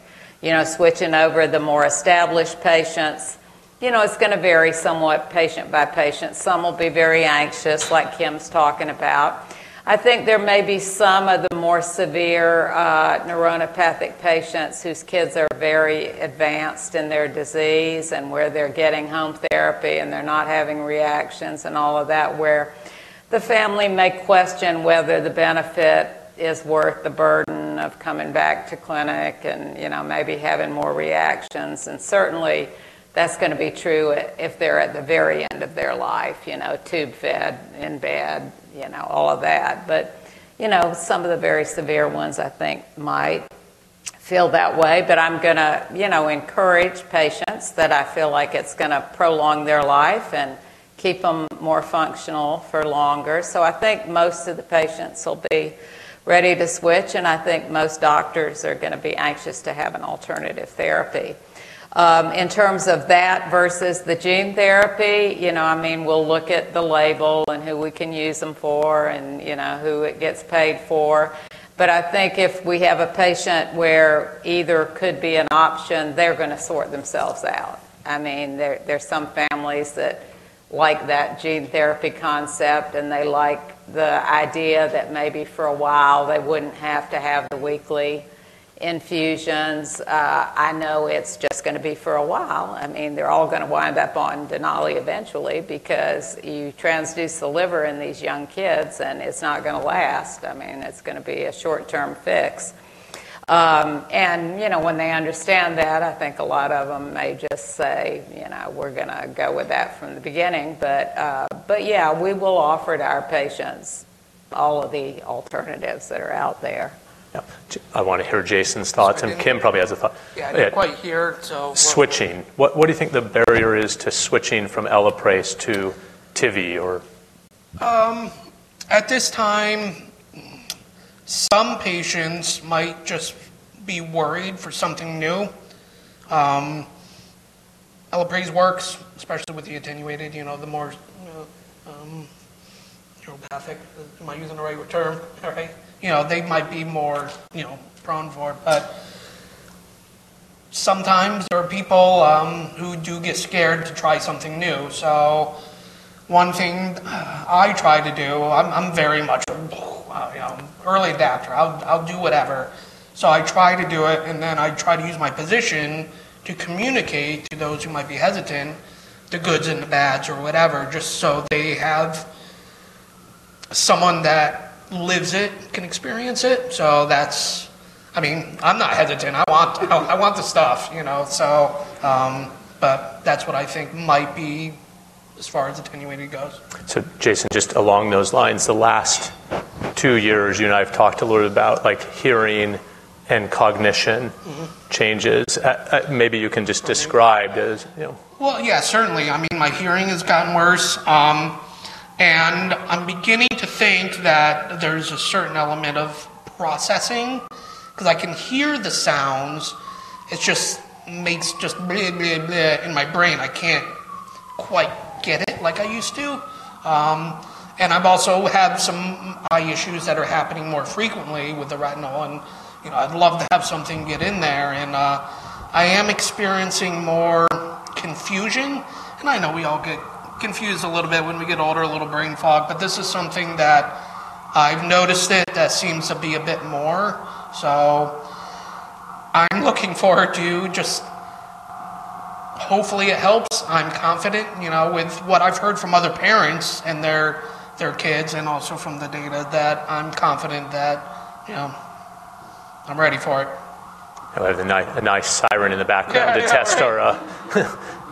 switching over the more established patients, it's going to vary somewhat patient by patient. Some will be very anxious, like Kim's talking about. I think there may be some of the more severe neuronopathic patients whose kids are very advanced in their disease and where they're getting home therapy and they're not having reactions and all of that, where the family may question whether the benefit is worth the burden of coming back to clinic and maybe having more reactions. And certainly, that's going to be true if they're at the very end of their life, tube-fed in bed, all of that. But some of the very severe ones, I think, might feel that way. But I'm going to encourage patients that I feel like it's going to prolong their life and keep them more functional for longer. So I think most of the patients will be ready to switch, and I think most doctors are going to be anxious to have an alternative therapy. In terms of that versus the gene therapy, I mean, we'll look at the label and who we can use them for and who it gets paid for. But I think if we have a patient where either could be an option, they're going to sort themselves out. I mean, there's some families that like that gene therapy concept, and they like the idea that maybe for a while they wouldn't have to have the weekly infusions. I know it's just going to be for a while. I mean, they're all going to wind up on Denali eventually because you transduce the liver in these young kids, and it's not going to last. I mean, it's going to be a short-term fix. And when they understand that, I think a lot of them may just say, "We're going to go with that from the beginning." But yeah, we will offer to our patients all of the alternatives that are out there. I want to hear Jason's thoughts, and Kim probably has a thought. Yeah. I didn't quite hear it, so. Switching. What do you think the barrier is to switching from Elaprase to Tivi or? At this time, some patients might just be worried for something new. Elaprase works, especially with the attenuated, the more neuropathic. Am I using the right word? They might be more prone for it. But sometimes there are people who do get scared to try something new. So one thing I try to do, I'm very much an early adapter. I'll do whatever. I try to do it, and then I try to use my position to communicate to those who might be hesitant, the goods and the bads or whatever, just so they have someone that lives it, can experience it. I mean, I'm not hesitant. I want the stuff. But that's what I think might be as far as attenuated goes. Jason, just along those lines, the last two years, you and I have talked a little bit about hearing and cognition changes. Maybe you can just describe those. Well, yeah, certainly. I mean, my hearing has gotten worse, and I'm beginning to think that there's a certain element of processing because I can hear the sounds. It just makes blah, blah, blah in my brain. I can't quite get it like I used to. And I've also had some eye issues that are happening more frequently with the retinal. And I'd love to have something get in there. And I am experiencing more confusion. And I know we all get confused a little bit when we get older, a little brain fog, but this is something that I've noticed that seems to be a bit more. So I'm looking forward to just hopefully it helps. I'm confident with what I've heard from other parents and their kids and also from the data that I'm confident that I'm ready for it. I have a nice siren in the background to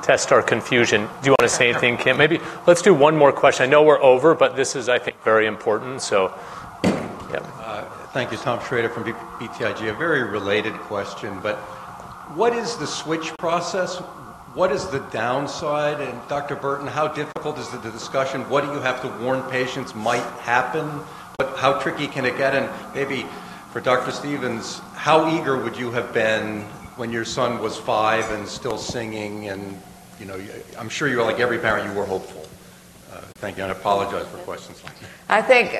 test our confusion. Do you want to say anything, Kim? Maybe let's do one more question. I know we're over, but this is, I think, very important. So yeah. Thank you, Tom Shrader from BTIG. A very related question, but what is the switch process? What is the downside? And Dr. Burton, how difficult is the discussion? What do you have to warn patients might happen? How tricky can it get? And maybe for Dr. Stephens, how eager would you have been when your son was five and still singing? And I'm sure like every parent, you were hopeful. Thank you. And I apologize for questions like that. I think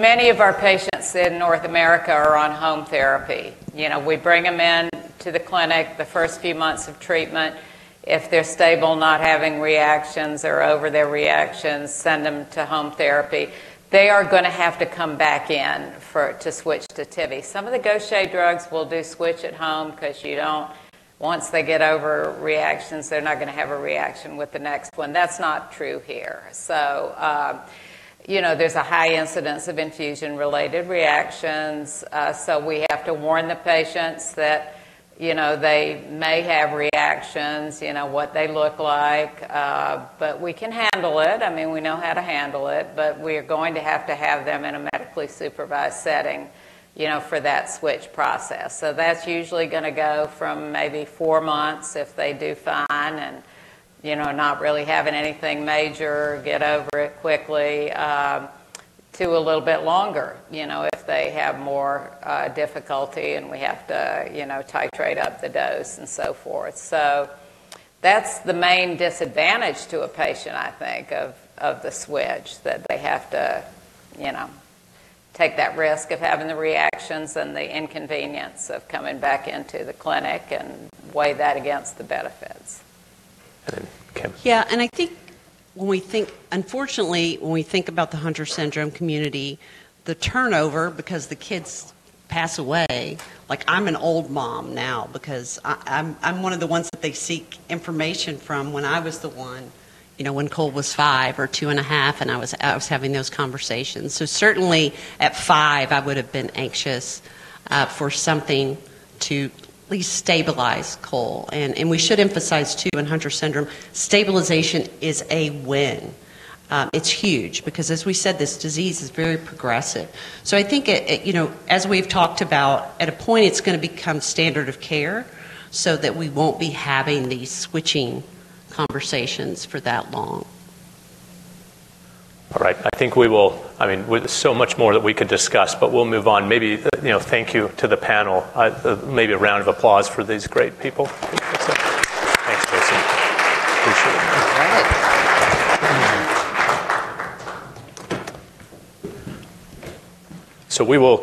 many of our patients in North America are on home therapy. We bring them into the clinic the first few months of treatment. If they're stable, not having reactions or over their reactions, send them to home therapy. They are going to have to come back in to switch to Tivi. Some of the Gaucher drugs will do switch at home because once they get over reactions, they're not going to have a reaction with the next one. That's not true here. So there's a high incidence of infusion-related reactions. So we have to warn the patients that they may have reactions, what they look like, but we can handle it. I mean, we know how to handle it, but we are going to have to have them in a medically supervised setting for that switch process. So that's usually going to go from maybe four months if they do fine and not really having anything major, get over it quickly, to a little bit longer if they have more difficulty and we have to titrate up the dose and so forth. So that's the main disadvantage to a patient, I think, of the switch, that they have to take that risk of having the reactions and the inconvenience of coming back into the clinic and weigh that against the benefits. Yeah. I think unfortunately, when we think about the Hunter syndrome community, the turnover, because the kids pass away, I'm an old mom now because I'm one of the ones that they seek information from when I was the one, when Cole was five or two and a half, and I was having those conversations. Certainly at five, I would have been anxious for something to at least stabilize Cole. We should emphasize too, in Hunter syndrome, stabilization is a win. It's huge because, as we said, this disease is very progressive. I think as we've talked about, at a point, it's going to become standard of care so that we won't be having these switching conversations for that long. All right. I think we will. I mean, there's so much more that we could discuss, but we'll move on. Maybe thank you to the panel. Maybe a round of applause for these great people. Thanks, Jason. Appreciate it. All right. So we will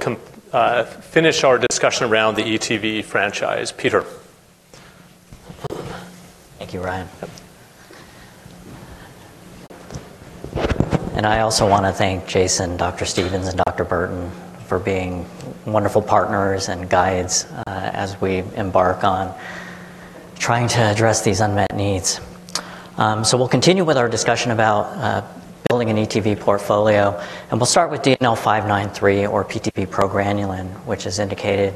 finish our discussion around the ETV franchise. Peter. Thank you, Ryan. And I also want to thank Jason, Dr. Stephens, and Dr. Burton for being wonderful partners and guides as we embark on trying to address these unmet needs. So we'll continue with our discussion about building an ETV portfolio, and we'll start with DNL593 or PTV progranulin, which is indicated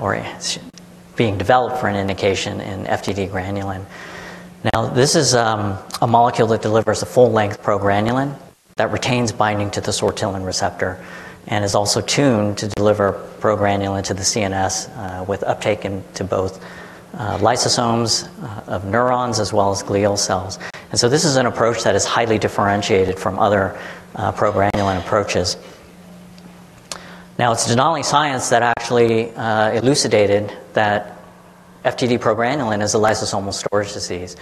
or being developed for an indication in FTD-GRN. Now, this is a molecule that delivers a full-length progranulin that retains binding to the sortilin receptor and is also tuned to deliver progranulin to the CNS with uptake into both lysosomes of neurons as well as glial cells. And so this is an approach that is highly differentiated from other progranulin approaches. Now, it's Denali scientists that actually elucidated that FTD progranulin is a lysosomal storage disease.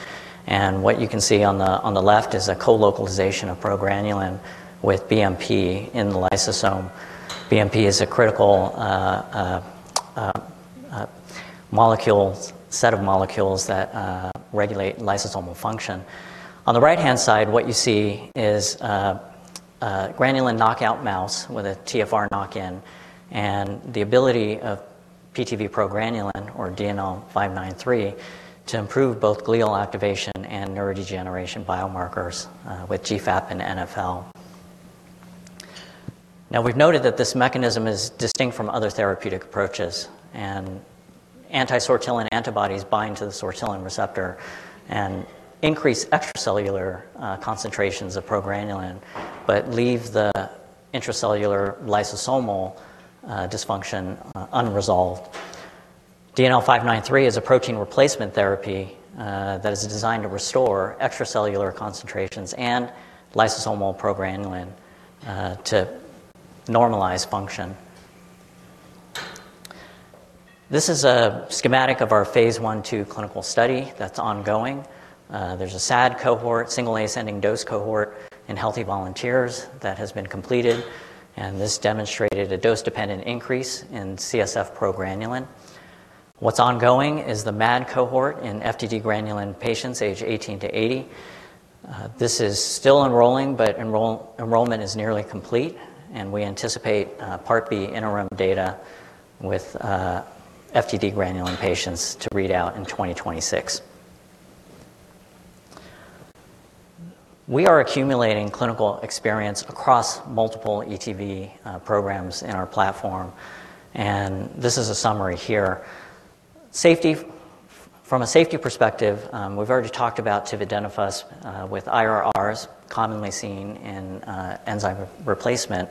What you can see on the left is a co-localization of progranulin with BMP in the lysosome. BMP is a critical set of molecules that regulate lysosomal function. On the right-hand side, what you see is granulin knockout mouse with a TfR knock-in, and the ability of PTV progranulin or DNL593 to improve both glial activation and neurodegeneration biomarkers with GFAP and NFL. Now, we've noted that this mechanism is distinct from other therapeutic approaches, and anti-sortilin antibodies bind to the sortilin receptor and increase extracellular concentrations of progranulin, but leave the intracellular lysosomal dysfunction unresolved. DNL593 is a protein replacement therapy that is designed to restore extracellular concentrations and lysosomal progranulin to normalize function. This is a schematic of our phase I/II clinical study that's ongoing. There's a SAD cohort, single ascending dose cohort in healthy volunteers that has been completed, and this demonstrated a dose-dependent increase in CSF progranulin. What's ongoing is the MAD cohort in FTD-GRN patients, age 18-80. This is still enrolling, but enrollment is nearly complete, and we anticipate part B interim data with FTD-GRN patients to read out in 2026. We are accumulating clinical experience across multiple ETV programs in our platform, and this is a summary here. From a safety perspective, we've already talked about tividenofusp alfa with IRRs commonly seen in enzyme replacement.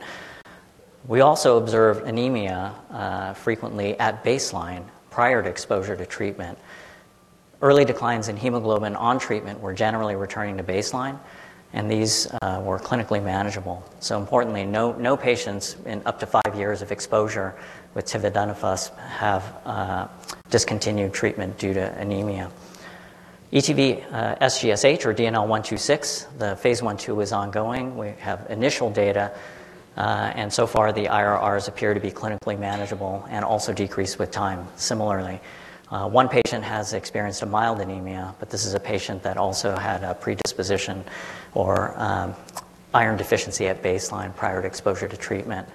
We also observed anemia frequently at baseline prior to exposure to treatment. Early declines in hemoglobin on treatment were generally returning to baseline, and these were clinically manageable. So importantly, no patients in up to five years of exposure with tividenofusp alfa have discontinued treatment due to anemia. ETV SGSH or DNL126, the Phase I/II is ongoing. We have initial data, and so far, the IRRs appear to be clinically manageable and also decrease with time. Similarly, one patient has experienced a mild anemia, but this is a patient that also had a predisposition or iron deficiency at baseline prior to exposure to treatment.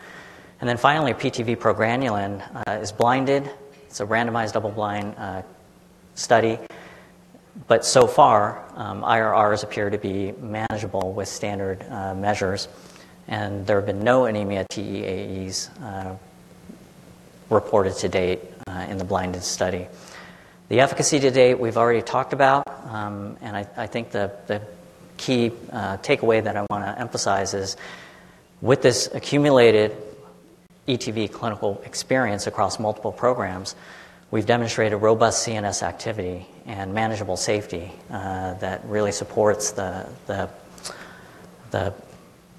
And then finally, PTV progranulin is blinded. It is a randomized double-blind study, but so far, IRRs appear to be manageable with standard measures, and there have been no anemia TEAEs reported to date in the blinded study. The efficacy to date, we have already talked about, and I think the key takeaway that I want to emphasize is with this accumulated ETV clinical experience across multiple programs, we have demonstrated robust CNS activity and manageable safety that really supports the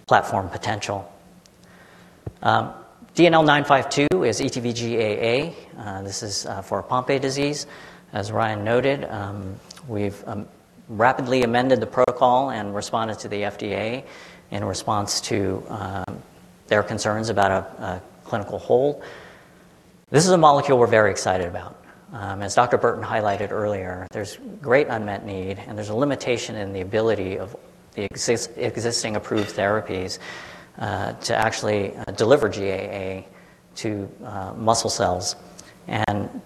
platform potential. DNL952 is ETVGAA. This is for Pompe disease. As Ryan noted, we've rapidly amended the protocol and responded to the FDA in response to their concerns about a clinical hold. This is a molecule we're very excited about. As Dr. Burton highlighted earlier, there's great unmet need, and there's a limitation in the ability of the existing approved therapies to actually deliver GAA to muscle cells. And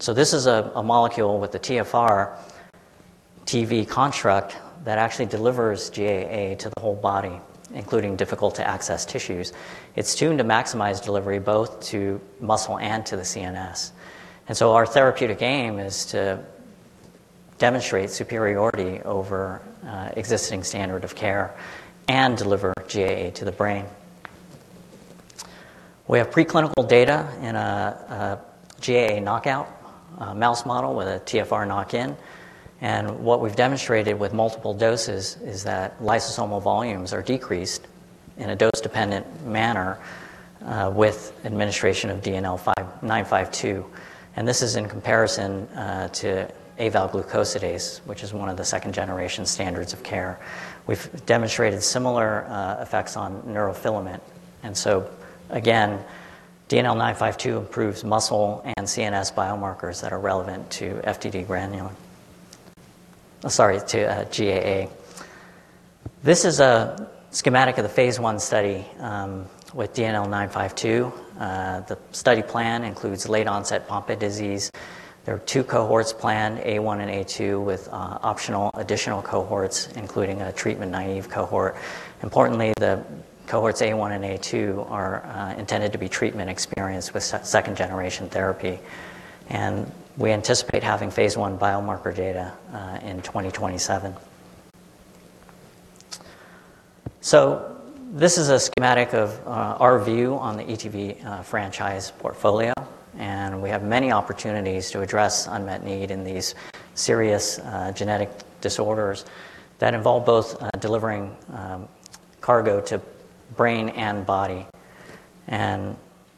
so this is a molecule with the TfR TV construct that actually delivers GAA to the whole body, including difficult-to-access tissues. It's tuned to maximize delivery both to muscle and to the CNS. And so our therapeutic aim is to demonstrate superiority over existing standard of care and deliver GAA to the brain. We have preclinical data in a GAA knockout mouse model with a TfR knock-in, and what we've demonstrated with multiple doses is that lysosomal volumes are decreased in a dose-dependent manner with administration of DNL952. This is in comparison to avalglucosidase, which is one of the second-generation standards of care. We've demonstrated similar effects on neurofilament. So again, DNL952 improves muscle and CNS biomarkers that are relevant to FTD granulin. Sorry, to GAA. This is a schematic of the phase I study with DNL952. The study plan includes late-onset Pompe disease. There are two cohorts planned, A-I and A-II, with optional additional cohorts, including a treatment-naive cohort. Importantly, the cohorts A-I and A-II are intended to be treatment experienced with second-generation therapy, and we anticipate having phase I biomarker data in 2027. This is a schematic of our view on the ETV franchise portfolio, and we have many opportunities to address unmet need in these serious genetic disorders that involve both delivering cargo to brain and body.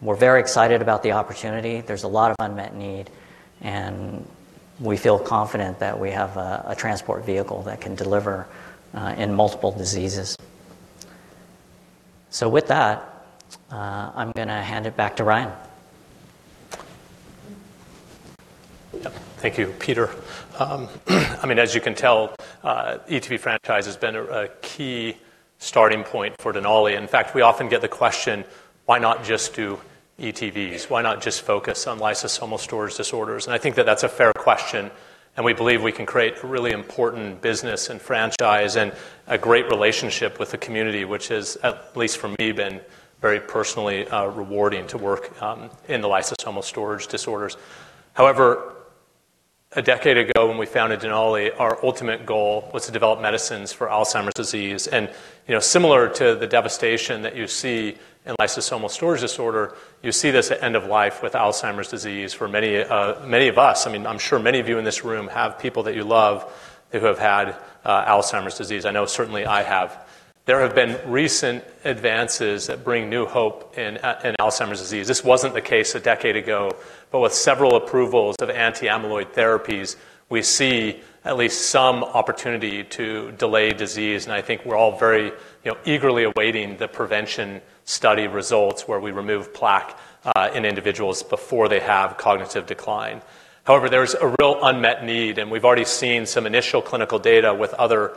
We're very excited about the opportunity. There's a lot of unmet need, and we feel confident that we have a transport vehicle that can deliver in multiple diseases. So with that, I'm going to hand it back to Ryan. Thank you, Peter. I mean, as you can tell, ETV franchise has been a key starting point for Denali. In fact, we often get the question, "Why not just do ETVs? Why not just focus on lysosomal storage disorders?" And I think that that's a fair question, and we believe we can create a really important business and franchise and a great relationship with the community, which has, at least for me, been very personally rewarding to work in the lysosomal storage disorders. However, a decade ago, when we founded Denali, our ultimate goal was to develop medicines for Alzheimer's disease. And similar to the devastation that you see in lysosomal storage disorder, you see this at end-of-life with Alzheimer's disease for many of us. I mean, I'm sure many of you in this room have people that you love who have had Alzheimer's disease. I know certainly I have. There have been recent advances that bring new hope in Alzheimer's disease. This wasn't the case a decade ago, but with several approvals of anti-amyloid therapies, we see at least some opportunity to delay disease. And I think we're all very eagerly awaiting the prevention study results where we remove plaque in individuals before they have cognitive decline. However, there is a real unmet need, and we've already seen some initial clinical data with other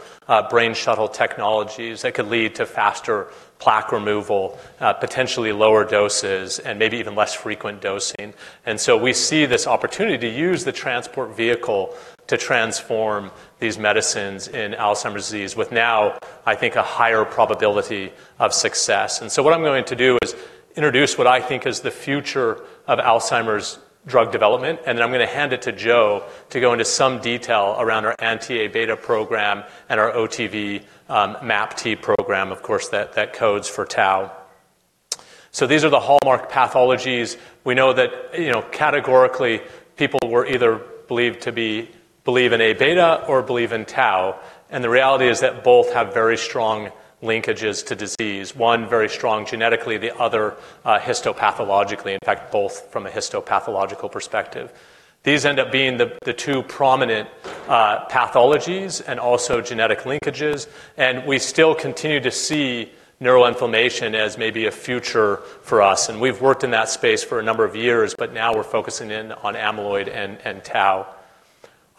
brain shuttle technologies that could lead to faster plaque removal, potentially lower doses, and maybe even less frequent dosing. And so we see this opportunity to use the transport vehicle to transform these medicines in Alzheimer's disease with now, I think, a higher probability of success. And so what I'm going to do is introduce what I think is the future of Alzheimer's drug development, and then I'm going to hand it to Joe to go into some detail around our anti-Abeta program and our OTV MAPT program, of course, that codes for Tau. So these are the hallmark pathologies. We know that categorically, people were either believed to believe in Abeta or believe in Tau, and the reality is that both have very strong linkages to disease. One very strong genetically, the other histopathologically, in fact, both from a histopathological perspective. These end up being the two prominent pathologies and also genetic linkages, and we still continue to see neuroinflammation as maybe a future for us. We've worked in that space for a number of years, but now we're focusing in on amyloid and tau.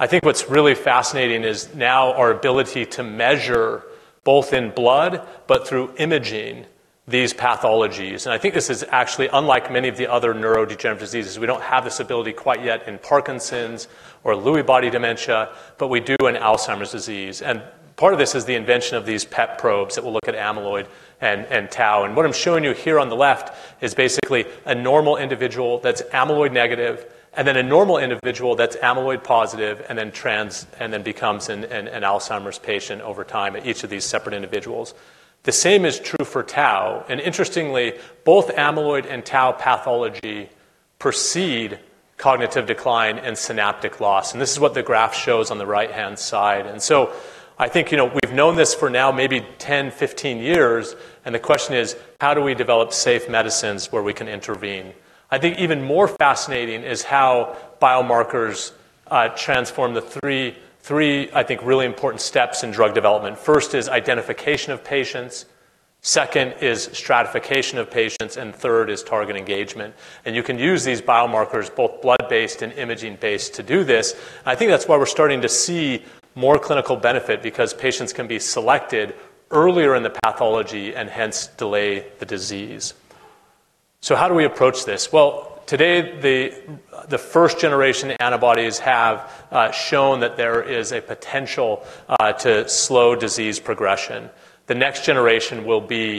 I think what's really fascinating is now our ability to measure both in blood but through imaging these pathologies. I think this is actually unlike many of the other neurodegenerative diseases. We don't have this ability quite yet in Parkinson's or Lewy body dementia, but we do in Alzheimer's disease. Part of this is the invention of these PET probes that will look at amyloid and tau. What I'm showing you here on the left is basically a normal individual that's amyloid negative, and then a normal individual that's amyloid positive, and then becomes an Alzheimer's patient over time at each of these separate individuals. The same is true for tau. Interestingly, both amyloid and Tau pathology precede cognitive decline and synaptic loss, and this is what the graph shows on the right-hand side. So I think we've known this for now maybe 10, 15 years, and the question is, how do we develop safe medicines where we can intervene? I think even more fascinating is how biomarkers transform the three, I think, really important steps in drug development. First is identification of patients, second is stratification of patients, and third is target engagement. And you can use these biomarkers, both blood-based and imaging-based, to do this. And I think that's why we're starting to see more clinical benefit because patients can be selected earlier in the pathology and hence delay the disease. So how do we approach this? Well, today, the first-generation antibodies have shown that there is a potential to slow disease progression. The next generation will be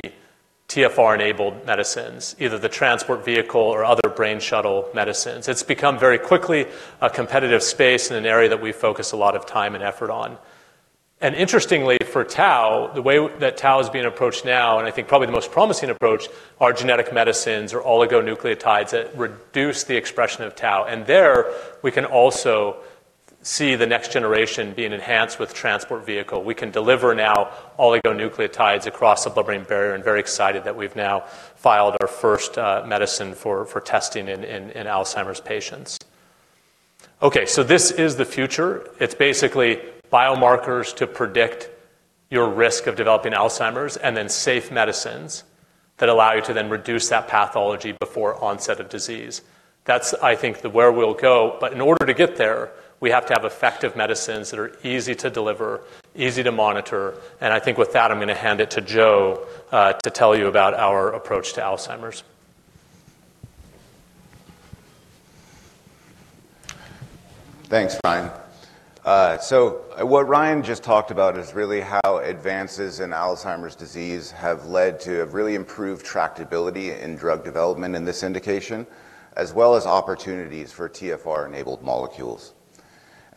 TfR-enabled medicines, either the transport vehicle or other brain shuttle medicines. It's become very quickly a competitive space in an area that we focus a lot of time and effort on, and interestingly, for Tau, the way that Tau is being approached now, and I think probably the most promising approach, are genetic medicines or oligonucleotides that reduce the expression of Tau, and there, we can also see the next generation being enhanced with transport vehicle. We can deliver now oligonucleotides across the blood-brain barrier, and very excited that we've now filed our first medicine for testing in Alzheimer's patients. Okay, so this is the future. It's basically biomarkers to predict your risk of developing Alzheimer's and then safe medicines that allow you to then reduce that pathology before onset of disease. That's, I think, where we'll go, but in order to get there, we have to have effective medicines that are easy to deliver, easy to monitor, and I think with that, I'm going to hand it to Joe to tell you about our approach to Alzheimer's. Thanks, Ryan. What Ryan just talked about is really how advances in Alzheimer's disease have led to a really improved tractability in drug development in this indication, as well as opportunities for TfR-enabled molecules.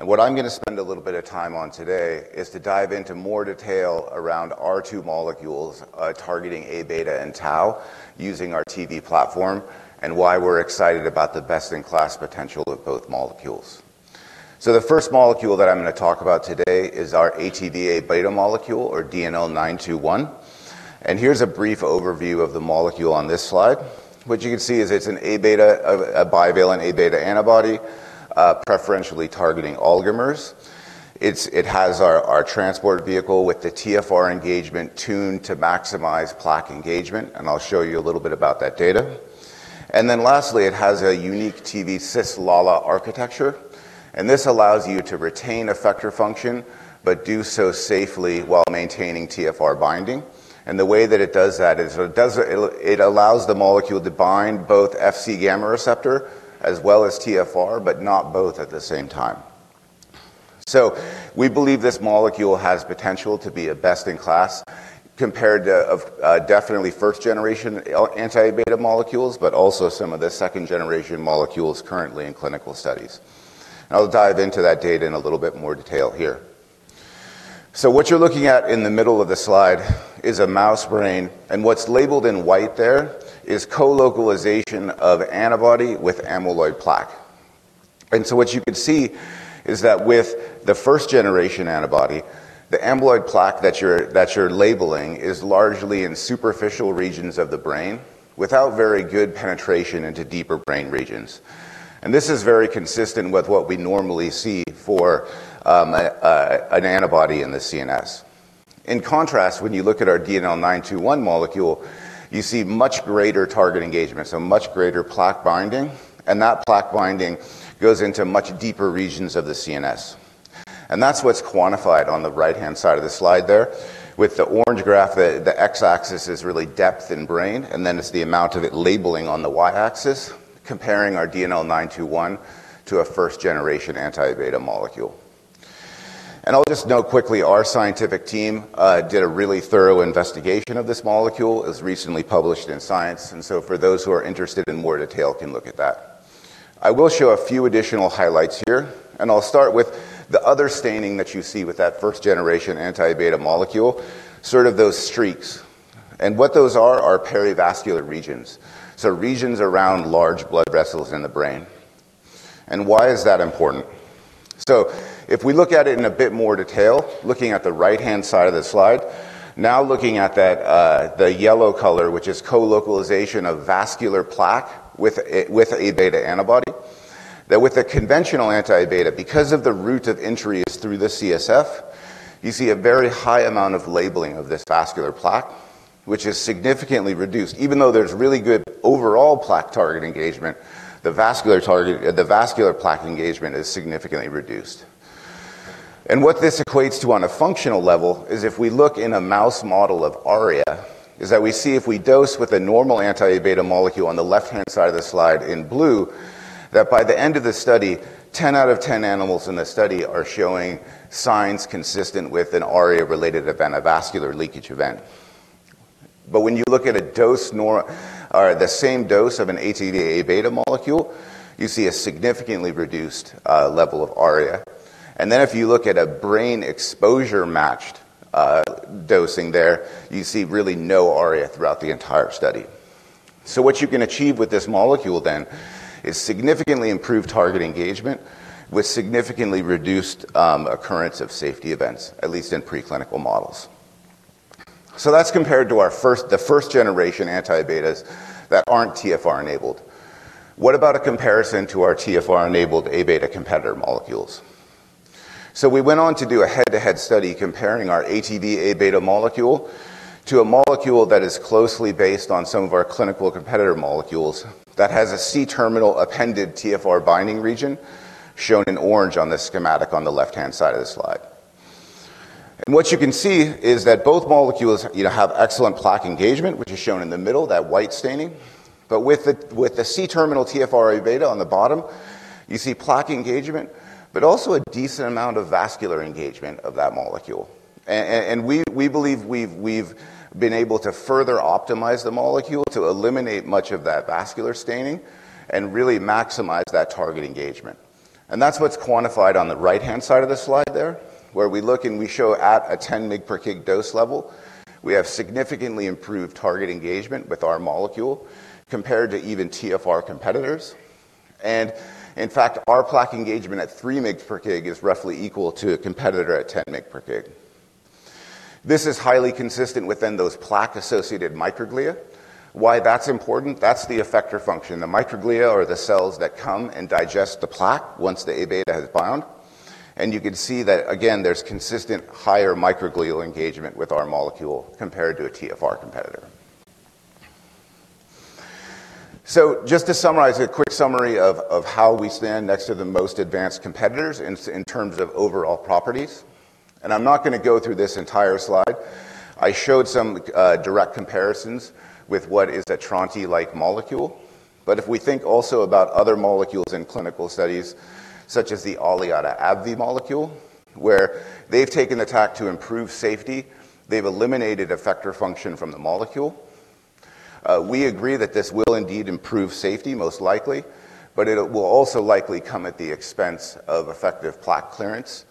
What I'm going to spend a little bit of time on today is to dive into more detail around our two molecules targeting Abeta and Tau using our Tivi platform and why we're excited about the best-in-class potential of both molecules. The first molecule that I'm going to talk about today is our ATV Abeta molecule or DNL921. Here's a brief overview of the molecule on this slide. What you can see is it's a bivalent Abeta antibody preferentially targeting oligomers. It has our transport vehicle with the TfR engagement tuned to maximize plaque engagement, and I'll show you a little bit about that data. And then lastly, it has a unique Tivi Cis-LALA architecture, and this allows you to retain effector function but do so safely while maintaining TfR binding. And the way that it does that is it allows the molecule to bind both Fc gamma receptor as well as TfR, but not both at the same time. So we believe this molecule has potential to be a best-in-class compared to definitely first-generation anti-Abeta molecules, but also some of the second-generation molecules currently in clinical studies. And I'll dive into that data in a little bit more detail here. So what you're looking at in the middle of the slide is a mouse brain, and what's labeled in white there is co-localization of antibody with amyloid plaque. And so what you could see is that with the first-generation antibody, the amyloid plaque that you're labeling is largely in superficial regions of the brain without very good penetration into deeper brain regions. And this is very consistent with what we normally see for an antibody in the CNS. In contrast, when you look at our DNL921 molecule, you see much greater target engagement, so much greater plaque binding, and that plaque binding goes into much deeper regions of the CNS. And that's what's quantified on the right-hand side of the slide there. With the orange graph, the X-axis is really depth in brain, and then it's the amount of it labeling on the Y-axis comparing our DNL921 to a first-generation anti-Abeta molecule. And I'll just note quickly, our scientific team did a really thorough investigation of this molecule. It was recently published in Science, and so for those who are interested in more detail, can look at that. I will show a few additional highlights here, and I'll start with the other staining that you see with that first-generation anti-Abeta molecule, sort of those streaks. And what those are perivascular regions, so regions around large blood vessels in the brain. And why is that important? If we look at it in a bit more detail, looking at the right-hand side of the slide, now looking at the yellow color, which is co-localization of vascular plaque with Abeta antibody, that with the conventional anti-Abeta, because of the route of entry is through the CSF, you see a very high amount of labeling of this vascular plaque, which is significantly reduced. Even though there's really good overall plaque target engagement, the vascular plaque engagement is significantly reduced. What this equates to on a functional level is if we look in a mouse model of ARIA, we see if we dose with a normal anti-Abeta molecule on the left-hand side of the slide in blue, that by the end of the study, 10 out of 10 animals in the study are showing signs consistent with an ARIA-related event, a vascular leakage event. But when you look at the same dose of an ATV Abeta molecule, you see a significantly reduced level of ARIA. And then if you look at a brain exposure matched dosing there, you see really no ARIA throughout the entire study. What you can achieve with this molecule then is significantly improved target engagement with significantly reduced occurrence of safety events, at least in preclinical models. That's compared to the first-generation anti-Abetas that aren't TfR-enabled. What about a comparison to our TfR-enabled Abeta competitor molecules? So we went on to do a head-to-head study comparing our ATV Abeta molecule to a molecule that is closely based on some of our clinical competitor molecules that has a C-terminal appended TfR binding region shown in orange on the schematic on the left-hand side of the slide. And what you can see is that both molecules have excellent plaque engagement, which is shown in the middle, that white staining. But with the C-terminal TfR-Abeta on the bottom, you see plaque engagement, but also a decent amount of vascular engagement of that molecule. And we believe we've been able to further optimize the molecule to eliminate much of that vascular staining and really maximize that target engagement. That's what's quantified on the right-hand side of the slide there, where we look and we show at a 10 mg/dose level, we have significantly improved target engagement with our molecule compared to even TfR competitors. And in fact, our plaque engagement at 3 mg/d is roughly equal to a competitor at 10 mg/d. This is highly consistent within those plaque-associated microglia. Why that's important? That's the effector function. The microglia are the cells that come and digest the plaque once the Abeta has bound. And you can see that, again, there's consistent higher microglial engagement with our molecule compared to a TfR competitor. So just to summarize a quick summary of how we stand next to the most advanced competitors in terms of overall properties, and I'm not going to go through this entire slide. I showed some direct comparisons with what is a trontinemab-like molecule, but if we think also about other molecules in clinical studies, such as the Aliada Abb Vie molecule, where they've taken the tack to improve safety, they've eliminated effector function from the molecule. We agree that this will indeed improve safety, most likely, but it will also likely come at the expense of effective plaque clearance,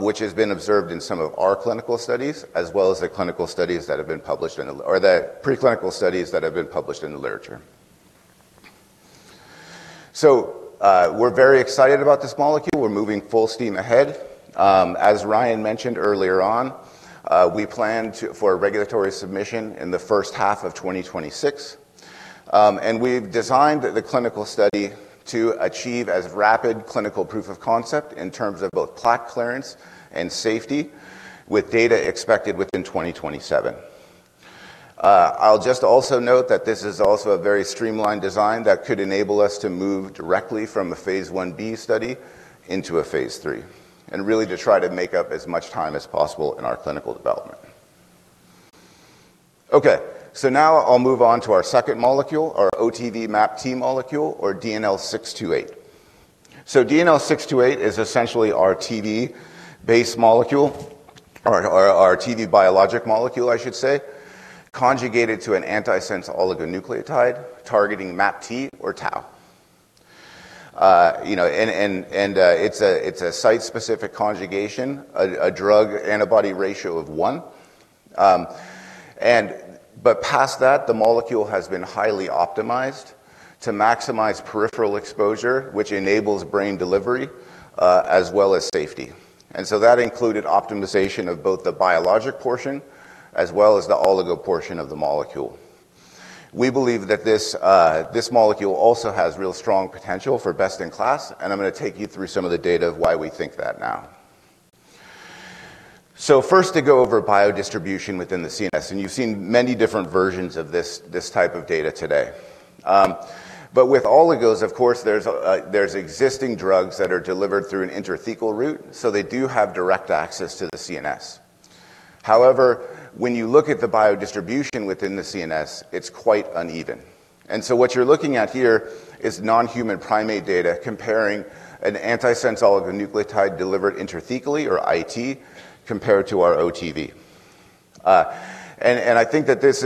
which has been observed in some of our clinical studies, as well as the clinical studies that have been published in the preclinical studies that have been published in the literature. So we're very excited about this molecule. We're moving full steam ahead. As Ryan mentioned earlier on, we planned for regulatory submission in the first half of 2026, and we've designed the clinical study to achieve as rapid clinical proof of concept in terms of both plaque clearance and safety with data expected within 2027. I'll just also note that this is also a very streamlined design that could enable us to move directly from a Phase I-B study into a Phase III, and really to try to make up as much time as possible in our clinical development. Okay, so now I'll move on to our second molecule, our OTV MAPT molecule or DNL628. So DNL628 is essentially our Tivi-based molecule or our Tivi biologic molecule, I should say, conjugated to an antisense oligonucleotide targeting MAPT or Tau, and it's a site-specific conjugation, a drug-antibody ratio of 1. But past that, the molecule has been highly optimized to maximize peripheral exposure, which enables brain delivery as well as safety. And so that included optimization of both the biologic portion as well as the oligo portion of the molecule. We believe that this molecule also has real strong potential for best-in-class, and I'm going to take you through some of the data of why we think that now. So first, to go over biodistribution within the CNS, and you've seen many different versions of this type of data today. But with oligos, of course, there's existing drugs that are delivered through an intrathecal route, so they do have direct access to the CNS. However, when you look at the biodistribution within the CNS, it's quite uneven. And so what you're looking at here is non-human primate data comparing an antisense oligonucleotide delivered intrathecally or IT compared to our OTV. I think that this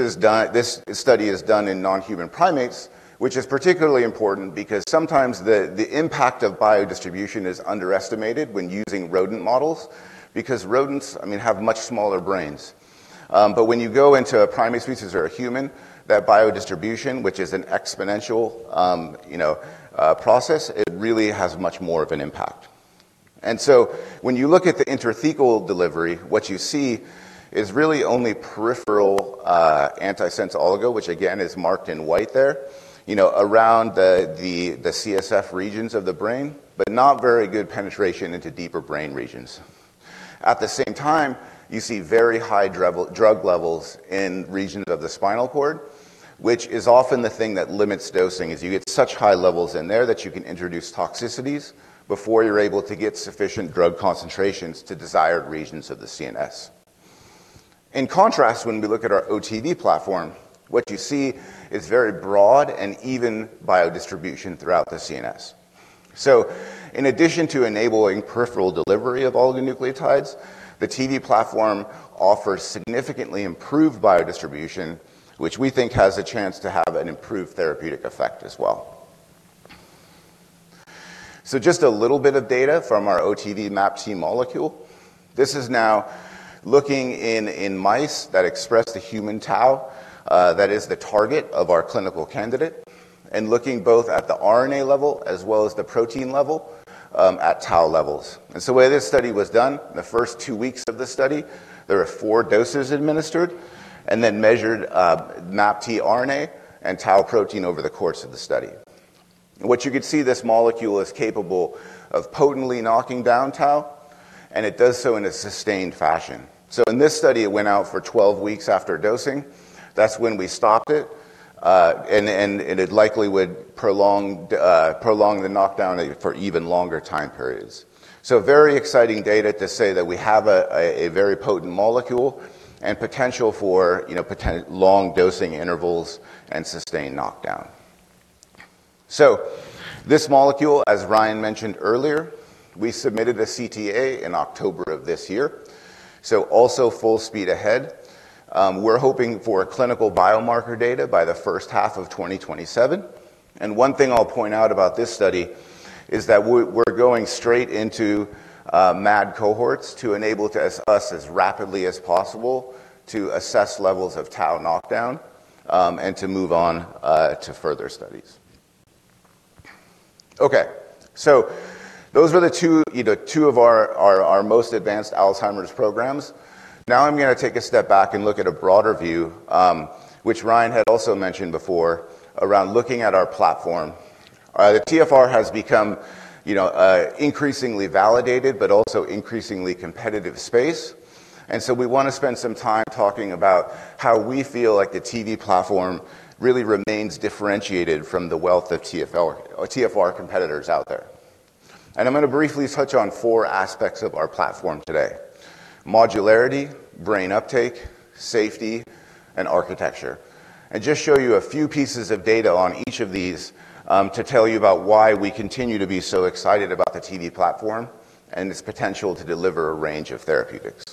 study is done in non-human primates, which is particularly important because sometimes the impact of biodistribution is underestimated when using rodent models because rodents, I mean, have much smaller brains. When you go into a primate species or a human, that biodistribution, which is an exponential process, it really has much more of an impact. When you look at the intrathecal delivery, what you see is really only peripheral antisense oligo, which again is marked in white there, around the CSF regions of the brain, but not very good penetration into deeper brain regions. At the same time, you see very high drug levels in regions of the spinal cord, which is often the thing that limits dosing, is you get such high levels in there that you can introduce toxicities before you're able to get sufficient drug concentrations to desired regions of the CNS. In contrast, when we look at our OTV platform, what you see is very broad and even biodistribution throughout the CNS, so in addition to enabling peripheral delivery of oligonucleotides, the TV platform offers significantly improved biodistribution, which we think has a chance to have an improved therapeutic effect as well, so just a little bit of data from our OTV MAPT molecule, this is now looking in mice that express the human Tau that is the target of our clinical candidate and looking both at the RNA level as well as the protein level at Tau levels. And so the way this study was done, the first two weeks of the study, there were four doses administered and then measured MAPT RNA and Tau protein over the course of the study. What you could see, this molecule is capable of potently knocking down Tau, and it does so in a sustained fashion. So in this study, it went out for 12 weeks after dosing. That's when we stopped it, and it likely would prolong the knockdown for even longer time periods. So very exciting data to say that we have a very potent molecule and potential for long dosing intervals and sustained knockdown. So this molecule, as Ryan mentioned earlier, we submitted a CTA in October of this year, so also full speed ahead. We're hoping for clinical biomarker data by the first half of 2027. One thing I'll point out about this study is that we're going straight into MAD cohorts to enable us as rapidly as possible to assess levels of tau knockdown and to move on to further studies. Okay, so those were two of our most advanced Alzheimer's programs. Now I'm going to take a step back and look at a broader view, which Ryan had also mentioned before around looking at our platform. The TfR has become increasingly validated, but also an increasingly competitive space. We want to spend some time talking about how we feel like the Tivi platform really remains differentiated from the wealth of TfR competitors out there. I'm going to briefly touch on four aspects of our platform today: modularity, brain uptake, safety, and architecture. And just show you a few pieces of data on each of these to tell you about why we continue to be so excited about the Tivi platform and its potential to deliver a range of therapeutics.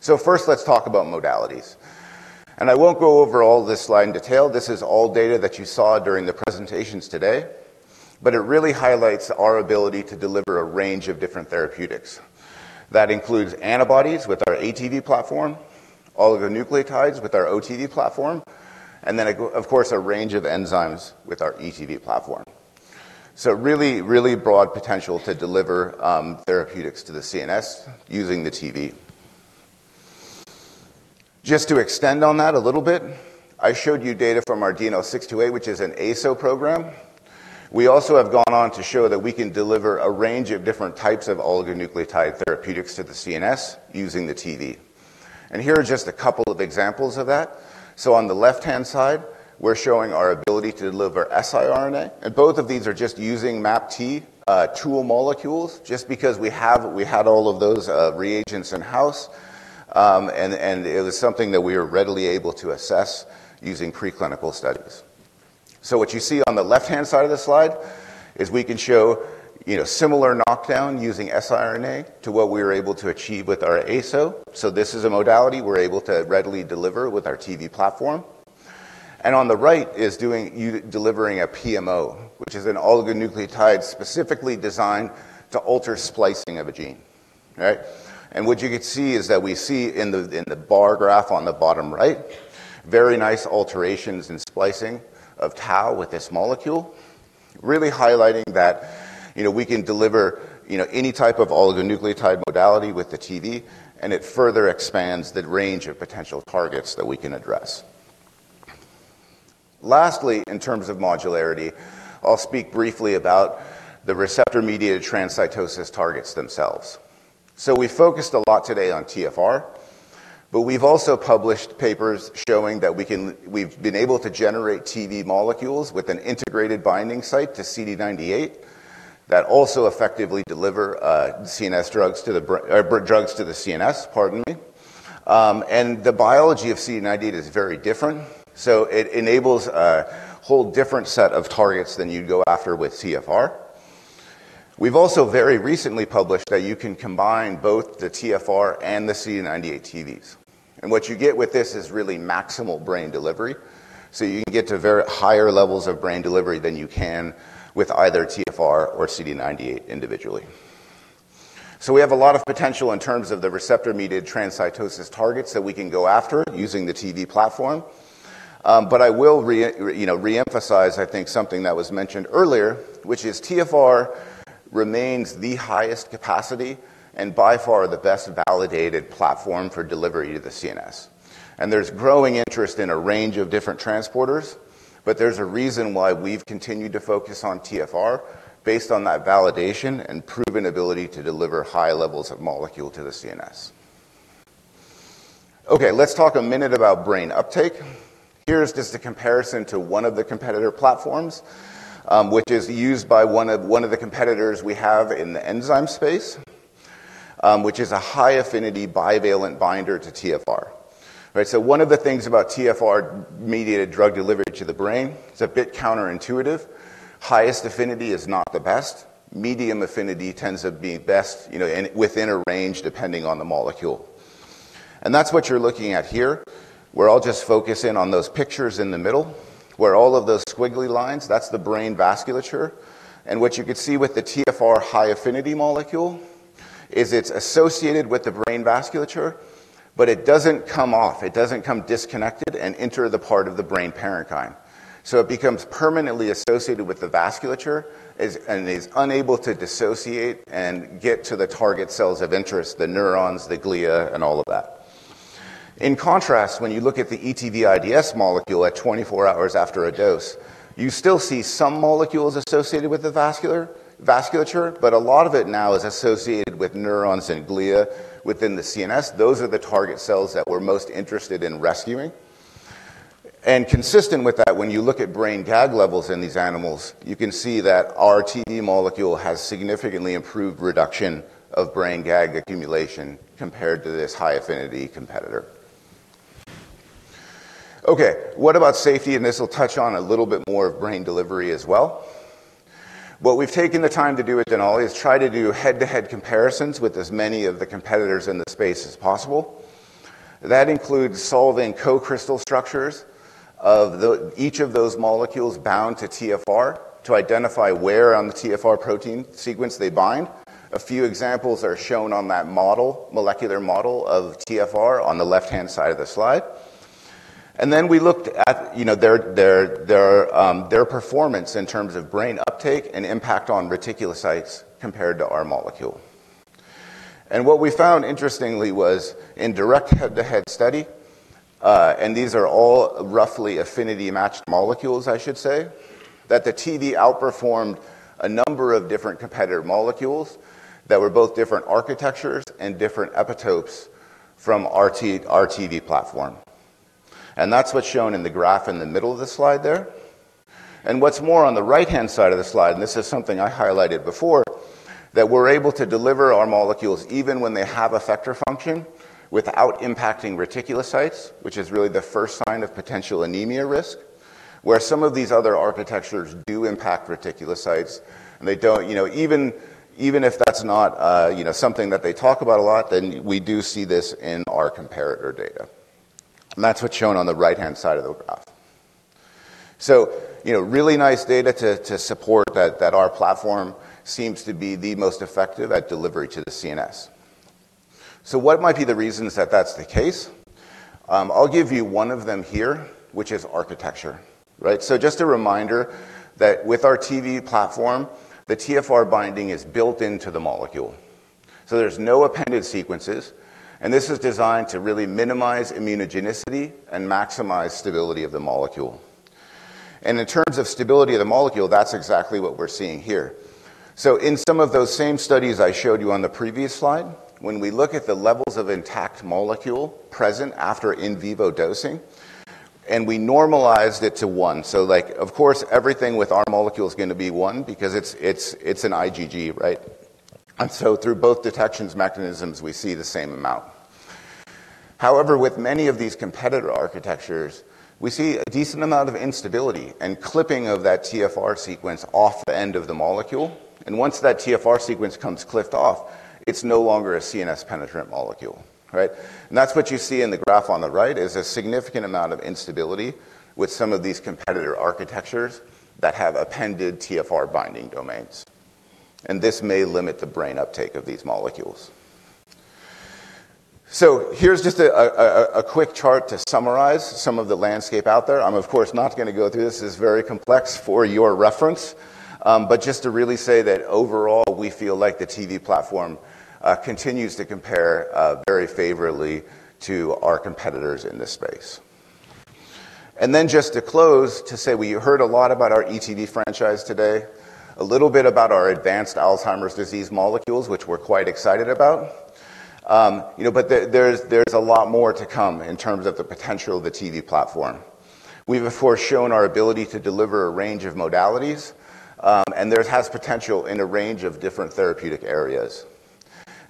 So first, let's talk about modalities. And I won't go over all this slide in detail. This is all data that you saw during the presentations today, but it really highlights our ability to deliver a range of different therapeutics. That includes antibodies with our ATV platform, oligonucleotides with our OTV platform, and then, of course, a range of enzymes with our ETV platform. So really, really broad potential to deliver therapeutics to the CNS using the Tivi. Just to extend on that a little bit, I showed you data from our DNL628, which is an ASO program. We also have gone on to show that we can deliver a range of different types of oligonucleotide therapeutics to the CNS using the Tivi. And here are just a couple of examples of that. So on the left-hand side, we're showing our ability to deliver siRNA. And both of these are just using MAPT tool molecules just because we had all of those reagents in-house, and it was something that we were readily able to assess using preclinical studies. So what you see on the left-hand side of the slide is we can show similar knockdown using siRNA to what we were able to achieve with our ASO. So this is a modality we're able to readily deliver with our Tivi platform. And on the right is delivering a PMO, which is an oligonucleotide specifically designed to alter splicing of a gene. What you could see is that we see in the bar graph on the bottom right very nice alterations in splicing of tau with this molecule, really highlighting that we can deliver any type of oligonucleotide modality with the Tivi, and it further expands the range of potential targets that we can address. Lastly, in terms of modularity, I'll speak briefly about the receptor-mediated transcytosis targets themselves. We focused a lot today on TfR, but we've also published papers showing that we've been able to generate Tivi molecules with an integrated binding site to CD98 that also effectively deliver CNS drugs to the CNS, pardon me. The biology of CD98 is very different. It enables a whole different set of targets than you'd go after with TfR. We've also very recently published that you can combine both the TfR and the CD98 Tivis. And what you get with this is really maximal brain delivery. So you can get to very high levels of brain delivery than you can with either TfR or CD98 individually. So we have a lot of potential in terms of the receptor-mediated transcytosis targets that we can go after using the Tivi platform. But I will reemphasize, I think, something that was mentioned earlier, which is TfR remains the highest capacity and by far the best validated platform for delivery to the CNS. And there's growing interest in a range of different transporters, but there's a reason why we've continued to focus on TfR based on that validation and proven ability to deliver high levels of molecule to the CNS. Okay, let's talk a minute about brain uptake. Here's just a comparison to one of the competitor platforms, which is used by one of the competitors we have in the enzyme space, which is a high affinity bivalent binder to TfR. So one of the things about TfR-mediated drug delivery to the brain, it's a bit counterintuitive. Highest affinity is not the best. Medium affinity tends to be best within a range depending on the molecule, and that's what you're looking at here. We're all just focusing on those pictures in the middle where all of those squiggly lines, that's the brain vasculature, and what you could see with the TfR high affinity molecule is it's associated with the brain vasculature, but it doesn't come off. It doesn't come disconnected and enter the part of the brain parenchyma. So it becomes permanently associated with the vasculature and is unable to dissociate and get to the target cells of interest, the neurons, the glia, and all of that. In contrast, when you look at the ETV IDS molecule at 24 hours after a dose, you still see some molecules associated with the vasculature, but a lot of it now is associated with neurons and glia within the CNS. Those are the target cells that we're most interested in rescuing. And consistent with that, when you look at brain GAG levels in these animals, you can see that our Tivi molecule has significantly improved reduction of brain GAG accumulation compared to this high affinity competitor. Okay, what about safety? And this will touch on a little bit more of brain delivery as well. What we've taken the time to do at Denali is try to do head-to-head comparisons with as many of the competitors in the space as possible. That includes solving co-crystal structures of each of those molecules bound to TfR to identify where on the TfR protein sequence they bind. A few examples are shown on that molecular model of TfR on the left-hand side of the slide. And then we looked at their performance in terms of brain uptake and impact on reticulocytes compared to our molecule. And what we found interestingly was in direct head-to-head study, and these are all roughly affinity-matched molecules, I should say, that the Tivi outperformed a number of different competitor molecules that were both different architectures and different epitopes from our Tivi platform. And that's what's shown in the graph in the middle of the slide there. And what's more on the right-hand side of the slide, and this is something I highlighted before, that we're able to deliver our molecules even when they have effector function without impacting reticulocytes, which is really the first sign of potential anemia risk, where some of these other architectures do impact reticulocytes. And even if that's not something that they talk about a lot, then we do see this in our comparator data. And that's what's shown on the right-hand side of the graph. So really nice data to support that our platform seems to be the most effective at delivery to the CNS. So what might be the reasons that that's the case? I'll give you one of them here, which is architecture. So just a reminder that with our Tivi platform, the TfR binding is built into the molecule. So there's no appended sequences. And this is designed to really minimize immunogenicity and maximize stability of the molecule. And in terms of stability of the molecule, that's exactly what we're seeing here. So in some of those same studies I showed you on the previous slide, when we look at the levels of intact molecule present after in vivo dosing, and we normalized it to one. So of course, everything with our molecule is going to be one because it's an IgG, right? And so through both detection mechanisms, we see the same amount. However, with many of these competitor architectures, we see a decent amount of instability and clipping of that TfR sequence off the end of the molecule. And once that TfR sequence comes clipped off, it's no longer a CNS penetrant molecule. That's what you see in the graph on the right: a significant amount of instability with some of these competitor architectures that have appended TfR binding domains. And this may limit the brain uptake of these molecules. So here's just a quick chart to summarize some of the landscape out there. I'm, of course, not going to go through this. It's very complex for your reference. But just to really say that overall, we feel like the Tivi platform continues to compare very favorably to our competitors in this space. And then just to close to say we heard a lot about our ETV franchise today, a little bit about our advanced Alzheimer's disease molecules, which we're quite excited about. But there's a lot more to come in terms of the potential of the Tivi platform. We've, of course, shown our ability to deliver a range of modalities, and there has potential in a range of different therapeutic areas,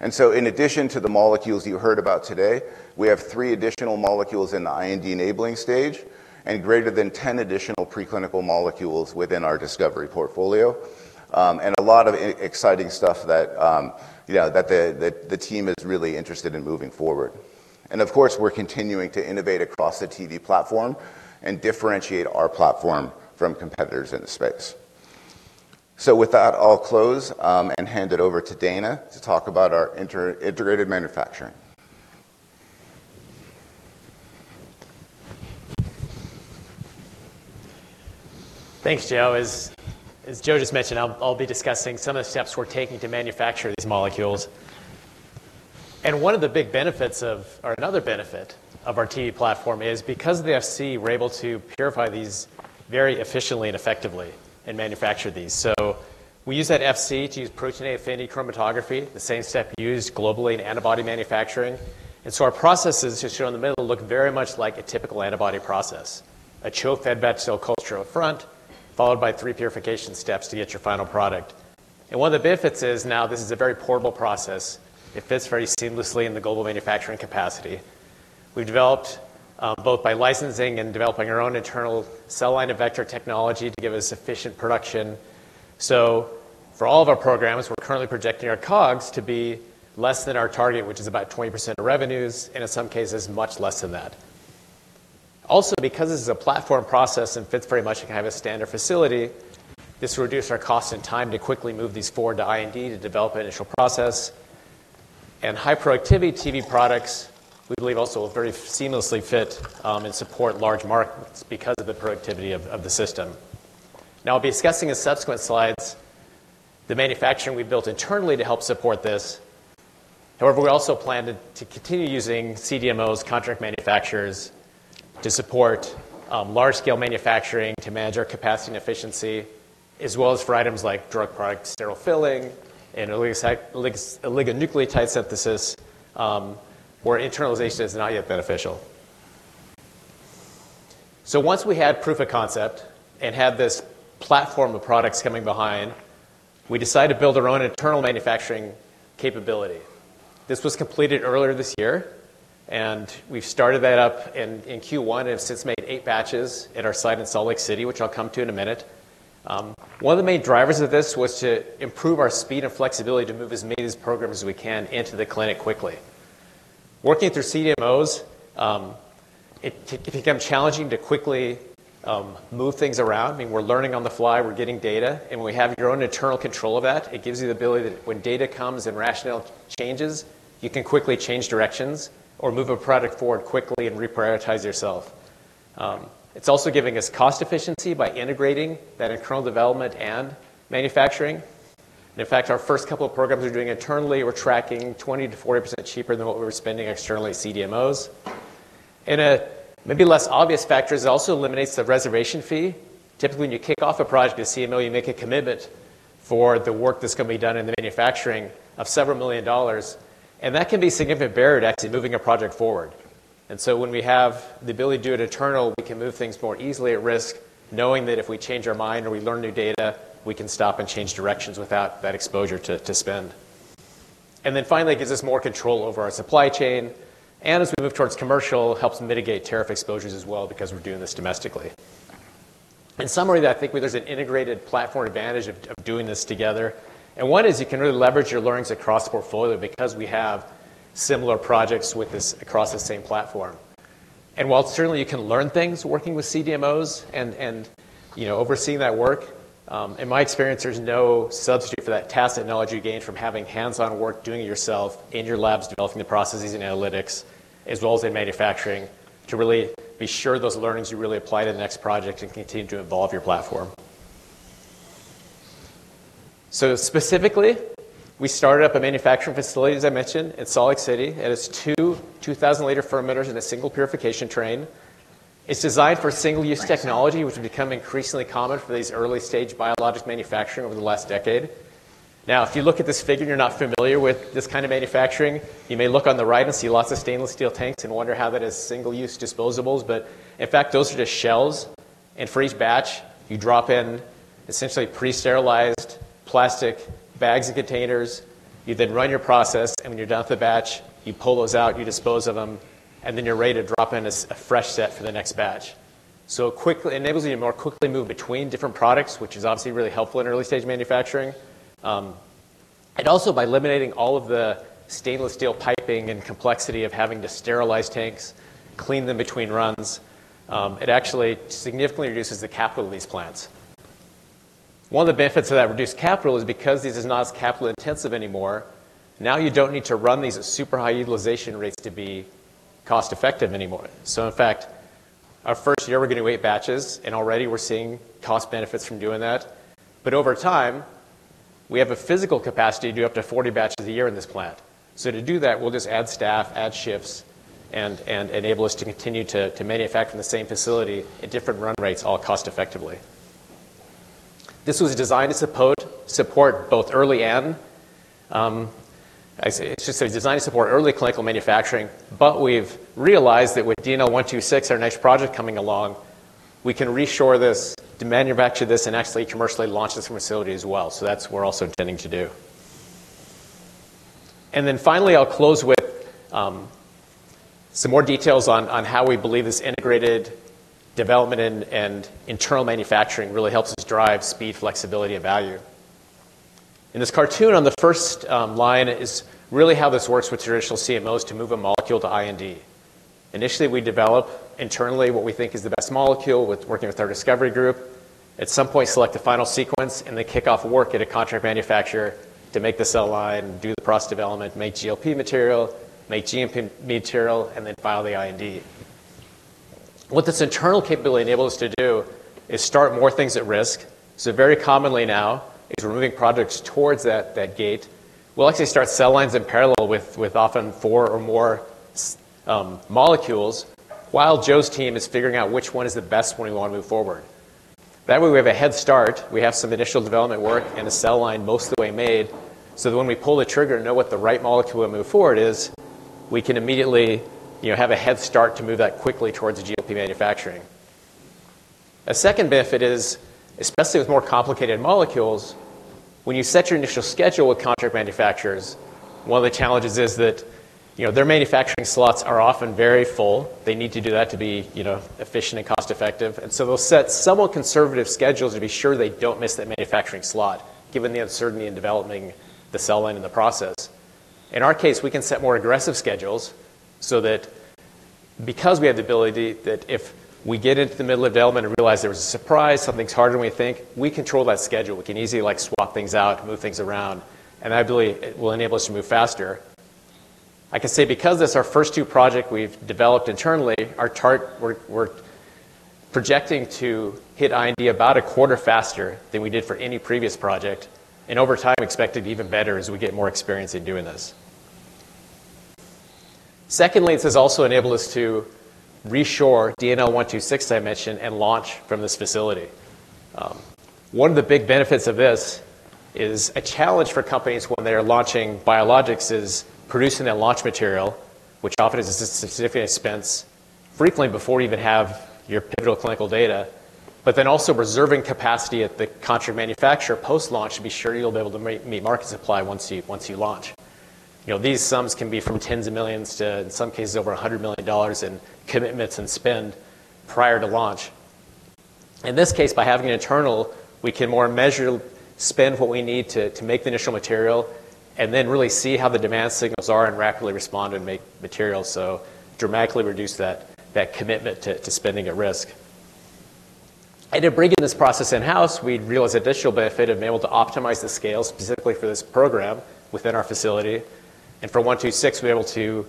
and so in addition to the molecules you heard about today, we have three additional molecules in the IND-enabling stage and greater than 10 additional preclinical molecules within our discovery portfolio, and a lot of exciting stuff that the team is really interested in moving forward, and of course, we're continuing to innovate across the Tivi platform and differentiate our platform from competitors in the space, so with that, I'll close and hand it over to Dana to talk about our integrated manufacturing. Thanks, Joe. As Joe just mentioned, I'll be discussing some of the steps we're taking to manufacture these molecules. One of the big benefits of, or another benefit of our Tivi platform is because of the Fc, we're able to purify these very efficiently and effectively and manufacture these. We use that Fc to use protein affinity chromatography, the same step used globally in antibody manufacturing. Our processes just shown in the middle look very much like a typical antibody process, a chilled fed-batch cell culture up front, followed by three purification steps to get your final product. One of the benefits is now this is a very portable process. It fits very seamlessly in the global manufacturing capacity. We've developed both by licensing and developing our own internal cell line and vector technology to give us sufficient production. So for all of our programs, we're currently projecting our COGS to be less than our target, which is about 20% of revenues, and in some cases, much less than that. Also, because this is a platform process and fits very much in kind of a standard facility, this will reduce our cost and time to quickly move these forward to IND to develop an initial process. And high productivity Tivi products, we believe, also will very seamlessly fit and support large markets because of the productivity of the system. Now, I'll be discussing in subsequent slides the manufacturing we built internally to help support this. However, we also plan to continue using CDMOs, contract manufacturers, to support large-scale manufacturing to manage our capacity and efficiency, as well as for items like drug products, sterile filling, and oligonucleotide synthesis, where internalization is not yet beneficial. Once we had proof of concept and had this platform of products coming behind, we decided to build our own internal manufacturing capability. This was completed earlier this year, and we've started that up in Q1 and have since made eight batches at our site in Salt Lake City, which I'll come to in a minute. One of the main drivers of this was to improve our speed and flexibility to move as many of these programs as we can into the clinic quickly. Working through CDMOs, it became challenging to quickly move things around. I mean, we're learning on the fly. We're getting data. And when we have our own internal control of that, it gives you the ability that when data comes and rationale changes, you can quickly change directions or move a product forward quickly and reprioritize yourself. It's also giving us cost efficiency by integrating that internal development and manufacturing. And in fact, our first couple of programs we're doing internally, we're tracking 20%-40% cheaper than what we were spending externally at CDMOs. And maybe less obvious factor is it also eliminates the reservation fee. Typically, when you kick off a project at CMO, you make a commitment for the work that's going to be done in the manufacturing of several million dollars. And that can be a significant barrier to actually moving a project forward. And so when we have the ability to do it internal, we can move things more easily at risk, knowing that if we change our mind or we learn new data, we can stop and change directions without that exposure to spend. And then finally, it gives us more control over our supply chain. And as we move towards commercial, it helps mitigate tariff exposures as well because we're doing this domestically. In summary, I think there's an integrated platform advantage of doing this together. And one is you can really leverage your learnings across the portfolio because we have similar projects across the same platform. And while certainly you can learn things working with CDMOs and overseeing that work, in my experience, there's no substitute for that tacit knowledge you gain from having hands-on work doing it yourself in your labs, developing the processes and analytics, as well as in manufacturing to really be sure those learnings you really apply to the next project and continue to evolve your platform. So specifically, we started up a manufacturing facility, as I mentioned, in Salt Lake City. It has two 2,000-liter fermenters and a single purification train. It's designed for single-use technology, which has become increasingly common for these early-stage biologic manufacturing over the last decade. Now, if you look at this figure and you're not familiar with this kind of manufacturing, you may look on the right and see lots of stainless steel tanks and wonder how that is single-use disposables. But in fact, those are just shells. And for each batch, you drop in essentially pre-sterilized plastic bags and containers. You then run your process. And when you're done with the batch, you pull those out, you dispose of them, and then you're ready to drop in a fresh set for the next batch. So it enables you to more quickly move between different products, which is obviously really helpful in early-stage manufacturing. And also, by eliminating all of the stainless steel piping and complexity of having to sterilize tanks, clean them between runs, it actually significantly reduces the capital of these plants. One of the benefits of that reduced capital is because this is not as capital-intensive anymore. Now you don't need to run these at super high utilization rates to be cost-effective anymore. So in fact, our first year, we're going to make batches. And already, we're seeing cost benefits from doing that. But over time, we have a physical capacity to do up to 40 batches a year in this plant. So to do that, we'll just add staff, add shifts, and enable us to continue to manufacture from the same facility at different run rates all cost-effectively. This was designed to support both early and, I say, it's just designed to support early clinical manufacturing. But we've realized that with DNL126, our next project coming along, we can reshore this, manufacture this, and actually commercially launch this facility as well. So that's what we're also intending to do. And then finally, I'll close with some more details on how we believe this integrated development and internal manufacturing really helps us drive speed, flexibility, and value. In this cartoon, on the first line is really how this works with traditional CMOs to move a molecule to IND. Initially, we develop internally what we think is the best molecule by working with our discovery group. At some point, select the final sequence, and then kick off work at a contract manufacturer to make the cell line, do the process development, make GLP material, make GMP material, and then file the IND. What this internal capability enables us to do is start more things at risk. So very commonly now, as we're moving projects towards that gate, we'll actually start cell lines in parallel with often four or more molecules while Joe's team is figuring out which one is the best one we want to move forward. That way, we have a head start. We have some initial development work and a cell line most of the way made. So that when we pull the trigger and know what the right molecule to move forward is, we can immediately have a head start to move that quickly towards the GLP manufacturing. A second benefit is, especially with more complicated molecules, when you set your initial schedule with contract manufacturers, one of the challenges is that their manufacturing slots are often very full. They need to do that to be efficient and cost-effective. And so they'll set somewhat conservative schedules to be sure they don't miss that manufacturing slot, given the uncertainty in developing the cell line and the process. In our case, we can set more aggressive schedules so that because we have the ability that if we get into the middle of development and realize there was a surprise, something's harder than we think, we control that schedule. We can easily swap things out, move things around. And that ability will enable us to move faster. I can say because this is our first two projects we've developed internally, we're projecting to hit IND about a quarter faster than we did for any previous project. And over time, we expect to do even better as we get more experience in doing this. Secondly, this has also enabled us to reshore DNL126, I mentioned, and launch from this facility. One of the big benefits of this is a challenge for companies when they are launching biologics is producing that launch material, which often is a significant expense, frequently before you even have your pivotal clinical data, but then also reserving capacity at the contract manufacturer post-launch to be sure you'll be able to meet market supply once you launch. These sums can be from tens of millions to, in some cases, over $100 million in commitments and spend prior to launch. In this case, by having an internal, we can more measurably spend what we need to make the initial material and then really see how the dem and signals are and rapidly respond and make material so dramatically reduce that commitment to spending at risk, and in bringing this process in-house, we realized additional benefit of being able to optimize the scale specifically for this program within our facility. For 126, we were able to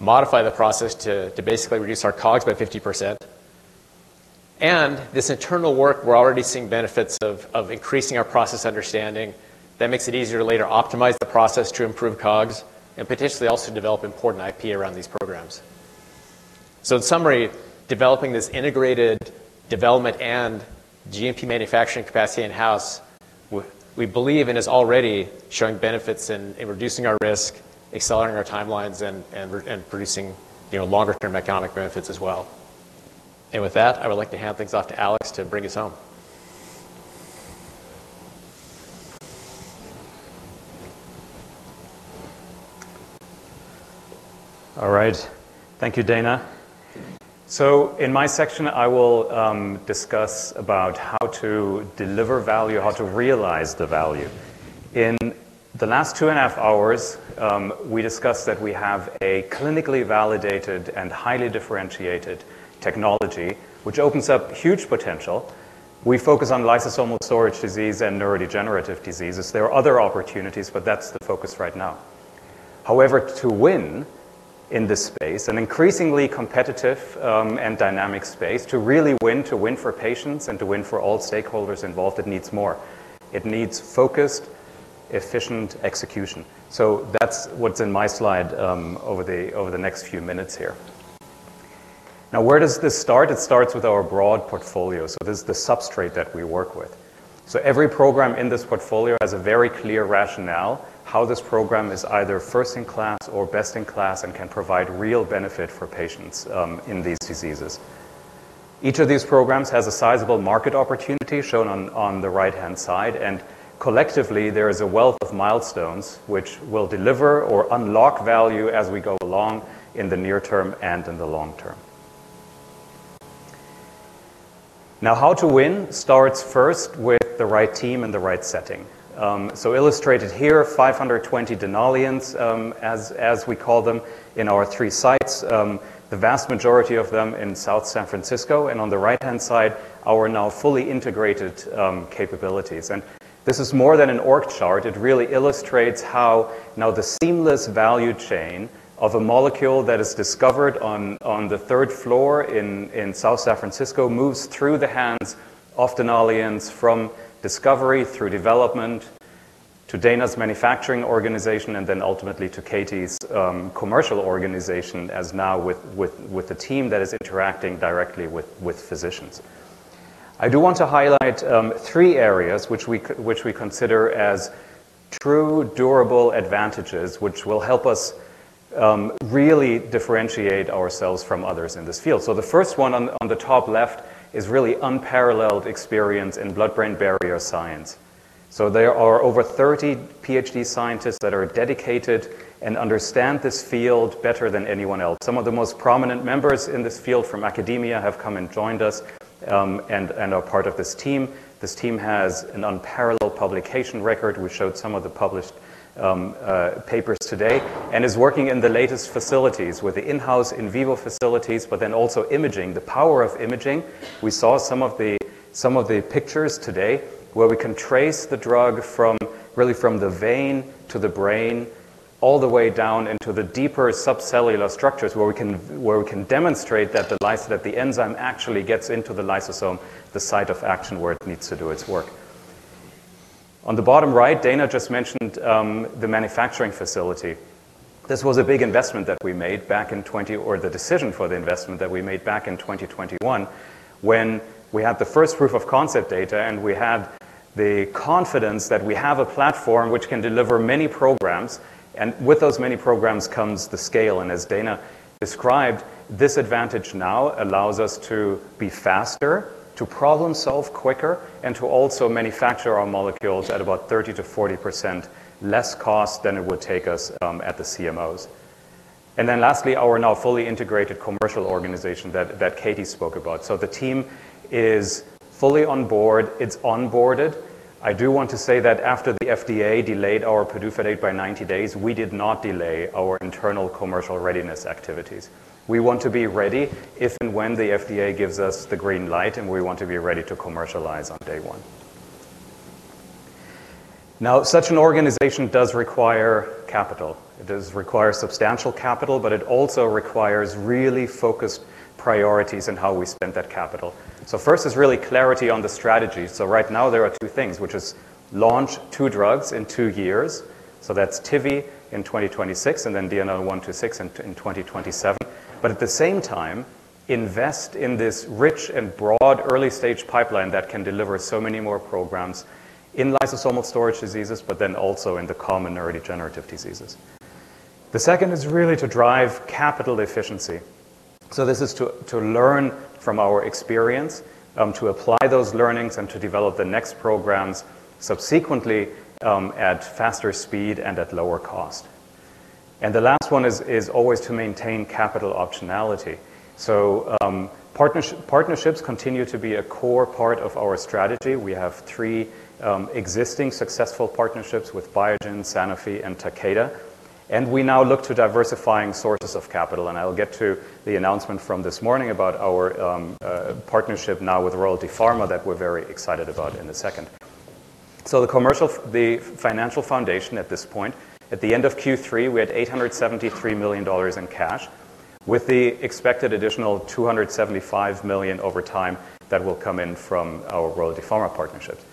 modify the process to basically reduce our COGS by 50%. And this internal work, we're already seeing benefits of increasing our process understanding that makes it easier to later optimize the process to improve COGS and potentially also develop important IP around these programs. In summary, developing this integrated development and GMP manufacturing capacity in-house, we believe it is already showing benefits in reducing our risk, accelerating our timelines, and producing longer-term economic benefits as well. With that, I would like to hand things off to Alex to bring us home. All right. Thank you, Dana. In my section, I will discuss about how to deliver value, how to realize the value. In the last two and a half hours, we discussed that we have a clinically validated and highly differentiated technology, which opens up huge potential. We focus on lysosomal storage disease and neurodegenerative diseases. There are other opportunities, but that's the focus right now. However, to win in this space, an increasingly competitive and dynamic space, to really win, to win for patients and to win for all stakeholders involved, it needs more. It needs focused, efficient execution. So that's what's in my slide over the next few minutes here. Now, where does this start? It starts with our broad portfolio. So this is the substrate that we work with. So every program in this portfolio has a very clear rationale how this program is either first-in-class or best-in-class and can provide real benefit for patients in these diseases. Each of these programs has a sizable market opportunity shown on the right-hand side. Collectively, there is a wealth of milestones which will deliver or unlock value as we go along in the near term and in the long term. Now, how to win starts first with the right team and the right setting. Illustrated here, 520 Denaliens, as we call them in our three sites, the vast majority of them in South San Francisco. On the right-hand side, our now fully integrated capabilities. This is more than an org chart. It really illustrates how now the seamless value chain of a molecule that is discovered on the third floor in South San Francisco moves through the hands of Denaliens from discovery through development to Dana's manufacturing organization and then ultimately to Katie's commercial organization, as now with a team that is interacting directly with physicians. I do want to highlight three areas which we consider as true durable advantages, which will help us really differentiate ourselves from others in this field. So the first one on the top left is really unparalleled experience in blood-brain barrier science. So there are over 30 PhD scientists that are dedicated and understand this field better than anyone else. Some of the most prominent members in this field from academia have come and joined us and are part of this team. This team has an unparalleled publication record. We showed some of the published papers today and is working in the latest facilities with the in-house in vivo facilities, but then also imaging, the power of imaging. We saw some of the pictures today where we can trace the drug really from the vein to the brain all the way down into the deeper subcellular structures where we can demonstrate that the enzyme actually gets into the lysosome, the site of action where it needs to do its work. On the bottom right, Dana just mentioned the manufacturing facility. This was a big investment that we made back in 20 or the decision for the investment that we made back in 2021 when we had the first proof of concept data and we had the confidence that we have a platform which can deliver many programs. With those many programs comes the scale. As Dana described, this advantage now allows us to be faster, to problem-solve quicker, and to also manufacture our molecules at about 30%-40% less cost than it would take us at the CMOs. Then lastly, our now fully integrated commercial organization that Katie spoke about. The team is fully on board. It's onboarded. I do want to say that after the FDA delayed our PDUFA date by 90 days, we did not delay our internal commercial readiness activities. We want to be ready if and when the FDA gives us the green light, and we want to be ready to commercialize on day one. Now, such an organization does require capital. It does require substantial capital, but it also requires really focused priorities in how we spend that capital. First is really clarity on the strategy. So right now, there are two things, which is launch two drugs in two years. So that's Tivi in 2026 and then DNL126 in 2027. But at the same time, invest in this rich and broad early-stage pipeline that can deliver so many more programs in lysosomal storage diseases, but then also in the common neurodegenerative diseases. The second is really to drive capital efficiency. So this is to learn from our experience, to apply those learnings, and to develop the next programs subsequently at faster speed and at lower cost. And the last one is always to maintain capital optionality. So partnerships continue to be a core part of our strategy. We have three existing successful partnerships with Biogen, Sanofi, and Takeda. And we now look to diversifying sources of capital. I'll get to the announcement from this morning about our partnership now with Royalty Pharma that we're very excited about in a second. The financial foundation at this point, at the end of Q3, we had $873 million in cash with the expected additional $275 million over time that will come in from our Royalty Pharma partnerships.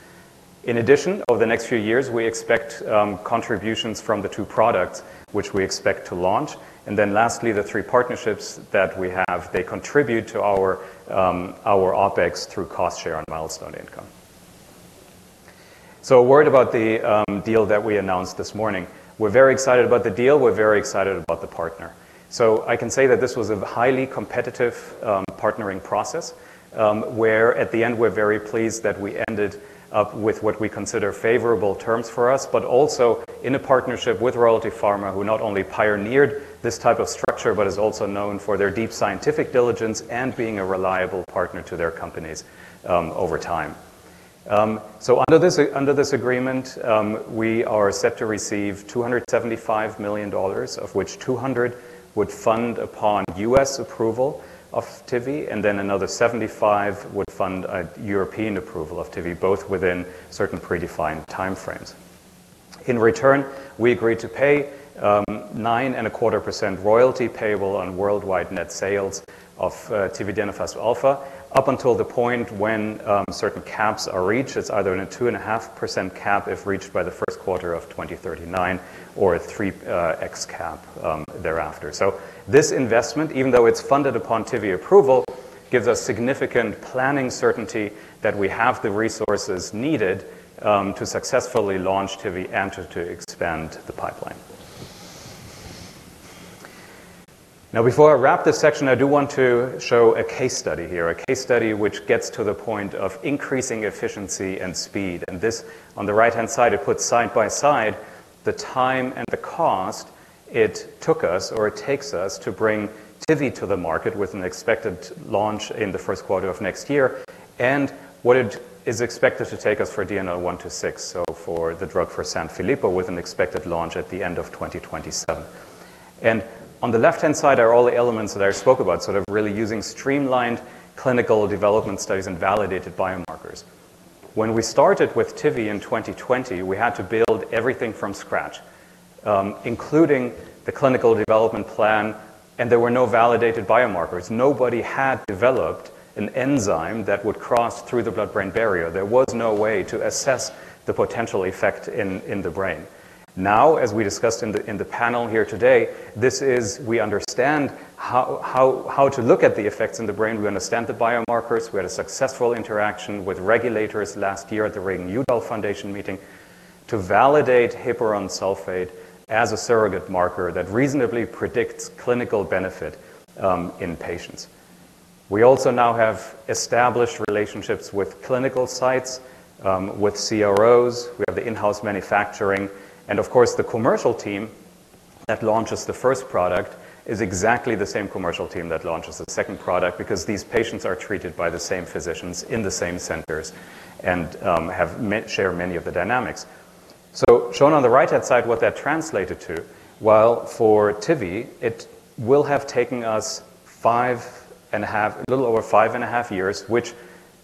In addition, over the next few years, we expect contributions from the two products, which we expect to launch. Lastly, the three partnerships that we have, they contribute to our OpEx through cost share and milestone income. Worried about the deal that we announced this morning. We're very excited about the deal. We're very excited about the partner. I can say that this was a highly competitive partnering process where at the end, we're very pleased that we ended up with what we consider favorable terms for us, but also in a partnership with Royalty Pharma, who not only pioneered this type of structure, but is also known for their deep scientific diligence and being a reliable partner to their companies over time. Under this agreement, we are set to receive $275 million, of which $200 million would fund upon U.S. approval of Tivi, and then another $75 million would fund a European approval of Tivi, both within certain predefined time frames. In return, we agreed to pay 9 and a quarter % royalty payable on worldwide net sales of tividenofusp alfa up until the point when certain caps are reached. It's either a 2.5% cap if reached by the first quarter of 2039 or a 3x cap thereafter, so this investment, even though it's funded upon Tivi approval, gives us significant planning certainty that we have the resources needed to successfully launch Tivi and to expand the pipeline. Now, before I wrap this section, I do want to show a case study here, a case study which gets to the point of increasing efficiency and speed, and this on the right-hand side, it puts side by side the time and the cost it took us or it takes us to bring Tivi to the market with an expected launch in the first quarter of next year and what it is expected to take us for DNL126, so for the drug for Sanfilippo with an expected launch at the end of 2 And on the left-hand side are all the elements that I spoke about, sort of really using streamlined clinical development studies and validated biomarkers. When we started with Tivi in 2020, we had to build everything from scratch, including the clinical development plan, and there were no validated biomarkers. Nobody had developed an enzyme that would cross through the blood-brain barrier. There was no way to assess the potential effect in the brain. Now, as we discussed in the panel here today, we understand how to look at the effects in the brain. We understand the biomarkers. We had a successful interaction with regulators last year at the Reagan-Udall Foundation meeting to validate heparan sulfate as a surrogate marker that reasonably predicts clinical benefit in patients. We also now have established relationships with clinical sites, with CROs. We have the in-house manufacturing.s And of course, the commercial team that launches the first product is exactly the same commercial team that launches the second product because these patients are treated by the same physicians in the same centers and share many of the dynamics. So, shown on the right-hand side, what that translated to. While for Tivi, it will have taken us five and a half, a little over five and a half years, which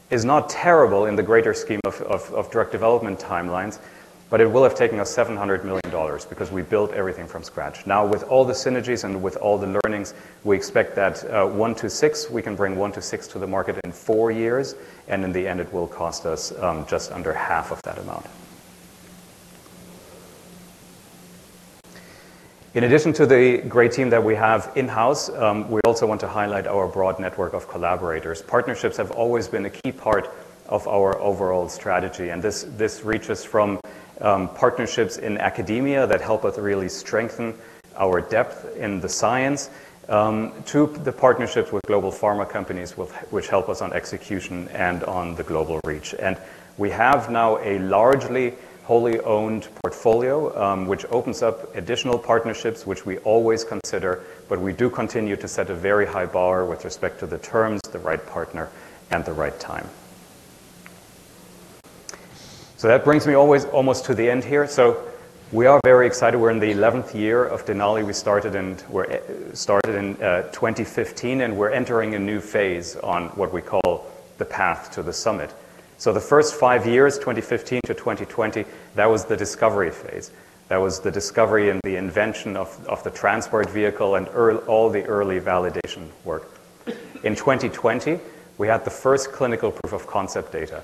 is not terrible in the greater scheme of drug development timelines, but it will have taken us $700 million because we built everything from scratch. Now, with all the synergies and with all the learnings, we expect that 126, we can bring 126 to the market in four years, and in the end, it will cost us just under half of that amount. In addition to the great team that we have in-house, we also want to highlight our broad network of collaborators. Partnerships have always been a key part of our overall strategy. And this reaches from partnerships in academia that help us really strengthen our depth in the science to the partnerships with global pharma companies, which help us on execution and on the global reach. And we have now a largely wholly owned portfolio, which opens up additional partnerships, which we always consider, but we do continue to set a very high bar with respect to the terms, the right partner, and the right time. So that brings me almost to the end here. So we are very excited. We're in the 11th year of Denali. We started in 2015, and we're entering a new phase on what we call the path to the summit. So the first five years, 2015 to 2020, that was the discovery phase. That was the discovery and the invention of the transport vehicle and all the early validation work. In 2020, we had the first clinical proof of concept data.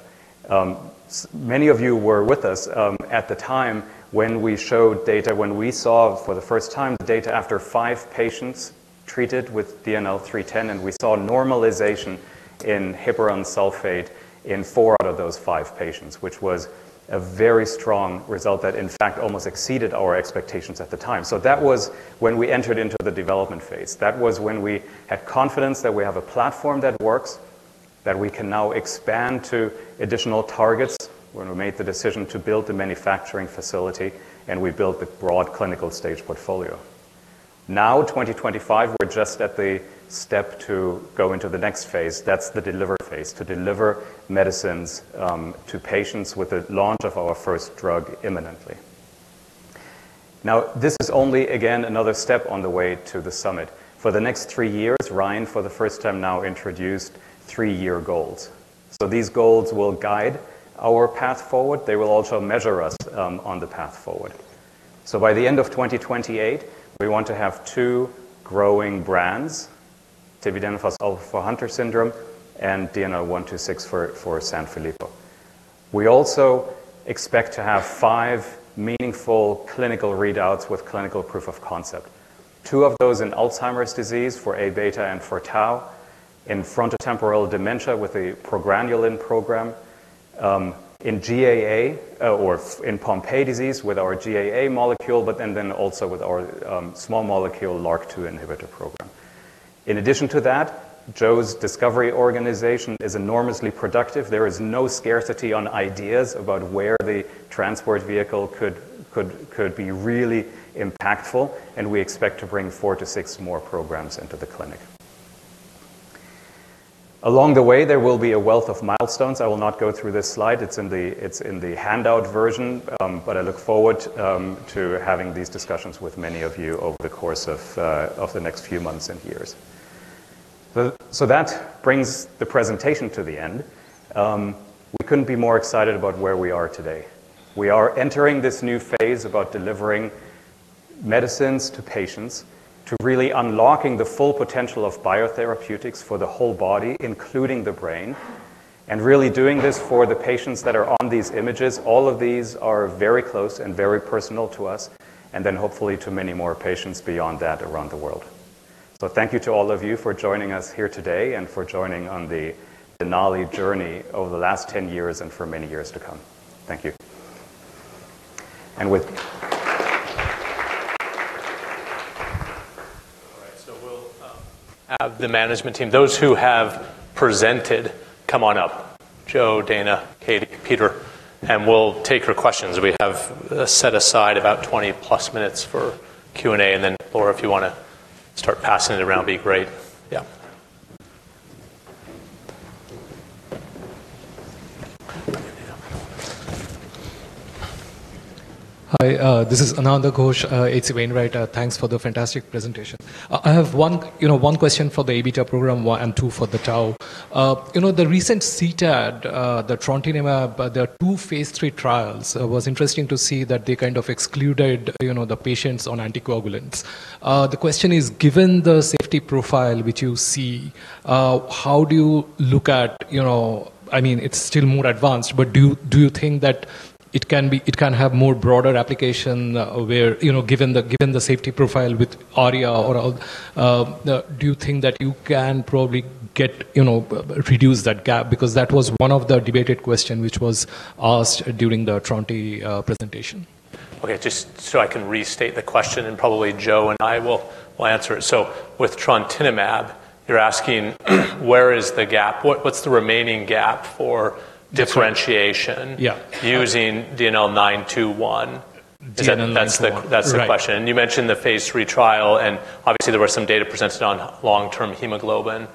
Many of you were with us at the time when we showed data, when we saw for the first time the data after five patients treated with DNL310, and we saw normalization in heparan sulfate in four out of those five patients, which was a very strong result that, in fact, almost exceeded our expectations at the time. So that was when we entered into the development phase. That was when we had confidence that we have a platform that works, that we can now expand to additional targets when we made the decision to build the manufacturing facility, and we built the broad clinical stage portfolio. Now, 2025, we're just at the step to go into the next phase. That's the delivery phase, to deliver medicines to patients with the launch of our first drug imminently. Now, this is only, again, another step on the way to the summit. For the next three years, Ryan, for the first time now, introduced three-year goals, so these goals will guide our path forward. They will also measure us on the path forward, so by the end of 2028, we want to have two growing brands, tividenofusp alfa for Hunter syndrome and DNL126 for Sanfilippo. We also expect to have five meaningful clinical readouts with clinical proof of concept. Two of those in Alzheimer's disease for Abeta and for Tau, in frontotemporal dementia with the Progranulin program, in GAA or in Pompe disease with our GAA molecule, but then also with our small molecule LRRK2 inhibitor program. In addition to that, Joe's discovery organization is enormously productive. There is no scarcity on ideas about where the transport vehicle could be really impactful, and we expect to bring four to six more programs into the clinic. Along the way, there will be a wealth of milestones. I will not go through this slide. It's in the handout version, but I look forward to having these discussions with many of you over the course of the next few months and years. So that brings the presentation to the end. We couldn't be more excited about where we are today. We are entering this new phase about delivering medicines to patients to really unlocking the full potential of biotherapeutics for the whole body, including the brain, and really doing this for the patients that are on these images. All of these are very close and very personal to us, and then hopefully to many more patients beyond that around the world. So thank you to all of you for joining us here today and for joining on the Denali journey over the last 10 years and for many years to come. Thank you. All right. So we'll have the management team, those who have presented, come on up. Joe, Dana, Katie, Peter, and we'll take your questions. We have set aside about 20 plus minutes for Q&A, and then Laura, if you want to start passing it around, be great. Yeah. Hi, this is Ananda Ghosh, H.C. Wainwright. Thanks for the fantastic presentation. I have one question for the Abeta program and two for the Tau. The recent CTAD, the trontinemab, the two phase III trials, it was interesting to see that they kind of excluded the patients on anticoagulants. The question is, given the safety profile which you see, how do you look at, I mean, it's still more advanced, but do you think that it can have more broader application given the safety profile with ARIA or do you think that you can probably reduce that gap? Because that was one of the debated questions which was asked during the trontinemab presentation. Okay. Just so I can restate the question, and probably Joe and I will answer it. So with trontinemab, you're asking where is the gap? What's the remaining gap for differentiation using DNL921? That's the question. You mentioned the phase 3 trial, and obviously, there were some data presented on long-term hemoglobin.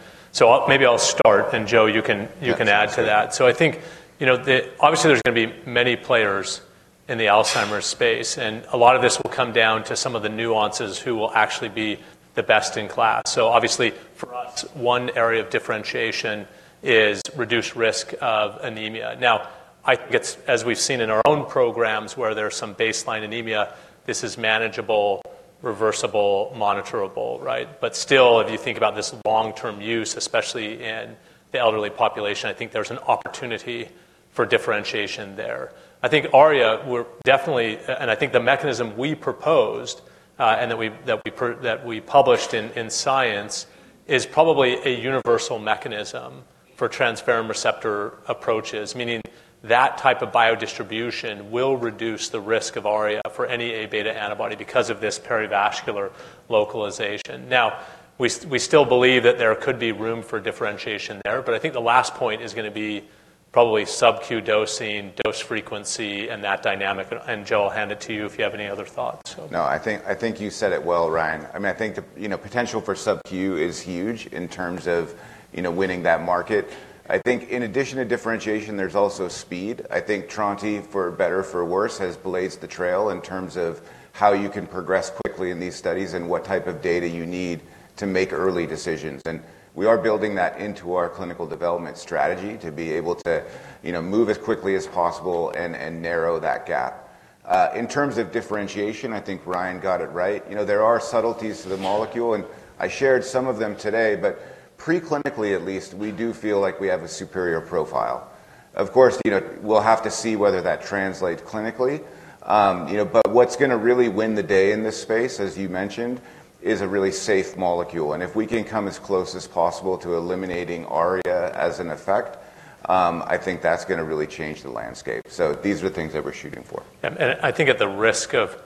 Maybe I'll start, and Joe, you can add to that. I think obviously, there's going to be many players in the Alzheimer's space, and a lot of this will come down to some of the nuances who will actually be the best in class. Obviously, for us, one area of differentiation is reduced risk of anemia. Now, I think as we've seen in our own programs where there's some baseline anemia, this is manageable, reversible, monitorable, right? But still, if you think about this long-term use, especially in the elderly population, I think there's an opportunity for differentiation there. I think ARIA, we're definitely, and I think the mechanism we proposed and that we published in Science is probably a universal mechanism for transferrin receptor approaches, meaning that type of biodistribution will reduce the risk of ARIA for any Abeta antibody because of this perivascular localization. Now, we still believe that there could be room for differentiation there, but I think the last point is going to be probably subQ dosing, dose frequency, and that dynamic. And Joe, I'll hand it to you if you have any other thoughts. No, I think you said it well, Ryan. I mean, I think the potential for subQ is huge in terms of winning that market. I think in addition to differentiation, there's also speed. I think trontinemab, for better or for worse, has blazed the trail in terms of how you can progress quickly in these studies and what type of data you need to make early decisions, and we are building that into our clinical development strategy to be able to move as quickly as possible and narrow that gap. In terms of differentiation, I think Ryan got it right. There are subtleties to the molecule, and I shared some of them today, but preclinically, at least, we do feel like we have a superior profile. Of course, we'll have to see whether that translates clinically, but what's going to really win the day in this space, as you mentioned, is a really safe molecule, and if we can come as close as possible to eliminating ARIA as an effect, I think that's going to really change the landscape. So these are the things that we're shooting for. And I think at the risk of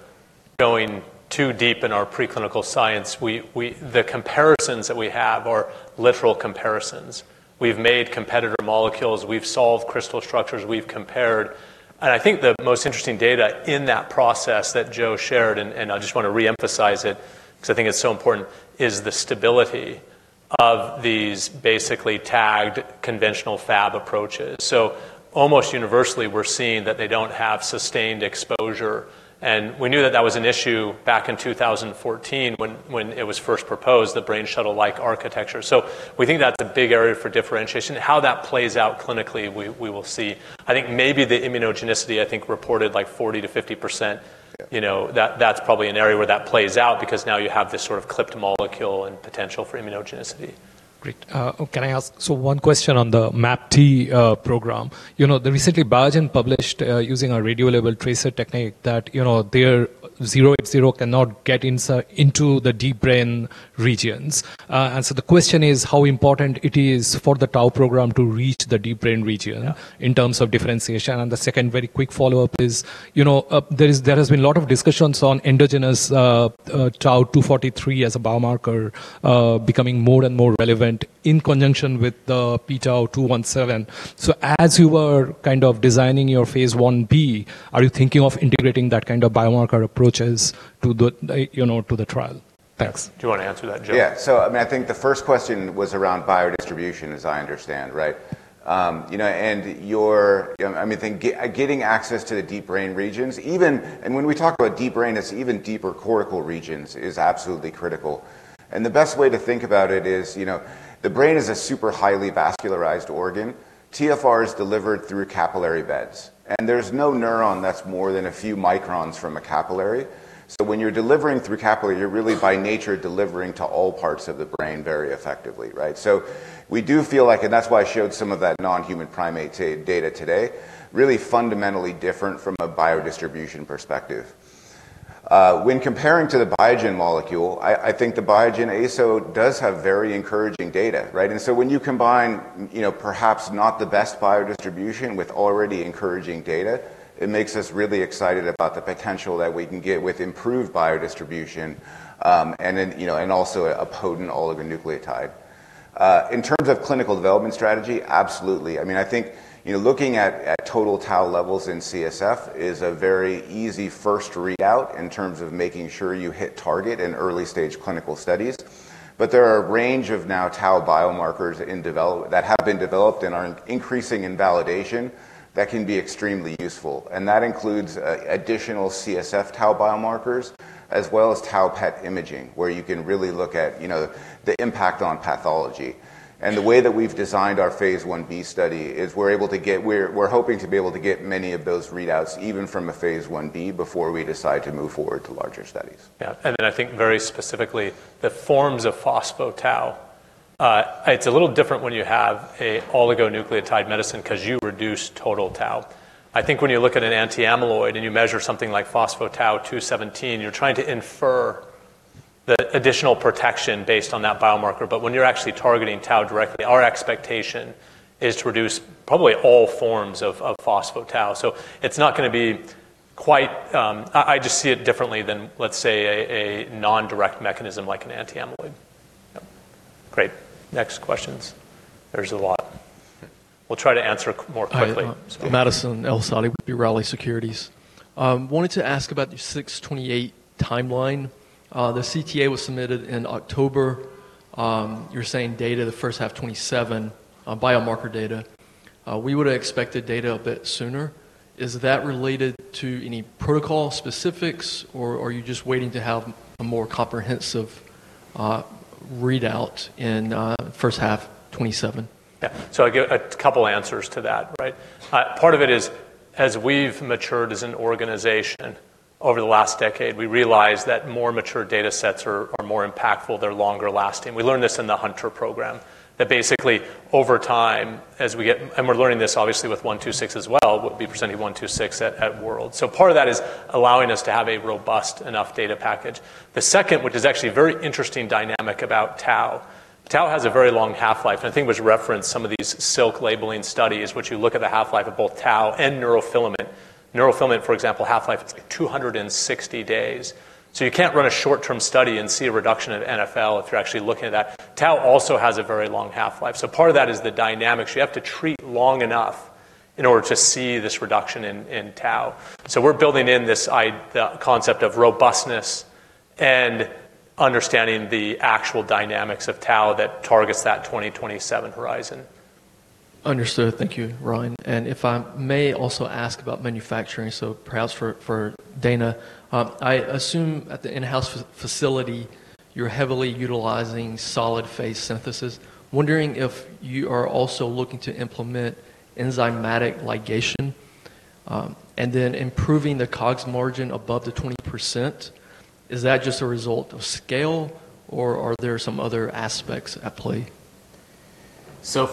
going too deep in our preclinical science, the comparisons that we have are literal comparisons. We've made competitor molecules. We've solved crystal structures. We've compared. And I think the most interesting data in that process that Joe shared, and I just want to reemphasize it because I think it's so important, is the stability of these basically tagged conventional fab approaches. So almost universally, we're seeing that they don't have sustained exposure. And we knew that that was an issue back in 2014 when it was first proposed, the brain shuttle-like architecture. So we think that's a big area for differentiation. How that plays out clinically, we will see. I think maybe the immunogenicity. I think reported like 40%-50%. That's probably an area where that plays out because now you have this sort of clipped molecule and potential for immunogenicity. Great. Can I ask? So one question on the MAPT program. Recently, Biogen published using a radiolabel tracer technique that their 080 cannot get into the deep brain regions, and so the question is how important it is for the Tau program to reach the deep brain region in terms of differentiation, and the second very quick follow-up is there has been a lot of discussions on endogenous Tau243 as a biomarker becoming more and more relevant in conjunction with the p-Tau217. So as you were kind of designing your phase IB, are you thinking of integrating that kind of biomarker approaches to the trial? Thanks. Do you want to answer that, Joe? Yeah. So I mean, I think the first question was around biodistribution, as I understand, right? And I mean, getting access to the deep brain regions, and when we talk about deep brain, it's even deeper cortical regions is absolutely critical. And the best way to think about it is the brain is a super highly vascularized organ. TfR is delivered through capillary beds, and there's no neuron that's more than a few microns from a capillary. So when you're delivering through capillary, you're really by nature delivering to all parts of the brain very effectively, right? So we do feel like, and that's why I showed some of that non-human primate data today, really fundamentally different from a biodistribution perspective. When comparing to the Biogen molecule, I think the Biogen ASO does have very encouraging data, right? And so when you combine perhaps not the best biodistribution with already encouraging data, it makes us really excited about the potential that we can get with improved biodistribution and also a potent oligonucleotide. In terms of clinical development strategy, absolutely. I mean, I think looking at total Tau levels in CSF is a very easy first readout in terms of making sure you hit target in early-stage clinical studies. But there are a range of now Tau biomarkers that have been developed and are increasing in validation that can be extremely useful. And that includes additional CSF Tau biomarkers as well as Tau PET imaging, where you can really look at the impact on pathology. The way that we've designed our Phase 1B study is we're hoping to be able to get many of those readouts even from a Phase I-B before we decide to move forward to larger studies. Yeah. And then I think very specifically, the forms of phospho-tau, it's a little different when you have an oligonucleotide medicine because you reduce total tau. I think when you look at an anti-amyloid and you measure something like phospho-tau217, you're trying to infer the additional protection based on that biomarker. But when you're actually targeting tau directly, our expectation is to reduce probably all forms of phospho-tau. So it's not going to be quite. I just see it differently than, let's say, a non-direct mechanism like an anti-amyloid. Yep. Great. Next questions. There's a lot. We'll try to answer more quickly. Madison El-Saadi with B. Riley Securities. Wanted to ask about the 6/28 timeline. The CTA was submitted in October. You're saying data the first half 2027, biomarker data. We would have expected data a bit sooner. Is that related to any protocol specifics, or are you just waiting to have a more comprehensive readout in first half 2027? Yeah. So I get a couple of answers to that, right? Part of it is, as we've matured as an organization over the last decade, we realize that more mature data sets are more impactful. They're longer lasting. We learned this in the Hunter program, that basically over time, as we get and we're learning this, obviously, with 126 as well, what we presented 126 at World. So part of that is allowing us to have a robust enough data package. The second, which is actually a very interesting dynamic about Tau, Tau has a very long half-life. I think it was referenced some of these SILAC labeling studies, which you look at the half-life of both Tau and neurofilament. Neurofilament, for example, half-life is 260 days. So you can't run a short-term study and see a reduction in NFL if you're actually looking at that. Tau also has a very long half-life. So part of that is the dynamics. You have to treat long enough in order to see this reduction in Tau. So we're building in this concept of robustness and understanding the actual dynamics of Tau that targets that 2027 horizon. Understood. Thank you, Ryan. And if I may also ask about manufacturing, so perhaps for Dana, I assume at the in-house facility, you're heavily utilizing solid phase synthesis. Wondering if you are also looking to implement enzymatic ligation and then improving the COGS margin above the 20%. Is that just a result of scale, or are there some other aspects at play? So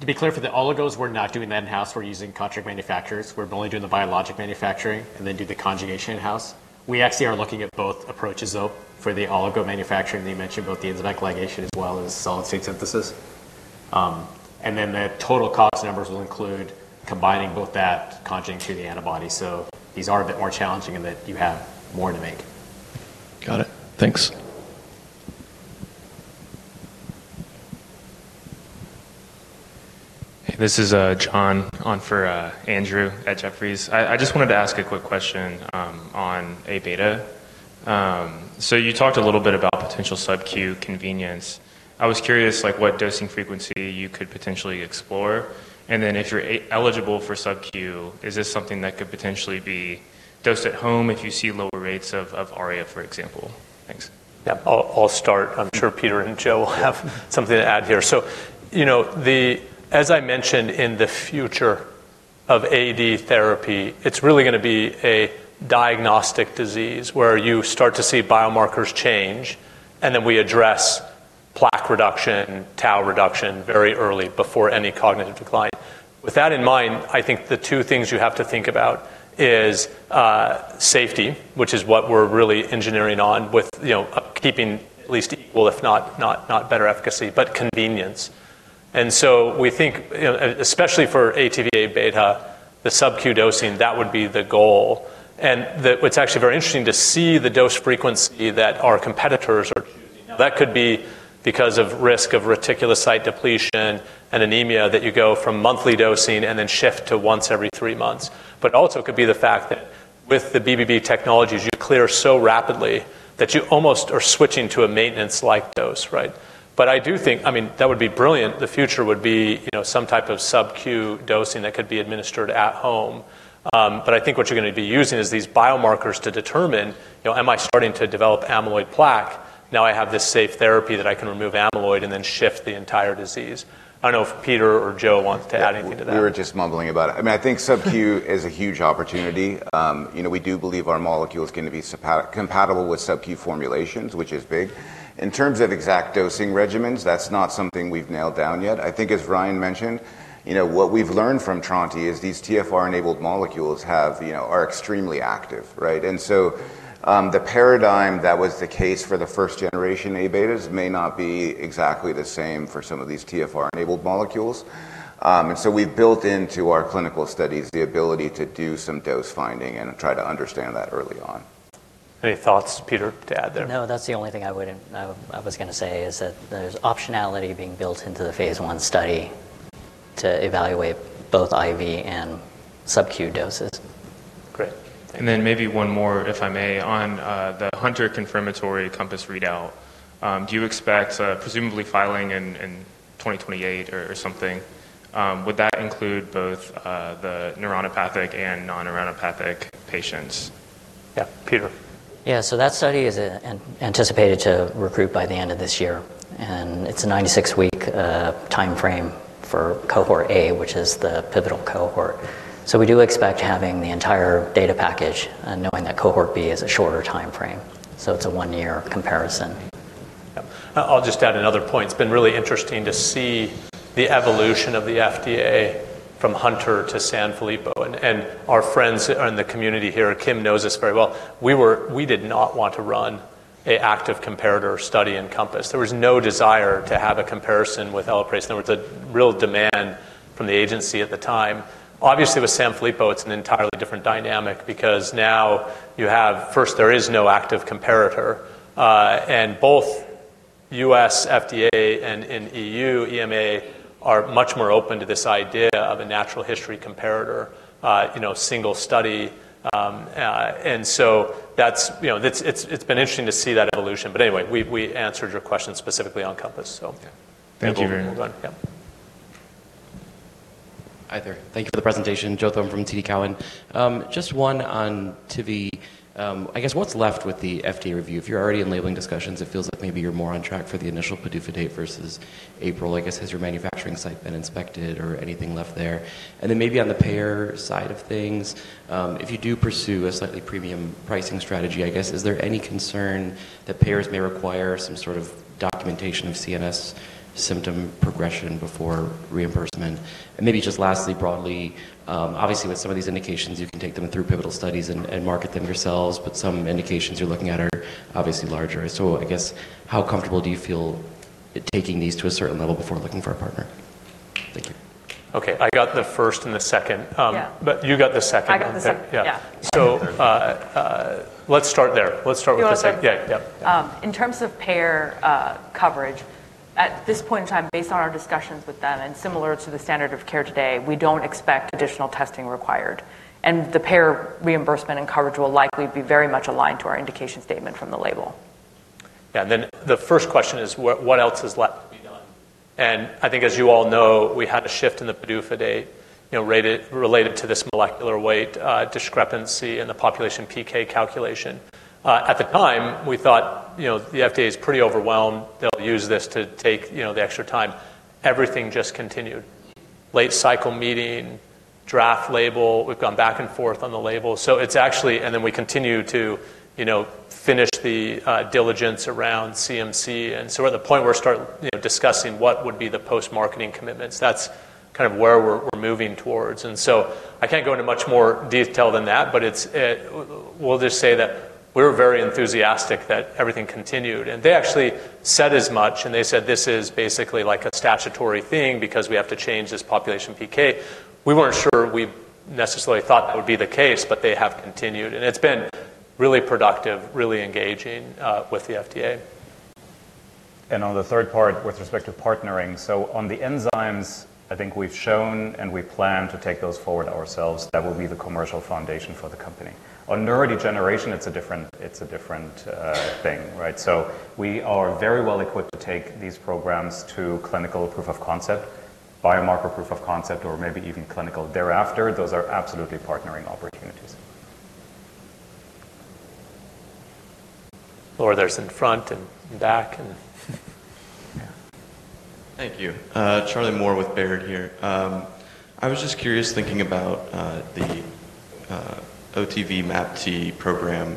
to be clear, for the oligos, we're not doing that in-house. We're only doing the biologic manufacturing and then do the conjugation in-house. We actually are looking at both approaches though for the oligo manufacturing. They mentioned both the enzymatic ligation as well as solid phase synthesis. And then the total COGS numbers will include combining both that conjugating to the antibody. So these are a bit more challenging in that you have more to make. Got it. Thanks. This is John on for Andrew at Jefferies. I just wanted to ask a quick question on Abeta. So you talked a little bit about potential subQ convenience. I was curious what dosing frequency you could potentially explore. And then, if you're eligible for subQ, is this something that could potentially be dosed at home if you see lower rates of ARIA, for example? Thanks. Yeah. I'll start. I'm sure Peter and Joe will have something to add here. So as I mentioned, in the future of AD therapy, it's really going to be a diagnostic disease where you start to see biomarkers change, and then we address plaque reduction and Tau reduction very early before any cognitive decline. With that in mind, I think the two things you have to think about is safety, which is what we're really engineering on with keeping at least equal, if not better efficacy, but convenience. And so we think, especially for ATV Abeta, the subQ dosing, that would be the goal. And it's actually very interesting to see the dose frequency that our competitors are choosing. That could be because of risk of reticulocyte depletion and anemia that you go from monthly dosing and then shift to once every three months. But also it could be the fact that with the BBB technologies, you clear so rapidly that you almost are switching to a maintenance-like dose, right? But I do think, I mean, that would be brilliant. The future would be some type of subQ dosing that could be administered at home. But I think what you're going to be using is these biomarkers to determine, am I starting to develop amyloid plaque? Now I have this safe therapy that I can remove amyloid and then shift the entire disease. I don't know if Peter or Joe wants to add anything to that. We were just mumbling about it. I mean, I think subQ is a huge opportunity. We do believe our molecule is going to be compatible with subQ formulations, which is big. In terms of exact dosing regimens, that's not something we've nailed down yet. I think as Ryan mentioned, what we've learned from trontinemab is these TfR-enabled molecules are extremely active, right? And so the paradigm that was the case for the first-generation Abetas may not be exactly the same for some of these TfR-enabled molecules. And so we've built into our clinical studies the ability to do some dose finding and try to understand that early on. Any thoughts, Peter, to add there? No, that's the only thing I was going to say is that there's optionality being built into the phase I study to evaluate both IV and subQ doses. Great. And then maybe one more, if I may, on the Hunter confirmatory COMPASS readout. Do you expect presumably filing in 2028 or something? Would that include both the neuronopathic and non-neuronopathic patients? Yeah. Peter. Yeah. So that study is anticipated to recruit by the end of this year. And it's a 96-week timeframe for cohort A, which is the pivotal cohort. So we do expect having the entire data package and knowing that cohort B is a shorter timeframe. So it's a one-year comparison. I'll just add another point. It's been really interesting to see the evolution of the FDA from Hunter to Sanfilippo. And our friends in the community here, Kim knows us very well. We did not want to run an active comparator study in COMPASS. There was no desire to have a comparison with Elaprase. There was a real demand from the agency at the time. Obviously, with Sanfilippo, it's an entirely different dynamic because now you have first, there is no active comparator. And both U.S. FDA and E.U. EMA are much more open to this idea of a natural history comparator, single study. And so it's been interesting to see that evolution. But anyway, we answered your question specifically on COMPASS. Thank you very much. Yeah. Hi there. Thank you for the presentation. Joseph Thome from TD Cowen. Just one on Tivi. I guess what's left with the FDA review? If you're already in labeling discussions, it feels like maybe you're more on track for the initial PDUFA date versus April. I guess has your manufacturing site been inspected or anything left there? And then maybe on the payer side of things, if you do pursue a slightly premium pricing strategy, I guess, is there any concern that payers may require some sort of documentation of CNS symptom progression before reimbursement? And maybe just lastly, broadly, obviously, with some of these indications, you can take them through pivotal studies and market them yourselves, but some indications you're looking at are obviously larger. So I guess how comfortable do you feel taking these to a certain level before looking for a partner? Thank you. Okay. I got thefirst and the second. But you got the second. Yeah. So let's start there. Let's start with the second. Yeah. In terms of payer coverage, at this point in time, based on our discussions with them and similar to the standard of care today, we don't expect additional testing required. The payer reimbursement and coverage will likely be very much aligned to our indication statement from the label. Yeah. The first question is, what else has left to be done? I think as you all know, we had a shift in the PDUFA date related to this molecular weight discrepancy in the population PK calculation. At the time, we thought the FDA is pretty overwhelmed. They'll use this to take the extra time. Everything just continued. Late cycle meeting, draft label. We've gone back and forth on the label. We continue to finish the diligence around CMC. We're at the point where we're discussing what would be the post-marketing commitments. That's kind of where we're moving towards. I can't go into much more detail than that, but we'll just say that we're very enthusiastic that everything continued. They actually said as much, and they said, "This is basically like a statutory thing because we have to change this population PK." We weren't sure we necessarily thought that would be the case, but they have continued. And it's been really productive, really engaging with the FDA. And on the third part with respect to partnering, so on the enzymes, I think we've shown and we plan to take those forward ourselves. That will be the commercial foundation for the company. On neurodegeneration, it's a different thing, right? So we are very well equipped to take these programs to clinical proof of concept, biomarker proof of concept, or maybe even clinical thereafter. Those are absolutely partnering opportunities. Laura, there's in front and back and. Thank you. Charles Moore with Baird here. I was just curious thinking about the OTV MAPT program.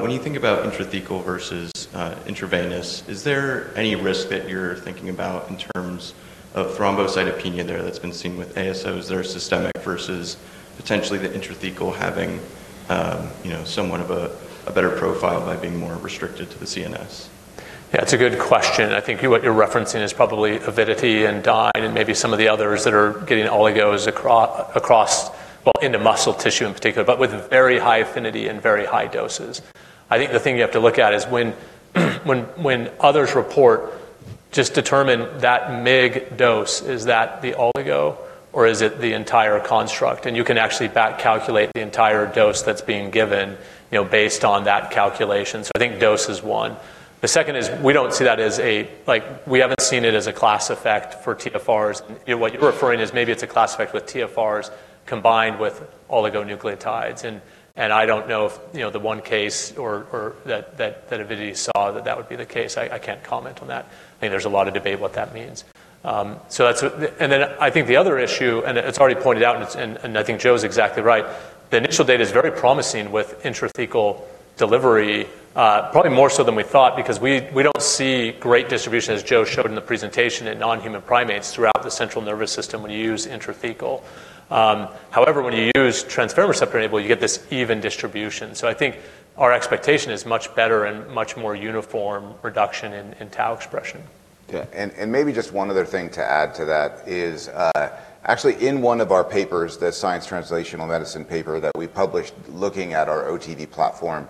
When you think about intrathecal versus intravenous, is there any risk that you're thinking about in terms of thrombocytopenia there that's been seen with ASOs that are systemic versus potentially the intrathecal having somewhat of a better profile by being more restricted to the CNS? Yeah. It's a good question. I think what you're referencing is probably Avidity and Ionis and maybe some of the others that are getting oligos across, well, into muscle tissue in particular, but with very high affinity and very high doses. I think the thing you have to look at is when others report, just determine that mg dose, is that the oligo or is it the entire construct? And you can actually calculate the entire dose that's being given based on that calculation. So I think dose is one. The second is we don't see that as a. We haven't seen it as a class effect for TfRs. What you're referring is maybe it's a class effect with TfRs combined with oligonucleotides. And I don't know if the one case or that Avidity saw that that would be the case. I can't comment on that. I think there's a lot of debate what that means. And then I think the other issue, and it's already pointed out, and I think Joe is exactly right, the initial data is very promising with intrathecal delivery, probably more so than we thought because we don't see great distribution, as Joe showed in the presentation, in non-human primates throughout the central nervous system when you use intrathecal. However, when you use transferrin receptor enabled, you get this even distribution. So I think our expectation is much better and much more uniform reduction in Tau expression. Yeah. And maybe just one other thing to add to that is actually in one of our papers, the Science Translational Medicine paper that we published looking at our OTV platform,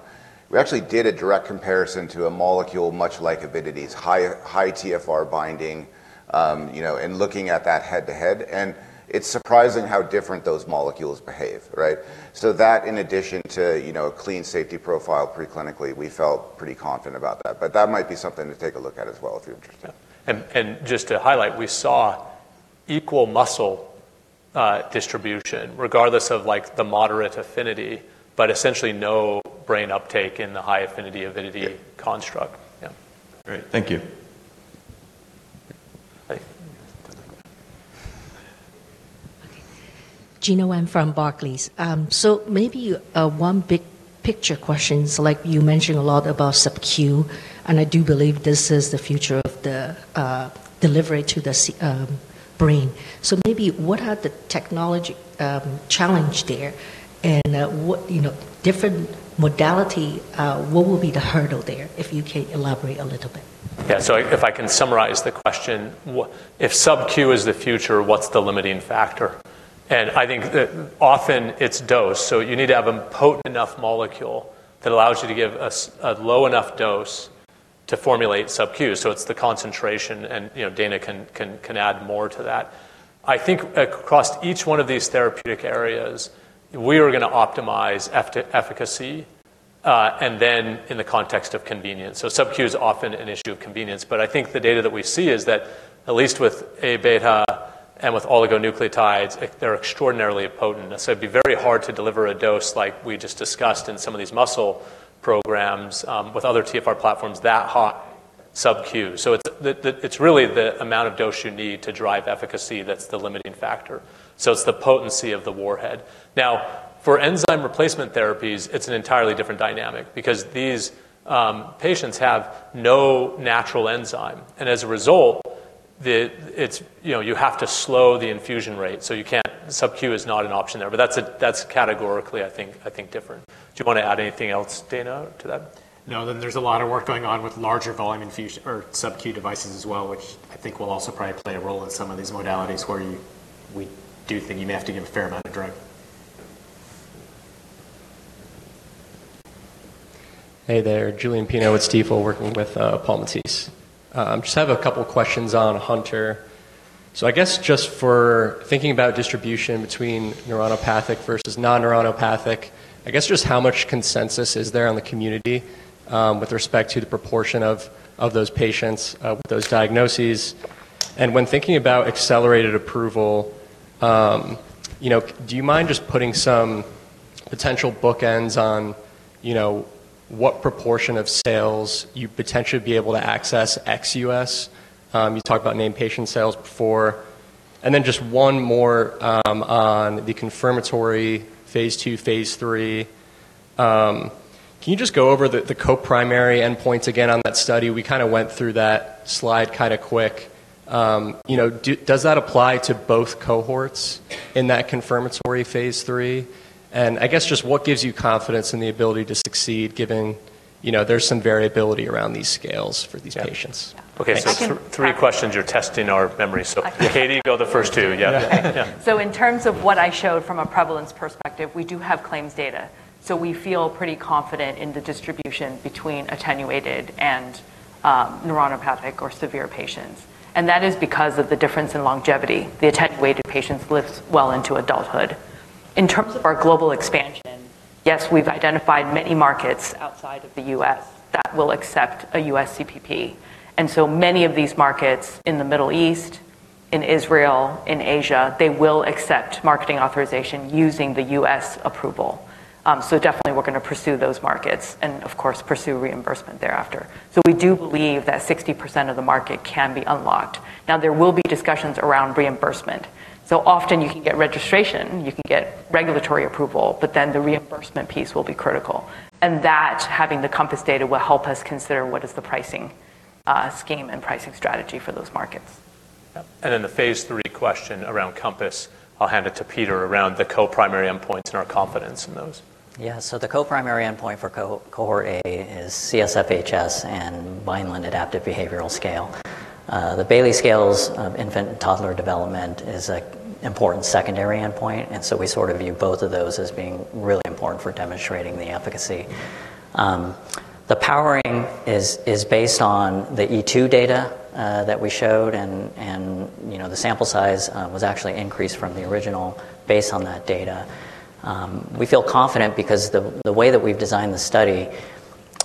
we actually did a direct comparison to a molecule much like Avidity's high TfR binding and looking at that head-to-head. And it's surprising how different those molecules behave, right? So that, in addition to a clean safety profile preclinically, we felt pretty confident about that. But that might be something to take a look at as well if you're interested. And just to highlight, we saw equal muscle distribution regardless of the moderate affinity, but essentially no brain uptake in the high affinity Avidity cofnstruct. Yeah. Great. Thank you. Gena Wang from Barclays. So maybe one big picture question. So you mentioned a lot about subQ, and I do believe this is the future of the delivery to the brain. So maybe what are the technology challenges there and different modality, what will be the hurdle there if you can elaborate a little bit? Yeah. So if I can summarize the question, if subQ is the future, what's the limiting factor? And I think often it's dose. So you need to have a potent enough molecule that allows you to give a low enough dose to formulate subQ. So it's the concentration, and Dana can add more to that. I think across each one of these therapeutic areas, we are going to optimize efficacy and then in the context of convenience. So subQ is often an issue of convenience. But I think the data that we see is that at least with Abeta and with oligonucleotides, they're extraordinarily potent. So it'd be very hard to deliver a dose like we just discussed in some of these muscle programs with other TfR platforms that high subQ. So it's really the amount of dose you need to drive efficacy that's the limiting factor. So it's the potency of the warhead. Now, for enzyme replacement therapies, it's an entirely different dynamic because these patients have no natural enzyme. And as a result, you have to slow the infusion rate. So subQ is not an option there. But that's categorically, I think, different. Do you want to add anything else, Dana, to that? No. Then there's a lot of work going on with larger volume infusion or subQ devices as well, which I think will also probably play a role in some of these modalities where we do think you may have to give a fair amount of drug. Hey there. Julian Pino with Stifel working with Paul Matteis. Just have a couple of questions on Hunter. So I guess just for thinking about distribution between neuronopathic versus non-neuronopathic, I guess just how much consensus is there on the community with respect to the proportion of those patients with those diagnoses? And when thinking about accelerated approval, do you mind just putting some potential bookends on what proportion of sales you potentially would be able to access ex US? You talked about named patient sales before. And then just one more on the confirmatory phase two, phase III. Can you just go over the co-primary endpoints again on that study? We kind of went through that slide kind of quick. Does that apply to both cohorts in that confirmatory phase III? And I guess just what gives you confidence in the ability to succeed given there's some variability around these scales for these patients? Okay. Three questions. You're testing our memory. So Katie, go the first two. Yeah. So in terms of what I showed from a prevalence perspective, we do have claims data. So we feel pretty confident in the distribution between attenuated and neuronopathic or severe patients. And that is because of the difference in longevity. The attenuated patients live well into adulthood. In terms of our global expansion, yes, we've identified many markets outside of the U.S. that will accept a U.S. CPP. And so many of these markets in the Middle East, in Israel, in Asia, they will accept marketing authorization using the U.S. approval. So definitely, we're going to pursue those markets and, of course, pursue reimbursement thereafter. So we do believe that 60% of the market can be unlocked. Now, there will be discussions around reimbursement. So often, you can get registration, you can get regulatory approval, but then the reimbursement piece will be critical. And that, having the COMPASS data, will help us consider what is the pricing scheme and pricing strategy for those markets. And then the phase III question around COMPASS, I'll hand it to Peter around the co-primary endpoints and our confidence in those. Yeah. So the co-primary endpoint for cohort A is CSF HS and Vineland Adaptive Behavioral Scales. The Bayley Scales of Infant and Toddler Development is an important secondary endpoint. We sort of view both of those as being really important for demonstrating the efficacy. The powering is based on the ETV data that we showed, and the sample size was actually increased from the original based on that data. We feel confident because the way that we've designed the study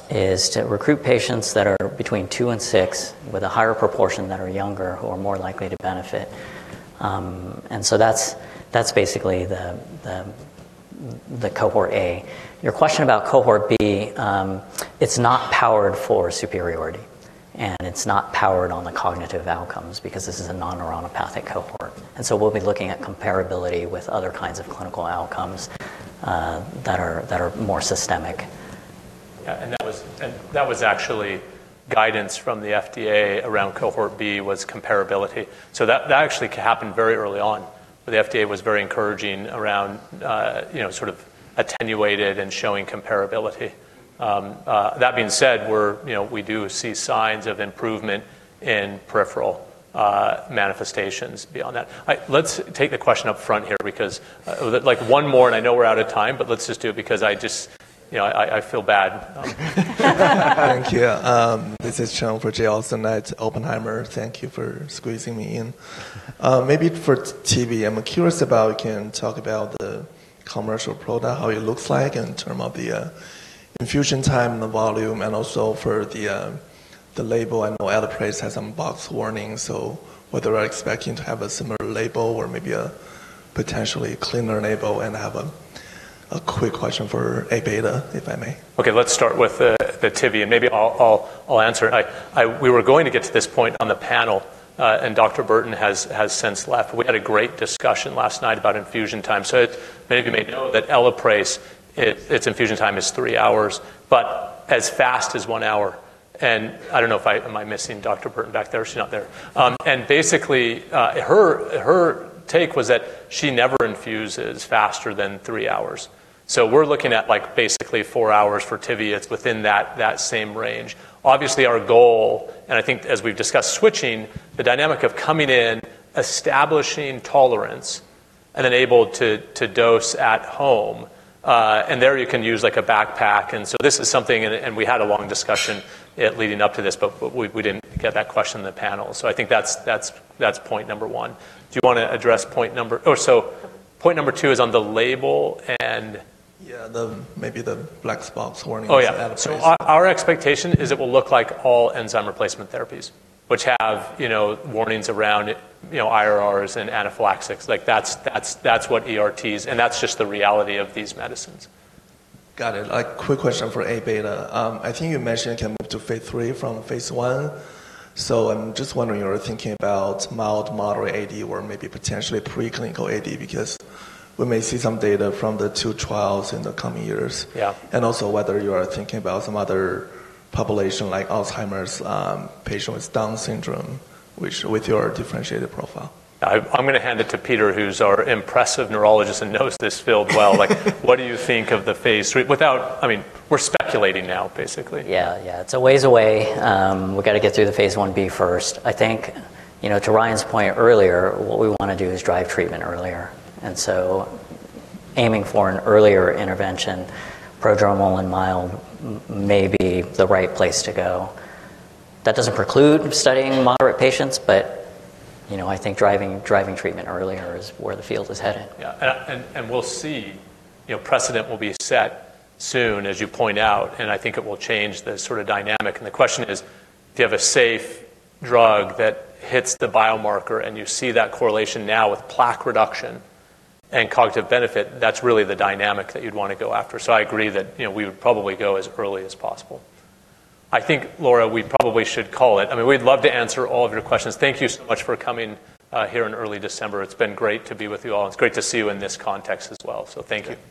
is to recruit patients that are between two and six with a higher proportion that are younger who are more likely to benefit. That's basically the cohort A. Your question about cohort B, it's not powered for superiority, and it's not powered on the cognitive outcomes because this is a non-neuronopathic cohort. We'll be looking at comparability with other kinds of clinical outcomes that are more systemic. Yeah. That was actually guidance from the FDA around cohort B was comparability. So that actually happened very early on, but the FDA was very encouraging around sort of attenuated and showing comparability. That being said, we do see signs of improvement in peripheral manifestations beyond that. Let's take the question up front here because one more, and I know we're out of time, but let's just do it because I feel bad. Thank you. This is Jay Olson with Oppenheimer. Thank you for squeezing me in. Maybe for Tivi, I'm curious about, can talk about the commercial product, how it looks like in terms of the infusion time and the volume, and also for the label. I know other players have some box warnings, so whether they're expecting to have a similar label or maybe a potentially cleaner label. And I have a quick question for Abeta, if I may. Okay. Let's start with the Tivi, and maybe I'll answer. We were going to get to this point on the panel, and Dr. Burton has since left. We had a great discussion last night about infusion time, so many of you may know that Elaprase, its infusion time is three hours, but as fast as one hour, and I don't know if I am missing Dr. Burton back there. She's not there, and basically, her take was that she never infuses faster than three hours, so we're looking at basically four hours for Tivi. It's within that same range. Obviously, our goal, and I think as we've discussed switching, the dynamic of coming in, establishing tolerance, and then able to dose at home, and there you can use a backpack. This is something, and we had a long discussion leading up to this, but we didn't get that question in the panel. So I think that's point number one. Do you want to address point number? Oh, so point number two is on the label. Yeah. Maybe the black box warnings. Oh, yeah. So our expectation is it will look like all enzyme replacement therapies, which have warnings around IRRs and anaphylaxis. That's what ERTs, and that's just the reality of these medicines. Got it. Quick question for Abeta. I think you mentioned it can move to phase III from phase I. So I'm just wondering if you're thinking about mild, moderate AD or maybe potentially preclinical AD because we may see some data from the two trials in the coming years. And also whether you are thinking about some other population like Alzheimer's patient with Down syndrome with your differentiated profile. I'm going to hand it to Peter, who's our impressive neurologist and knows this field well. What do you think of the phase III? I mean, we're speculating now, basically. Yeah. Yeah. It's a ways away. We've got to get through the phase I-B first. I think to Ryan's point earlier, what we want to do is drive treatment earlier, and so aiming for an earlier intervention, prodromal and mild may be the right place to go. That doesn't preclude studying moderate patients, but I think driving treatment earlier is where the field is headed. Yeah, and we'll see. Precedent will be set soon, as you point out, and I think it will change the sort of dynamic. The question is, if you have a safe drug that hits the biomarker and you see that correlation now with plaque reduction and cognitive benefit, that's really the dynamic that you'd want to go after. So I agree that we would probably go as early as possible. I think, Laura, we probably should call it. I mean, we'd love to answer all of your questions. Thank you so much for coming here in early December. It's been great to be with you all. It's great to see you in this context as well. So thank you.